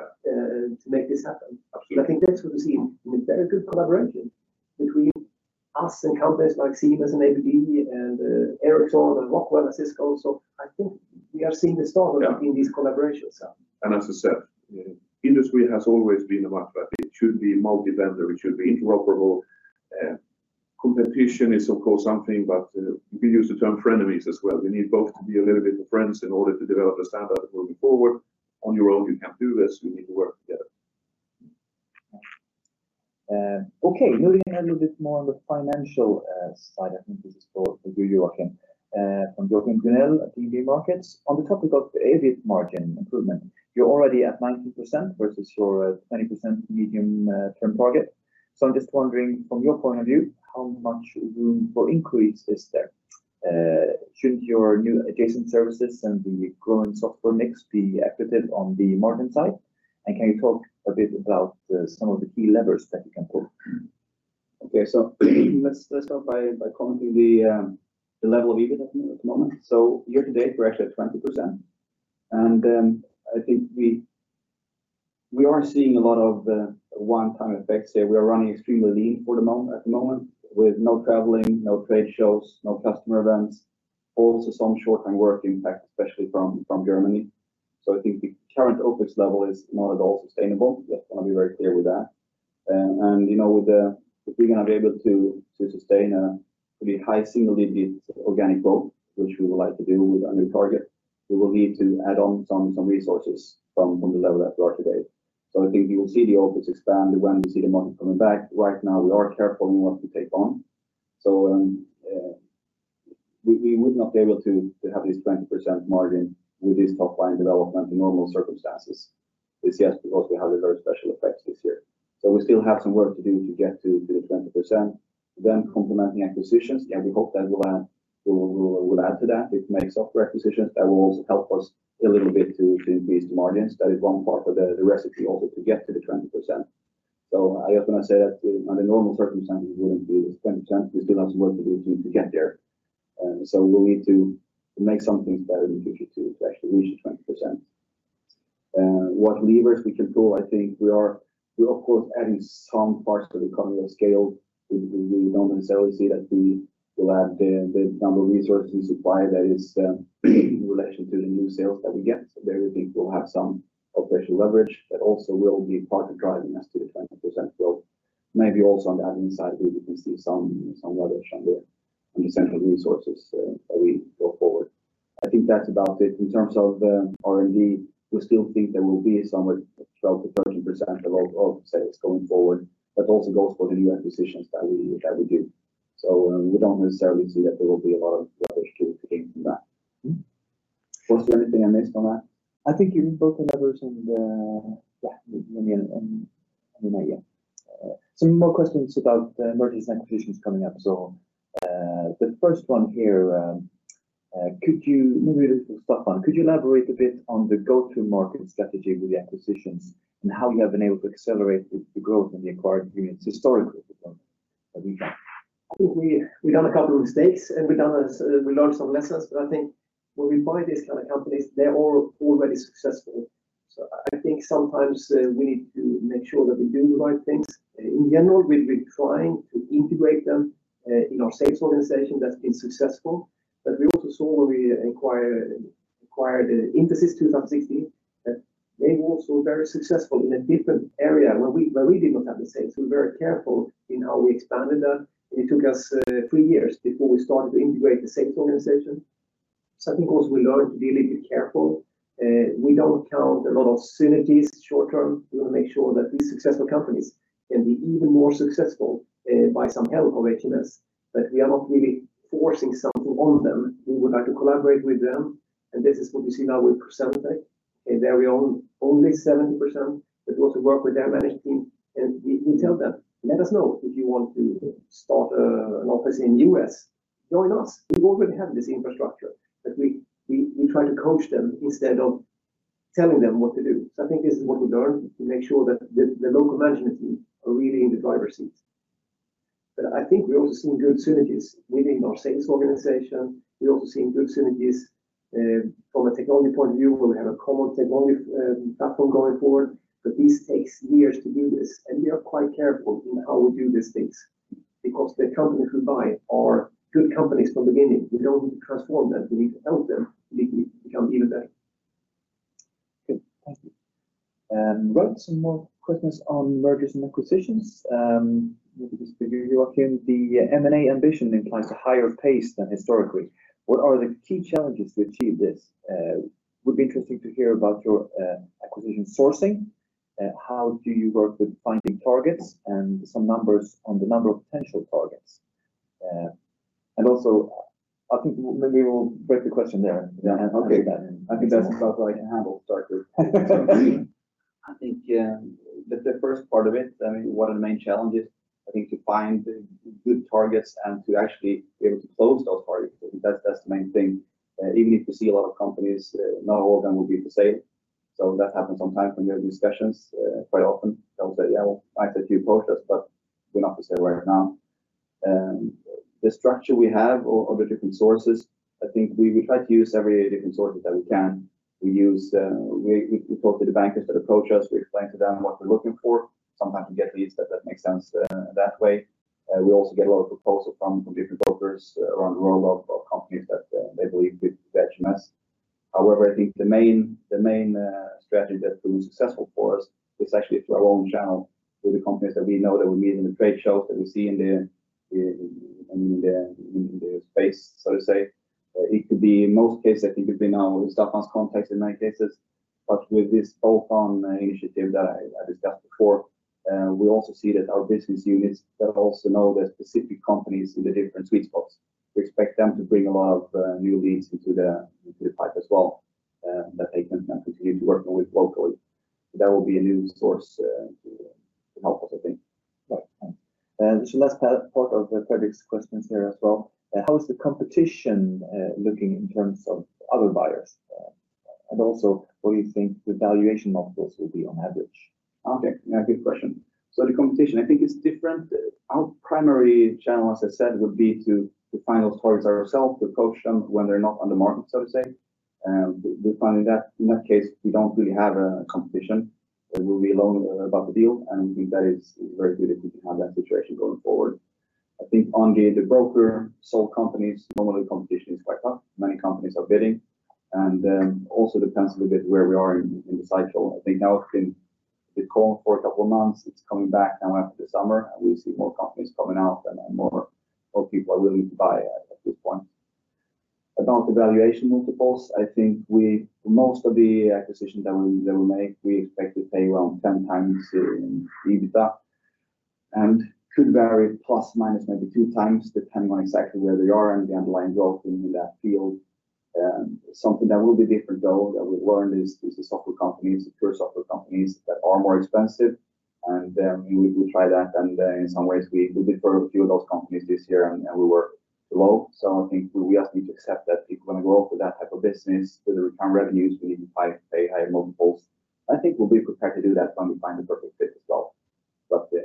to make this happen. Absolutely. I think that's what we see, and a very good collaboration between us and companies like Siemens and ABB and Ericsson and Rockwell and Cisco. I think we are seeing the start of it in these collaborations. As I said, industry has always been about that. It should be multi-vendor, it should be interoperable. Competition is of course something, we use the term frenemies as well. You need both to be a little bit of friends in order to develop a standard moving forward. On your own, you can't do this. You need to work together. Okay. Moving a little bit more on the financial side, I think this is for you, Jörgen. From Joakim Gunell at DNB Markets. On the topic of the EBIT margin improvement, you're already at 19% versus your 20% medium term target. I'm just wondering from your point of view, how much room for increase is there? Should your new adjacent services and the growing software mix be additive on the margin side? Can you talk a bit about some of the key levers that you can pull? Let's start by commenting the level of EBIT at the moment. Year to date, we're actually at 20% and I think we are seeing a lot of one-time effects there. We are running extremely lean at the moment with no traveling, no trade shows, no customer events. Also some short-term work impact, especially from Germany. I think the current OpEx level is not at all sustainable. Just want to be very clear with that. If we're going to be able to sustain a pretty high single-digit organic growth, which we would like to do with our new target, we will need to add on some resources from the level that we are today. I think you will see the OpEx expand when we see the money coming back. Right now, we are careful what we take on. We would not be able to have this 20% margin with this top-line development in normal circumstances this year because we have the very special effects this year. We still have some work to do to get to the 20%, then complementing acquisitions. Yeah, we hope that will add to that. If we make software acquisitions, that will also help us a little bit to increase the margins. That is one part of the recipe also to get to the 20%. I often say that under normal circumstances we wouldn't be at this 20%. We still have some work to do to get there. We'll need to make some things better in the future to actually reach the 20%. What levers we can pull, I think we are of course adding some parts to the economy of scale. We don't necessarily see that we will add the number of resources supply that is in relation to the new sales that we get. There we think we'll have some operational leverage that also will be part of driving us to the 20% growth. Maybe also on the admin side we can see some leverage on the essential resources as we go forward. I think that's about it. In terms of the R&D, we still think there will be somewhere 12%-13% of our sales going forward. That also goes for the new acquisitions that we do. We don't necessarily see that there will be a lot of leverage to gain from that. Was there anything I missed on that? I think you've broken levers and yeah. Some more questions about the mergers and acquisitions coming up. The first one here, maybe this is for Staffan. Could you elaborate a bit on the go-to-market strategy with the acquisitions and how you have been able to accelerate the growth in the acquired units historically for HMS? I think we've done a couple of mistakes and we learned some lessons. I think when we buy these kind of companies, they're all already successful. I think sometimes we need to make sure that we do the right things. In general, we've been trying to integrate them in our sales organization. That's been successful. We also saw when we acquired Intesis 2016, that they were also very successful in a different area where we did not have the sales. We were very careful in how we expanded that, and it took us three years before we started to integrate the sales organization. I think also we learned to be a little bit careful. We don't count a lot of synergies short term. We want to make sure that these successful companies can be even more successful by some help of HMS. We are not really forcing something on them. We would like to collaborate with them. This is what we see now with Procentec. There we own only 70%, but we also work with their management team, and we tell them, "Let us know if you want to start an office in U.S. Join us. We already have this infrastructure." We try to coach them instead of telling them what to do. I think this is what we learned, to make sure that the local management team are really in the driver's seat. I think we're also seeing good synergies within our sales organization. We're also seeing good synergies from a technology point of view. We'll have a common technology platform going forward, but this takes years to do this, and we are quite careful in how we do these things because the companies we buy are good companies from the beginning. We don't need to transform them. We need to help them become even better. Good. Thank you. Some more questions on mergers and acquisitions. Maybe this is for you, Joakim. The M&A ambition implies a higher pace than historically. What are the key challenges to achieve this? Would be interesting to hear about your acquisition sourcing. How do you work with finding targets and some numbers on the number of potential targets? I think maybe we'll break the question there. Yeah. Okay. I think that's about what I can handle, sorry group. I think the first part of it, one of the main challenges I think to find good targets and to actually be able to close those targets, that's the main thing. Even if we see a lot of companies, not all of them will be for sale. That happens sometimes when we have discussions quite often. They will say, "Yeah, we'll find a few prospects, but we're not for sale right now." The structure we have of the different sources, I think we try to use every different sources that we can. We talk to the bankers that approach us. We explain to them what we're looking for. Sometimes we get leads that makes sense that way. We also get a lot of proposal from different brokers around the world of companies that they believe fit with HMS. I think the main strategy that proves successful for us is actually through our own channel, through the companies that we know that we meet in the trade shows that we see in the space, so to say. In most cases, I think it's been our Staffan's contacts in many cases. With this open initiative that I discussed before, we also see that our business units that also know the specific companies in the different sweet spots. We expect them to bring a lot of new leads into the pipe as well, that they can continue to work with locally. That will be a new source to help us, I think. Right. Last part of Fredrik's questions there as well. How is the competition looking in terms of other buyers? What do you think the valuation multiples will be on average? Okay. Good question. The competition, I think it's different. Our primary channel, as I said, would be to find those targets ourselves, approach them when they're not on the market, so to say. We find that in that case, we don't really have competition. We'll be alone about the deal, and that is very good if we can have that situation going forward. I think on getting the broker, sole companies, normally competition is quite tough. Many companies are bidding, and then also depends a little bit where we are in the cycle. I think now it's been calm for a couple of months. It's coming back now after the summer, and we see more companies coming out and more people are willing to buy at this point. About the valuation multiples, I think for most of the acquisitions that we make, we expect to pay around 10 times in EBITDA, and could vary plus, minus maybe two times, depending on exactly where they are and the underlying growth in that field. Something that will be different, though, that we've learned is the software companies, the pure software companies that are more expensive. We try that. In some ways we did for a few of those companies this year, and we were low. I think we just need to accept that if we're going to grow for that type of business to return revenues, we need to pay higher multiples. I think we'll be prepared to do that when we find the perfect fit as well.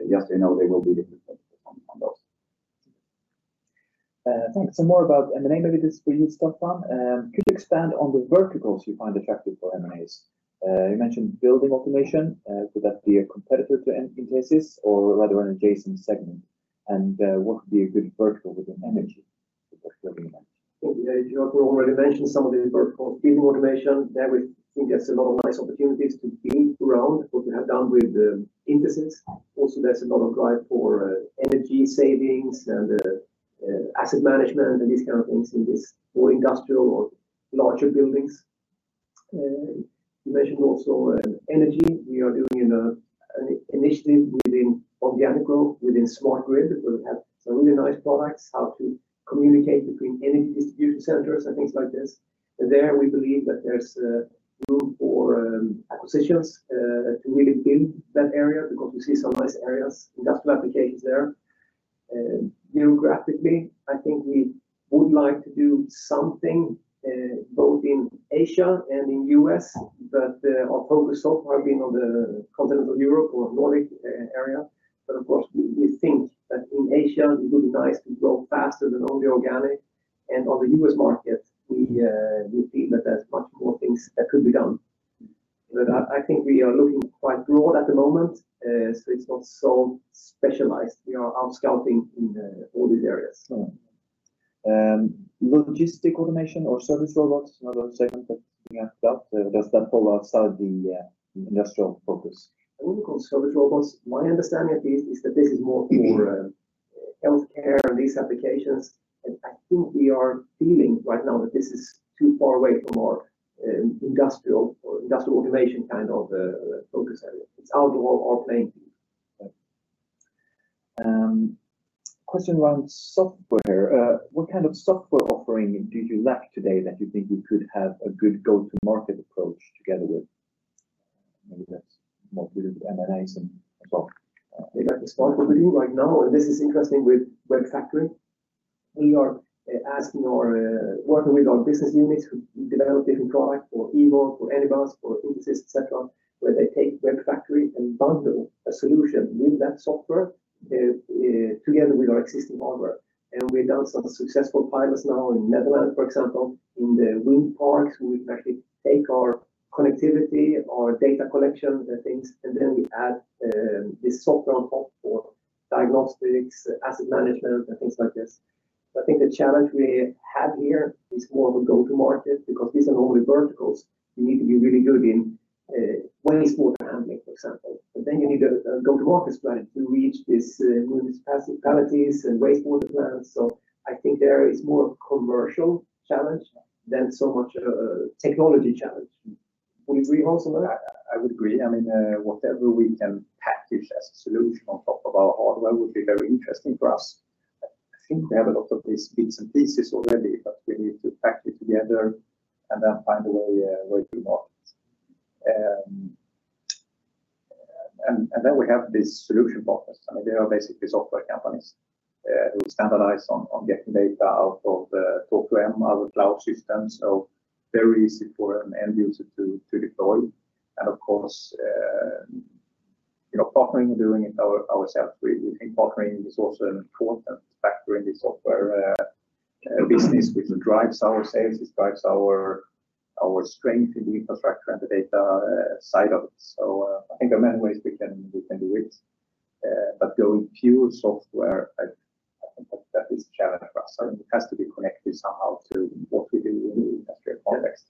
Yes and no, they will be different on those. Thanks. Some more about M&A maybe this for you, Staffan. Could you expand on the verticals you find attractive for M&As? You mentioned building automation. Could that be a competitor to Intesis or rather an adjacent segment? What could be a good vertical within energy that you have in mind? Joakim already mentioned some of these verticals. Building automation, there we think there's a lot of nice opportunities to build around what we have done with Intesis. There's a lot of drive for energy savings and asset management and these kind of things in this more industrial or larger buildings. You mentioned also energy. We are doing an initiative within Orgalim within smart grid, that will have some really nice products, how to communicate between energy distribution centers and things like this. There we believe that there's room for acquisitions to really build that area because we see some nice areas, industrial applications there. Geographically, I think we would like to do something both in Asia and in U.S., Our focus so far has been on the continent of Europe or Nordic area. Of course, we think that in Asia it would be nice to grow faster than only organic. On the U.S. market, we feel that there's much more things that could be done. I think we are looking quite broad at the moment, so it's not so specialized. We are out scouting in all these areas. Logistics automation or service robots, another segment that you have dealt. Does that fall outside the industrial focus? I would call service robots. My understanding of this is that this is more for healthcare and these applications. I think we are feeling right now that this is too far away from our industrial automation kind of focus area. It's outdoor operating. Question around software. What kind of software offering do you lack today that you think you could have a good go-to-market approach together with? Maybe that's more related to M&As and software. We have a software offering right now. This is interesting with WEBfactory. We are working with our business units who develop different product for Ewon, for Anybus, for Intesis, et cetera, where they take WEBfactory and bundle a solution with that software together with our existing hardware. We've done some successful pilots now in Netherlands, for example, in the wind parks. We actually take our connectivity, our data collection and things, we add this software on top for diagnostics, asset management, and things like this. I think the challenge we have here is more of a go-to-market because these are normally verticals you need to be really good in, for example, wastewater handling. You need a go-to-market strategy to reach these municipalities and wastewater plants. I think there is more commercial challenge than so much a technology challenge. Would you agree also with that? I would agree. Whatever we can package as a solution on top of our hardware would be very interesting for us. I think we have a lot of these bits and pieces already, but we need to package together and then find a way to market. We have these solution partners. They are basically software companies who standardize on getting data out of the Talk2M, our cloud system, so very easy for an end user to deploy. Of course, partnering doing it ourself. We think partnering is also an important factor in the software business, which drives our sales, it drives our strength in the infrastructure and the data side of it. I think there are many ways we can do it. Going pure software, I think that is a challenge for us. It has to be connected somehow to what we do in the industrial context.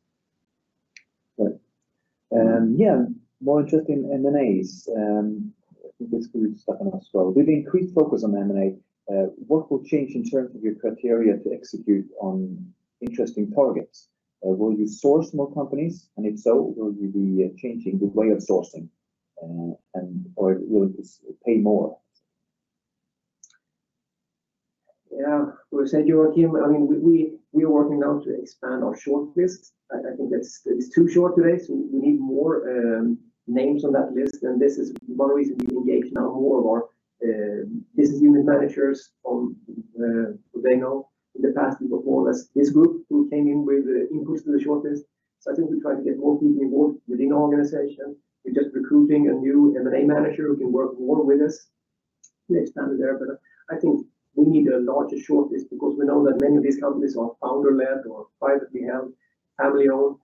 Right. More interest in M&As. I think this includes Staffan as well. With the increased focus on M&A, what will change in terms of your criteria to execute on interesting targets? Will you source more companies, and if so, will you be changing the way of sourcing or will it pay more? Yeah. We said, Joakim, we are working now to expand our shortlist. I think it's too short today, so we need more names on that list, and this is one reason we engage now more of our business unit managers on what they know. In the past, we were more or less this group who came in with inputs to the shortlist. I think we try to get more people involved within the organization. We're just recruiting a new M&A manager who can work more with us. Next standard there, but I think we need a larger shortlist because we know that many of these companies are founder-led or privately held, family-owned.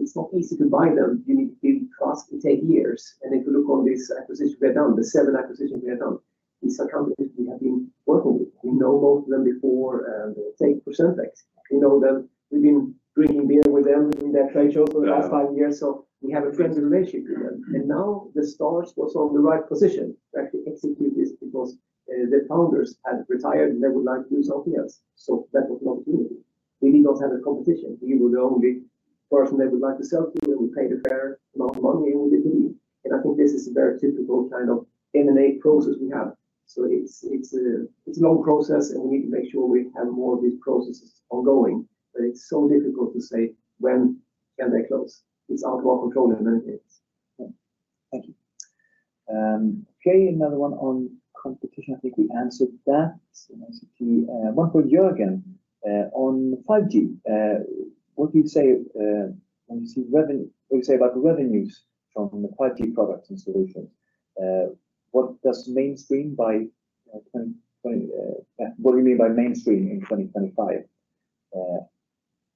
It's not easy to buy them. You need build trust. It takes years. If you look on this acquisition, we're done. The seven acquisitions we have done, these are companies we have been working with. We know most of them before. Take Procentec. We know them. We've been drinking beer with them in their trade shows for the last five years, so we have a friendly relationship with them. Now the stars was on the right position that we execute this because the founders had retired and they would like to do something else. That was lucky. We did not have a competition. We were the only person they would like to sell to, and we paid a fair amount of money, and we did the deal. I think this is a very typical kind of M&A process we have. It's a long process, and we need to make sure we have more of these processes ongoing, but it's so difficult to say when can they close. It's out of our control in many ways. Thank you. Okay, another one on competition. I think we answered that. Let me see. One for Jörgen. On 5G, what do you say about the revenues from the 5G products and solutions? What do you mean by mainstream in 2025?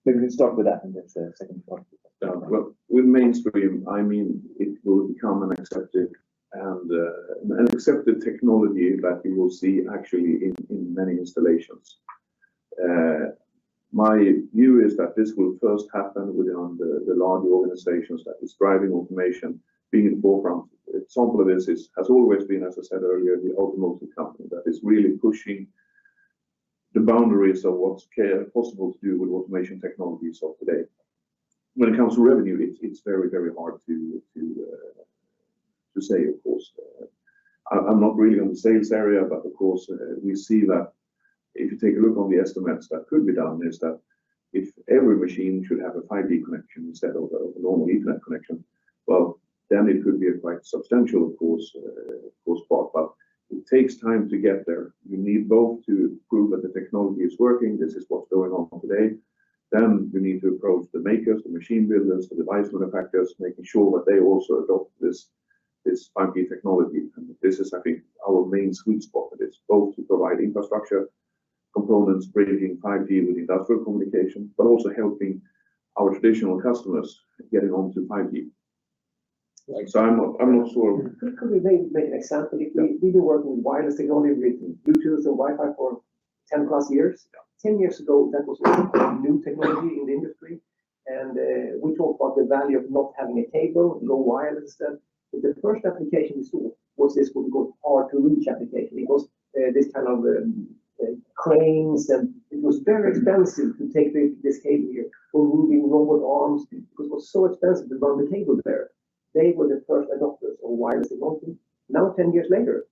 Maybe we can start with that and then the second part. Well, with mainstream, I mean it will become an accepted technology that you will see actually in many installations. My view is that this will first happen within the large organizations that is driving automation, being in the foreground. Example of this has always been, as I said earlier, the automotive company that is really pushing the boundaries of what's possible to do with automation technologies of today. When it comes to revenue, it's very hard to say, of course. I'm not really on the sales area, but of course, we see that if you take a look on the estimates that could be done is that if every machine should have a 5G connection instead of a normal internet connection, well, then it could be a quite substantial, of course, part, but it takes time to get there. We need both to prove that the technology is working. This is what's going on today. We need to approach the makers, the machine builders, the device manufacturers, making sure that they also adopt this 5G technology. This is, I think, our main sweet spot, that it's both to provide infrastructure components bridging 5G with industrial communication, but also helping our traditional customers getting onto 5G. Right. I'm not sure. Could we make an example? Yeah. We've been working with wireless technology with Bluetooth and Wi-Fi for 10 plus years. Yeah. 10 years ago, that was a completely new technology in the industry. We talked about the value of not having a cable, go wireless then. The first application we saw was this what we call hard-to-reach application. It was this kind of cranes and it was very expensive to take this cable here for moving robot arms because it was so expensive to run the cable there. They were the first adopters of wireless technology. Now, 10 years later,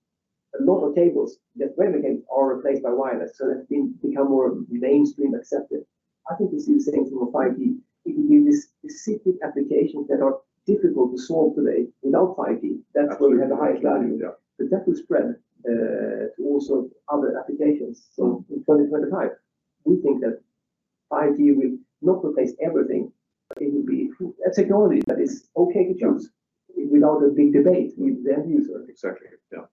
a lot of cables that were there are replaced by wireless. That's become more mainstream accepted. I think you see the same thing with 5G. It can be these specific applications that are difficult to solve today without 5G. That's where we have the highest value. Absolutely. Yeah. That will spread to also other applications. In 2025, we think that 5G will not replace everything, but it will be a technology that is okay to choose without a big debate with the end user. Exactly. Yeah.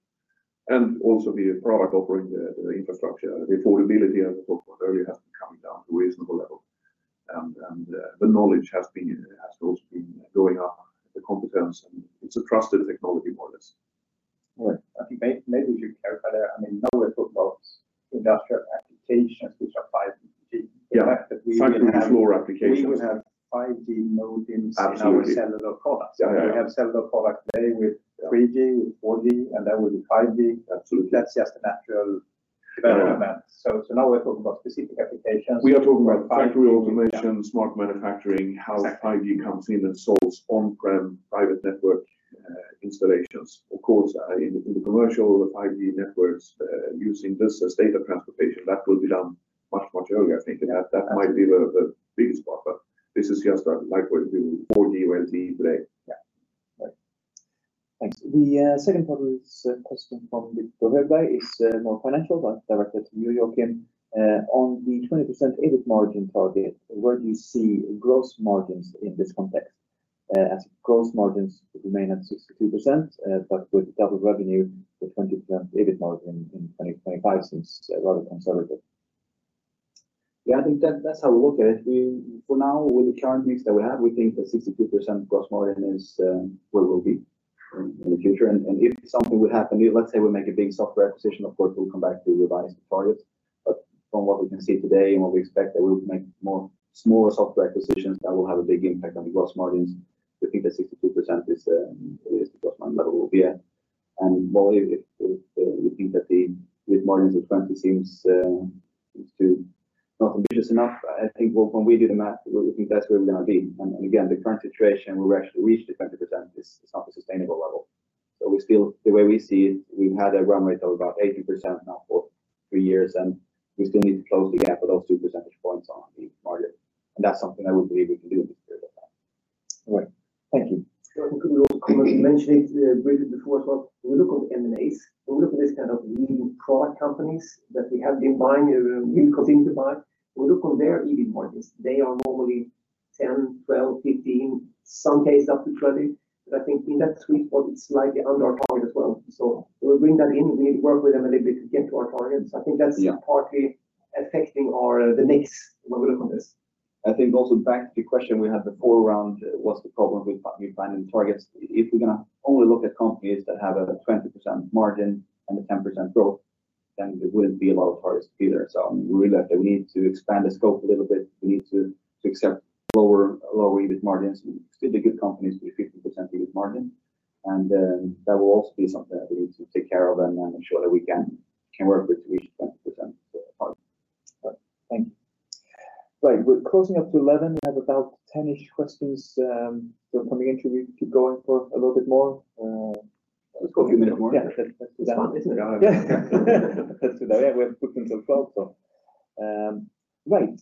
Also the product offering, the infrastructure, the affordability, as we talked about earlier, has been coming down to reasonable level. The knowledge has also been going up, the competence, and it's a trusted technology more or less. Right. I think maybe we should clarify there. Now we're talking about industrial applications which are 5G. Yeah. The fact that we will have- Functionally core applications. We will have 5G nodes. Absolutely. Our cellular products. Yeah. We have cellular product today with 3G, with 4G, and then with 5G. Absolutely. That's just a natural development. Now we're talking about specific applications. We are talking about factory automation, smart manufacturing, how 5G comes in and solves on-prem private network installations. Of course, in the commercial 5G networks, using this as data transportation, that will be done much earlier, I think. This is just like we do 4G, LTE today. Yeah. Right. Thanks. The second part is a question from. It is more financial but directed to you, Jörgen. On the 20% EBIT margin target, where do you see gross margins in this context? Gross margins remain at 62%, with double revenue, the 20% EBIT margin in 2025 seems rather conservative. Yeah, I think that's how we look at it. For now, with the current mix that we have, we think that 62% gross margin is where we'll be in the future. If something would happen, let's say we make a big software acquisition, of course we'll come back to revise the target. From what we can see today and what we expect, that we will make more smaller software acquisitions that will have a big impact on the gross margins. We think that 62% is the gross margin level we will be at. Bolle, if you think that the EBIT margins of 20% seems too not ambitious enough, I think when we do the math, we think that's where we're going to be. Again, the current situation, where we actually reached the 20%, is not a sustainable level. The way we see it, we've had a run rate of about 18% now for three years, and we still need to close the gap of those two percentage points on the margin. That's something I would believe we can do in this period of time. Right. Thank you. Could we also comment, you mentioned it briefly before as well. We look on M&As. We look at these kind of leading product companies that we have been buying or really considering to buy. We look on their EBIT margins. They are normally 10, 12, 15, some cases up to 20. I think in that sweet spot, it's slightly under our target as well. We'll bring that in. We work with them a little bit to get to our targets. Yeah. I think that's partly affecting the next when we look on this. I think also back to the question we had before around what's the problem with finding targets. If we're going to only look at companies that have a 20% margin and a 10% growth, then there wouldn't be a lot of targets either. We realized that we need to expand the scope a little bit. We need to accept lower EBIT margins and still be good companies with 15% EBIT margin. That will also be something that we need to take care of and ensure that we can work with to reach that percentage margin. Thank you. Right. We're closing up to 11:00. We have about 10-ish questions still coming in. Should we keep going for a little bit more? Let's go a few minute more. Yeah. It's fun, isn't it? Yeah. That's today, yeah, we have put in some thoughts so. Right.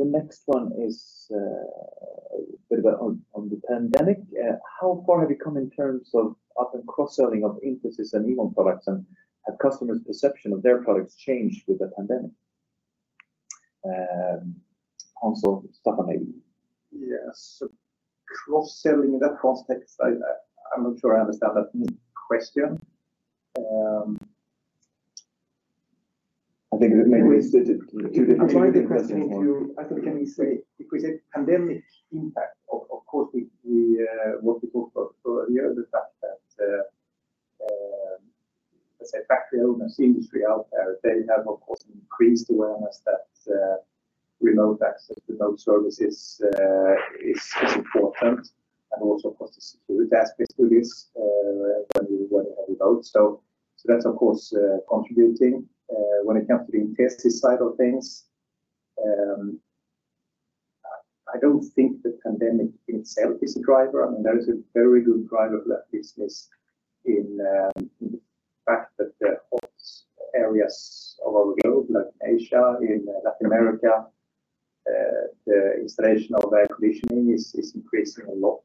The next one is a bit on the pandemic. How far have you come in terms of up and cross-selling of Intesis and Ewon products, and have customers' perception of their products changed with the pandemic? Hans or Staffan maybe. Yes. Cross-selling in that context, I'm not sure I understand that question. I think maybe. I'll try the question to, I think, can we say if we say pandemic impact, of course we multiple for the other fact that, let's say factory owners, industry out there, they have of course increased awareness that remote access, remote services is important and also of course the security aspect to this when we work remote. That's of course contributing. When it comes to the Intesis side of things, I don't think the pandemic in itself is a driver. There is a very good driver for that business in the fact that the hot areas of our globe like Asia, in Latin America the installation of air conditioning is increasing a lot,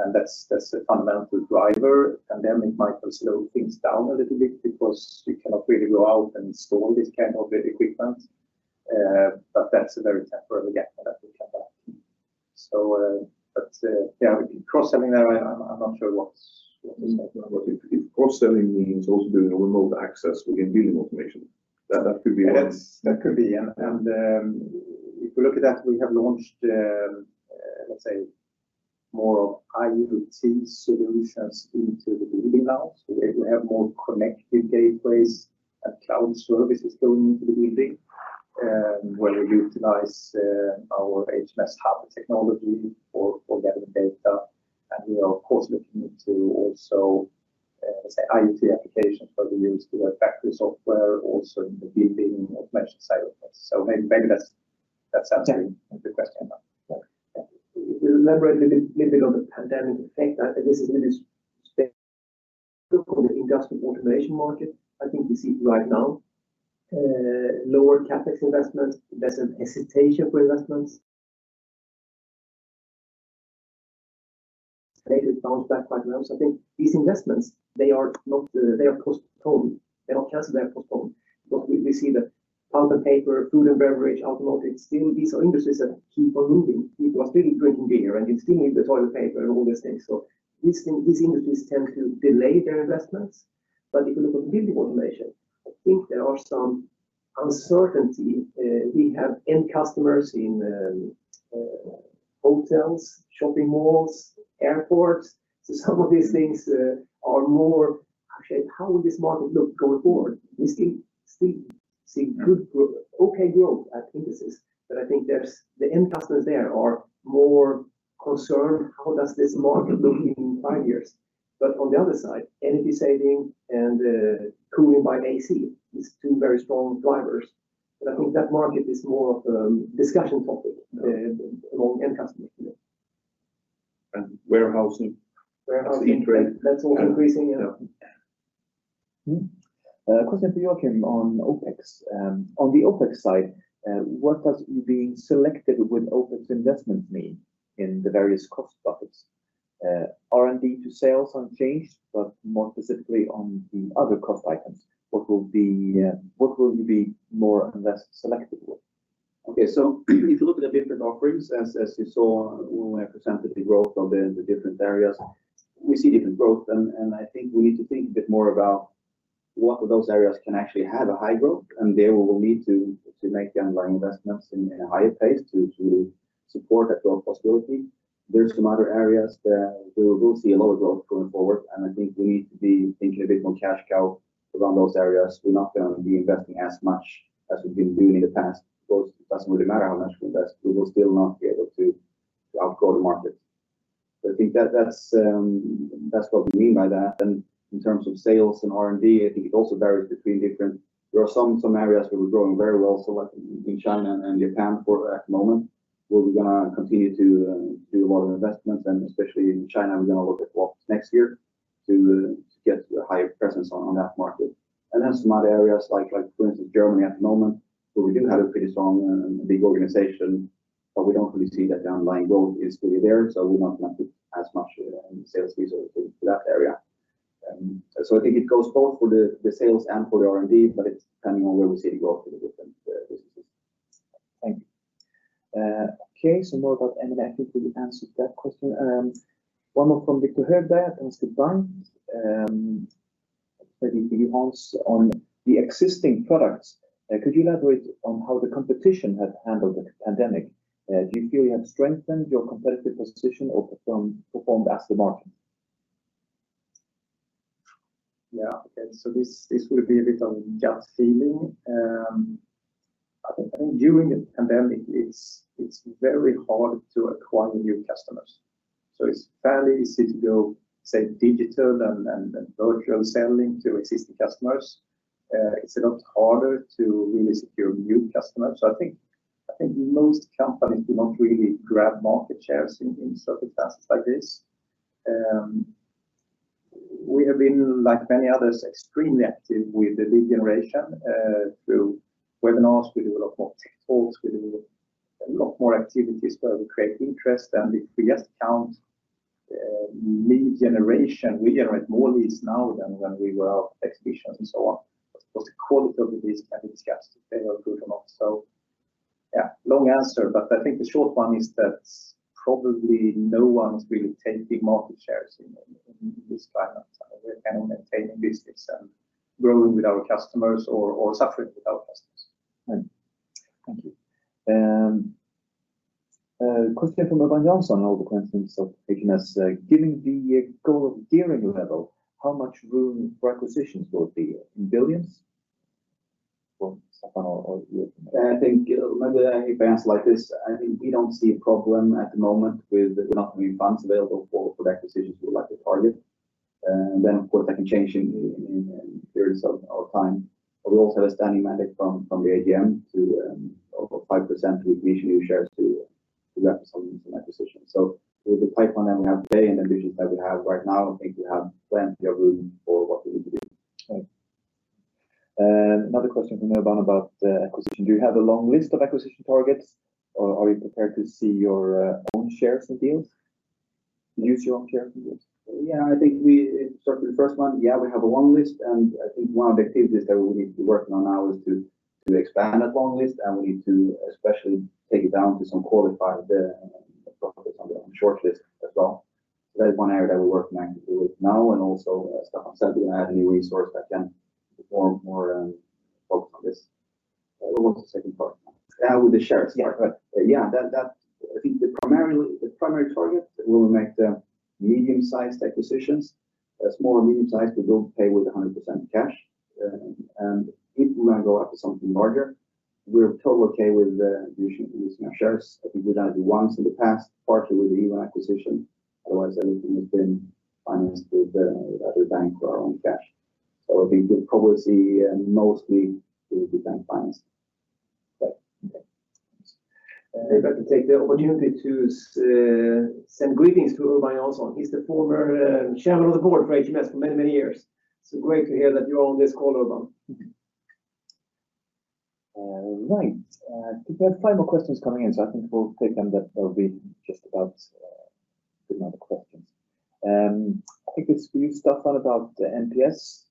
and that's a fundamental driver. Pandemic might have slowed things down a little bit because you cannot really go out and install this kind of equipment. That's a very temporary gap that will come back. Yeah, in cross-selling there, I'm not sure what is that. What if cross-selling means also doing a remote access within building automation? That could be one. That could be. If you look at that, we have launched, let's say more of IoT solutions into the building now. We're able to have more connected gateways and cloud services going into the building where we utilize our HMS Hub technology for getting the data. We are of course looking into also let's say IoT applications where we use the factory software also in the building automation side of this. Maybe that's answering the question. Yeah. We elaborate a little bit on the pandemic effect that this is a little industrial automation market. I think we see right now lower CapEx investments, there's a hesitation for investments. bounce back quite well. I think these investments, they are postponed. They're not canceled, they're postponed. We see the pulp and paper, food and beverage, automotive, still these are industries that keep on moving. People are still drinking beer and you still need the toilet paper and all these things. These industries tend to delay their investments, but if you look at building automation, I think there is some uncertainty. We have end customers in hotels, shopping malls, airports. Some of these things are more, actually, how will this market look going forward? We still see good, okay growth at Intesis, but I think the end customers there are more concerned, how does this market look in five years? On the other side, energy saving and cooling by AC is two very strong drivers. I think that market is more of a discussion topic among end customers today. Warehousing. Warehousing. That's increasing. That's all increasing, yeah. Yeah. Question for Joakim on OpEx. On the OpEx side, what does being selective with OpEx investments mean in the various cost buckets? R&D to sales unchanged. More specifically on the other cost items, what will you be more and less selective with? Okay, if you look at the different offerings, as you saw when we presented the growth of the different areas, we see different growth. I think we need to think a bit more about what of those areas can actually have a high growth, and there we will need to make the underlying investments in a higher pace to support that growth possibility. There's some other areas that we will see a lot of growth going forward, and I think we need to be thinking a bit more cash cow around those areas. We're not going to be investing as much as we've been doing in the past. Of course, it doesn't really matter how much we invest, we will still not be able to outgrow the market. I think that's what we mean by that. In terms of sales and R&D, I think it also varies. There are some areas where we're growing very well, like in China and Japan at the moment, where we're going to continue to do a lot of investments. Especially in China, we're going to look at what's next year to get a higher presence on that market. Some other areas, for instance, Germany at the moment, where we do have a pretty strong and big organization, but we don't really see that the underlying growth is really there, so we're not going to put as much sales resources into that area. I think it goes both for the sales and for the R&D, but it's depending on where we see the growth in the different businesses. Thank you. Okay, more about M&A. I think we answered that question. One more from Viktor Högberg and Staffan. Maybe he wants on the existing products. Could you elaborate on how the competition has handled the pandemic? Do you feel you have strengthened your competitive position or performed as the market? Yeah. Okay, this will be a bit of a gut feeling. I think during the pandemic, it's very hard to acquire new customers. It's fairly easy to go, say, digital and virtual selling to existing customers. It's a lot harder to really secure new customers. I think most companies do not really grab market shares in circumstances like this. We have been, like many others, extremely active with the lead generation, through webinars, we do a lot more tech talks. We do a lot more activities where we create interest. If we just count lead generation, we generate more leads now than when we were at exhibitions and so on. Of course, the quality of the leads can be discussed if they are good or not. Yeah, long answer, but I think the short one is that probably no one's really taking market shares in this climate. We're kind of maintaining business and growing with our customers or suffering with our customers. Right. Thank you. Question from Urban Jonnson, an old acquaintance of HMS. Given the goal of gearing level, how much room for acquisitions will it be, in billions? For Staffan or you. I think maybe I advance like this. I think we don't see a problem at the moment with not many funds available for the acquisitions we would like to target. Of course, that can change in periods of time. We also have a standing mandate from the AGM to offer 5% to issue new shares to represent in acquisitions. With the pipeline that we have today and the visions that we have right now, I think we have plenty of room for what we need to do. Right. Another question from Urban about acquisition. Do you have a long list of acquisition targets, or are you prepared to see your own shares in deals? Use your own shares in deals? I think we start with the first one. We have a long list, and I think one of the activities that we need to be working on now is to expand that long list, and we need to especially take it down to some qualified focus on the short list as well. That is one area that we're working actively with now, and also Staffan said we add a new resource that can perform more focus on this. What was the second part? With the shares part. Yeah, I think the primary target, we will make the medium-sized acquisitions. Small or medium-sized, we will pay with 100% cash. If we want to go after something larger, we're totally okay with using our shares. I think we've done it once in the past, partly with the Ewon acquisition. Otherwise, everything has been financed with either bank or our own cash. We could probably see mostly it will be bank financed. Okay. Maybe I can take the opportunity to send greetings to Urban Jonnson. He's the former chairman of the board for HMS for many, many years. It's great to hear that you're on this call, Urban. All right. I think there are five more questions coming in, so I think we'll take them. That will be just about the number of questions. I think it's for you, Staffan, about NPS.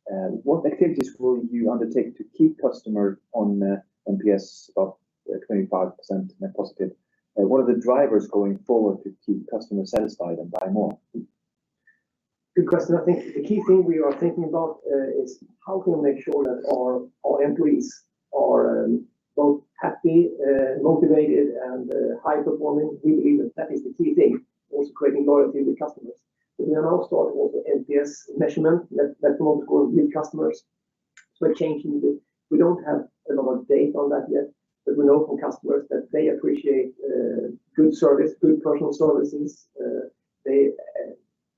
What activities will you undertake to keep customers on NPS of 25% net positive? What are the drivers going forward to keep customers satisfied and buy more? Good question. I think the key thing we are thinking about, is how can we make sure that our employees are both happy, motivated, and high-performing? We believe that is the key thing towards creating loyalty with customers. We are now starting with the NPS measurement that works with customers. We're changing it. We don't have a lot of data on that yet, but we know from customers that they appreciate good service, good personal services. They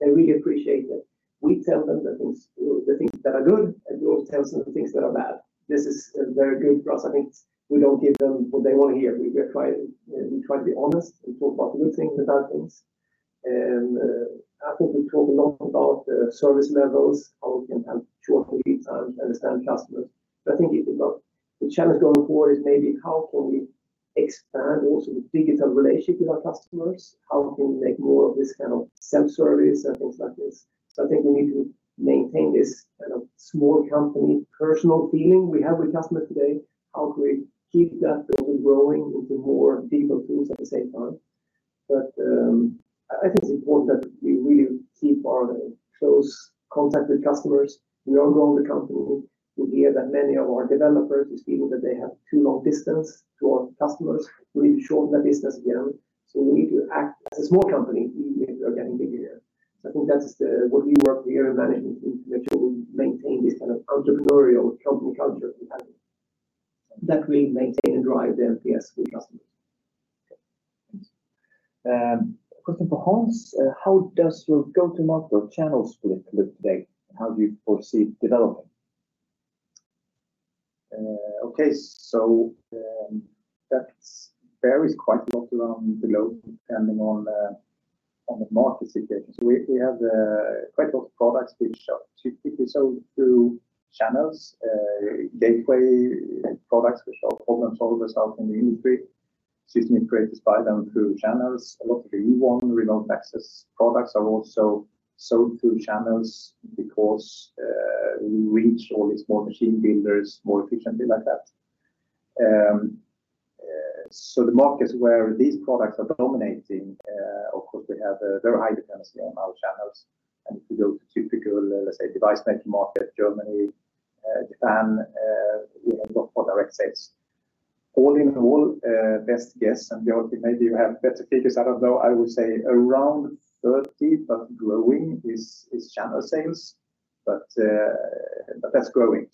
really appreciate that we tell them the things that are good, and we also tell them the things that are bad. This is very good for us. I think we don't give them what they want to hear. We try to be honest and talk about the good things, the bad things. I think we talk a lot about the service levels, how we can have short lead times, understand customers. I think the challenge going forward is maybe how can we expand also the digital relationship with our customers? How can we make more of this kind of self-service and things like this? I think we need to maintain this small company personal feeling we have with customers today. How can we keep that but growing into more digital tools at the same time? I think it's important that we really keep our close contact with customers. We are growing the company. We hear that many of our developers is feeling that they have too long distance to our customers. We need to shorten that distance again. We need to act as a small company, even if we are getting bigger. I think that's what we work with here in management, to make sure we maintain this kind of entrepreneurial company culture we have, that will maintain and drive the NPS with customers. Thanks. Question for Hans: How does your go-to-market or channels split look today? How do you foresee it developing? Okay. That varies quite a lot around the globe depending on the market situation. We have quite a lot of products which are typically sold through channels, gateway products which are problem solvers out in the industry. System integrators buy them through channels. A lot of the Ewon remote access products are also sold through channels because we reach all these small machine builders more efficiently like that. The markets where these products are dominating, of course, we have a very high dependency on our channels. If you go to typical, let's say, device maker market, Germany, Japan, we have got more direct sales. All in all, best guess, and Jorgen, maybe you have better figures, I don't know. I would say around 30%, but growing, is channel sales. That's growing.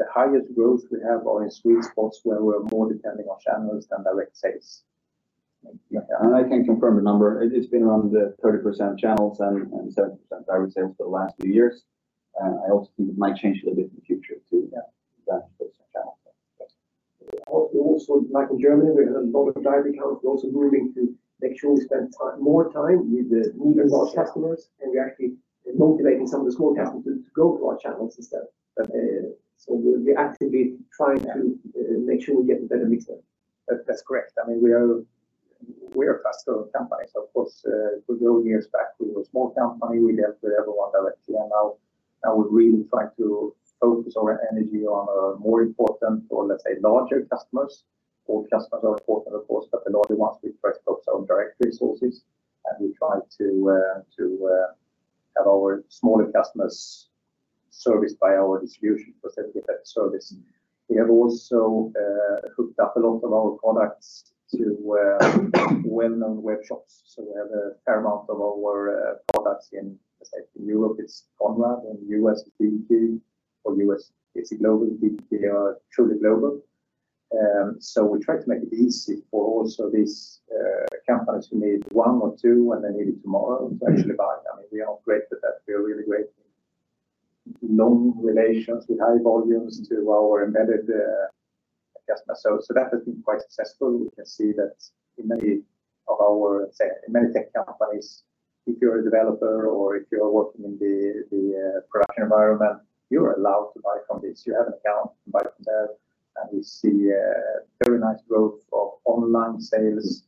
The highest growth we have are in sweet spots where we're more depending on channels than direct sales. Yeah. I can confirm the number. It's been around the 30% channels and 70% direct sales for the last few years. I also think it might change a little bit in the future, too. Yeah. That puts the channel. Like in Germany, we have a lot of direct accounts. We're also moving to make sure we spend more time with the larger customers, and we're actually motivating some of the small customers to go through our channel system. We actively trying to make sure we get a better mix there. That's correct. We are a customer company, so of course, a few years back, we were a small company. We dealt with everyone directly, and now we're really trying to focus our energy on a more important or, let's say, larger customers. All customers are important, of course, but the larger ones we first focus on direct resources, and we try to have our smaller customers serviced by our distribution facility service. We have also hooked up a lot of our products to well-known web shops, so we have a fair amount of our products in, let's say, in Europe, it's Conrad, in the U.S., it's Digi. It's global. Digi are truly global. We try to make it easy for also these companies who need one or two and they need it tomorrow to actually buy. We are great with that. We are really great in long relations with high volumes to our embedded customer. That has been quite successful. We can see that in many tech companies, if you're a developer or if you're working in the production environment, you are allowed to buy from this. You have an account, buy from there, and we see a very nice growth of online sales,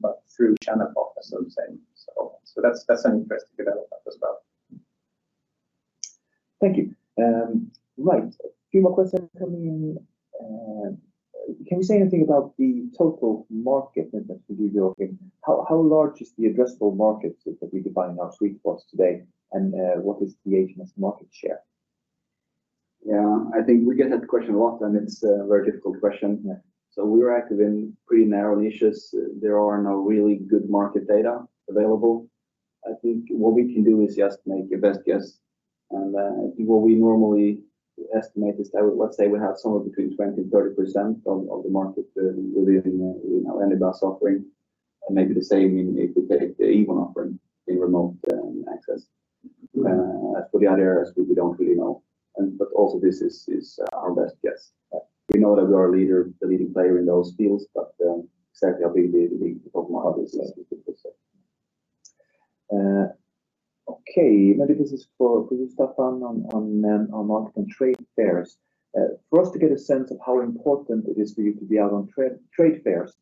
but through channel partners, I'm saying. That's an interesting development as well. Thank you. Right. A few more questions coming in. Can you say anything about the total market that we do, Jorgen? How large is the addressable market that we define our sweet spots today, and what is the HMS market share? Yeah. I think we get that question a lot, and it's a very difficult question. Yeah. We're active in pretty narrow niches. There are no really good market data available. I think what we can do is just make your best guess. I think what we normally estimate is that, let's say we have somewhere between 20% and 30% of the market within any of our offering, and maybe the same in the Ewon offering in remote access. As for the other areas, we don't really know, but also this is our best guess. We know that we are a leader, the leading player in those fields, but exactly how big they'll be for more others is difficult to say. Okay. Maybe this is for you, Staffan, on market and trade fairs. For us to get a sense of how important it is for you to be out on trade fairs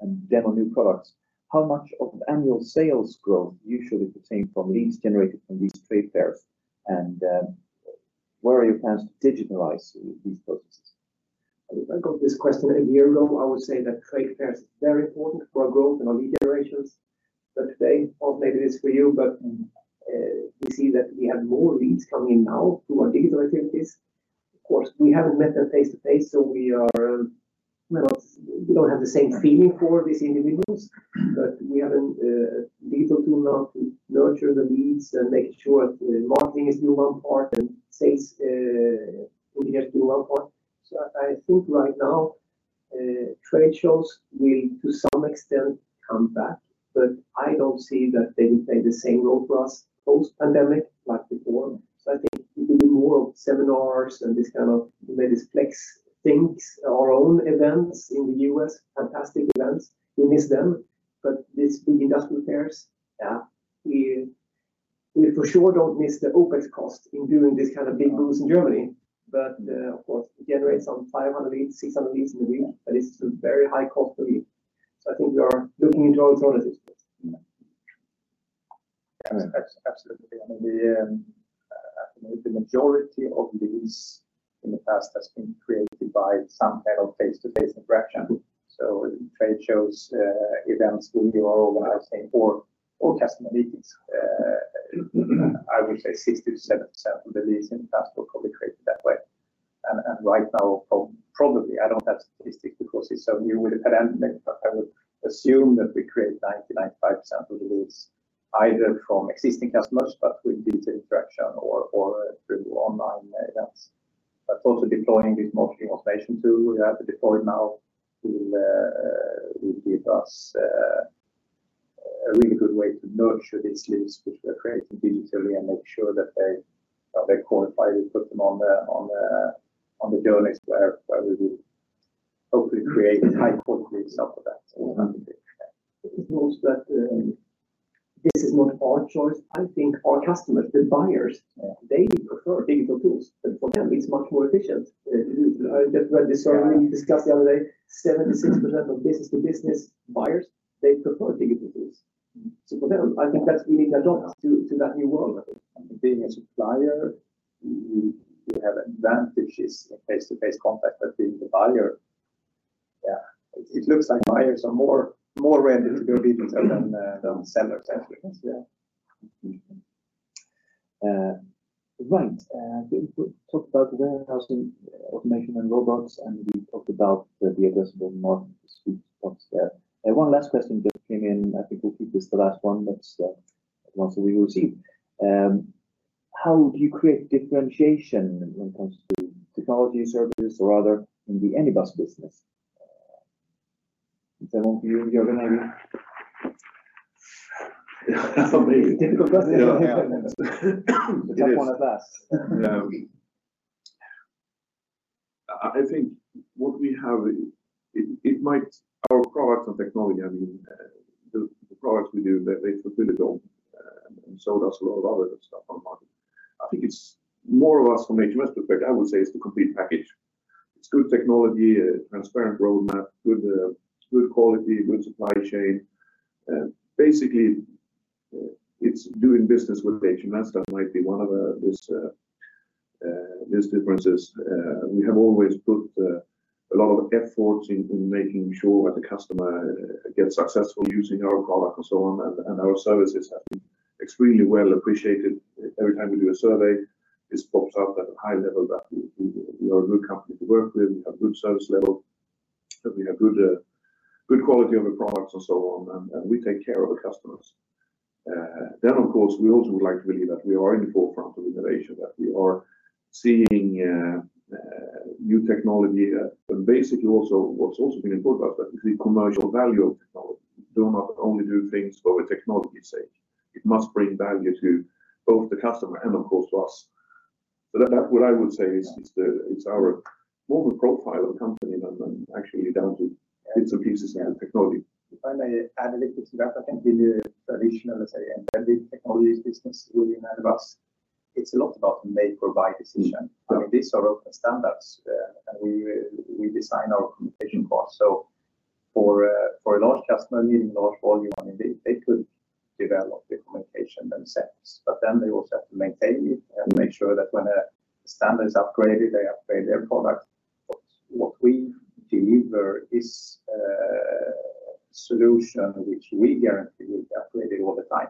and demo new products, how much of the annual sales growth usually is obtained from leads generated from these trade fairs? What are your plans to digitalize these processes? If I got this question a year ago, I would say that trade fairs are very important for our growth and our lead generations. Today, or maybe it is for you, but we see that we have more leads coming in now through our digital activities. Of course, we haven't met them face-to-face, so we don't have the same feeling for these individuals, but we have a digital tool now to nurture the leads and make sure marketing is doing one part and sales will get to do one part. I think right now, trade shows will, to some extent, come back, but I don't see that they will play the same role for us post-pandemic, like before. I think we will do more of seminars and these kinds of flex things, our own events in the U.S., fantastic events. We miss them, these big industrial fairs, yeah, we for sure don't miss the OpEx cost in doing these kind of big booths in Germany. Of course, it generates some 500 leads, 600 leads in a week, but it's a very high cost a week. I think we are looking into alternatives. Absolutely. The majority of leads in the past has been created by some kind of face-to-face interaction. Trade shows, events we organize, or customer meetings. I would say 60%-70% of the leads in the past were probably created that way. Right now, probably, I don't have statistics because it's so new with the pandemic, but I would assume that we create 90%, 95% of the leads either from existing customers, but with detailed interaction or through online events. Also deploying this marketing automation tool we have deployed now will give us a really good way to nurture these leads which we are creating digitally and make sure that they're qualified and put them on the journey square where we will hopefully create high-quality stuff for that. It proves that this is not our choice. I think our customers, the buyers, they prefer digital tools. For them, it's much more efficient. I just read the survey we discussed the other day, 76% of business-to-business buyers, they prefer digital tools. For them, I think that's meaning they adapt to that new world. Being a supplier, you have advantages in face-to-face contact, but being the buyer. Yeah. It looks like buyers are more ready to go digital than sellers actually. Yes. Right. We talked about warehousing, automation and robots, and we talked about the addressable market suite spots, there? One last question just came in. I think we'll keep this the last one, but one that we received. How do you create differentiation when it comes to technology services or other in the Anybus business? Is that one for you, Jörgen, maybe? That's a very difficult question. Yeah. It's a tough one to pass. I think what we have, our products and technology, the products we do, they fulfill it all. So does a lot of other stuff on the market. I think it's more or less from HMS perspective, I would say it's the complete package. It's good technology, a transparent roadmap, good quality, good supply chain. Basically, it's doing business with HMS. That might be one of these differences. We have always put a lot of effort into making sure that the customer gets successful using our product and so on, and our services have been extremely well appreciated. Every time we do a survey, this pops up at a high level that we are a good company to work with. We have good service level, that we have good quality of the products and so on, and we take care of the customers. Of course, we also would like to believe that we are in the forefront of innovation, that we are seeing new technology. Basically what's also been important about that is the commercial value of technology. Do not only do things for technology's sake. It must bring value to both the customer and, of course, to us. That, what I would say is it's our overall profile of the company than actually down to bits and pieces and technology. If I may add a little bit to that, I think in the traditional, let's say, embedded technologies business within Anybus, it's a lot about make or buy decision. These are open standards, and we design our communication core. For a large customer needing large volume, they could develop the communication themselves, but then they also have to maintain it and make sure that when a standard is upgraded, they upgrade their product. What we deliver is a solution which we guarantee will be upgraded all the time.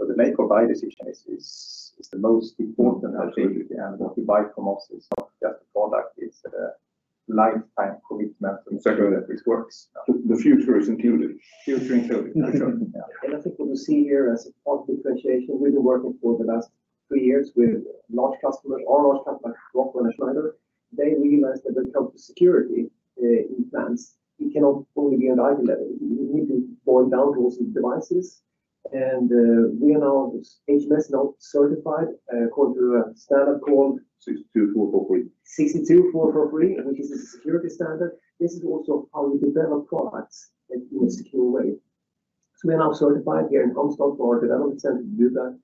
The make or buy decision is the most important, I think. Absolutely. What you buy from us is not just a product, it's a lifetime commitment. Exactly. That this works. The future is included. Future included. Yeah. I think what you see here as a point of differentiation, we've been working for the last three years with large customers. All large customers, Rockwell and Schneider. They realized that when it comes to security in plants, you cannot only be on IT level. You need to boil down to also devices. We are now, HMS, now certified according to a standard called- 62443. 62443, which is a security standard. This is also how we develop products in a secure way. We are now certified here in Halmstad, our development center do that.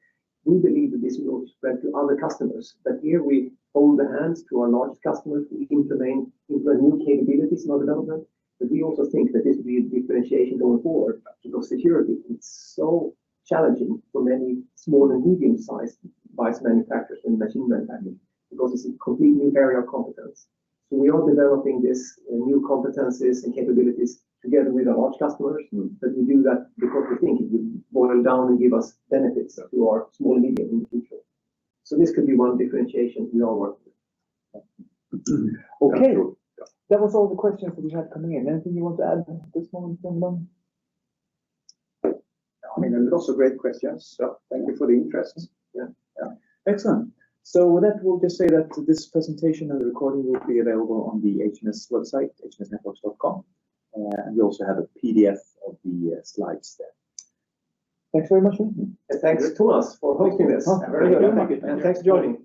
We believe that this will spread to other customers, that here we hold the hands to our large customers. We implement new capabilities in our development, we also think that this will be a differentiation going forward. Security, it's so challenging for many small and medium sized device manufacturers in machine building, because it's a completely new area of competence. We are developing these new competencies and capabilities together with our large customers. We do that because we think it will boil down and give us benefits to our small and medium in the future. This could be one differentiation we all work with. Okay. That was all the questions that we had coming in. Anything you want to add at this moment, Jörgen and Hans? Lots of great questions, so thank you for the interest. Yeah. Excellent. With that, we'll just say that this presentation and the recording will be available on the HMS website, hms-networks.com. You also have a PDF of the slides there. Thanks very much. Thanks to us for hosting this. Very good. Thanks for joining.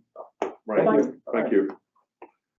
Bye. Thank you.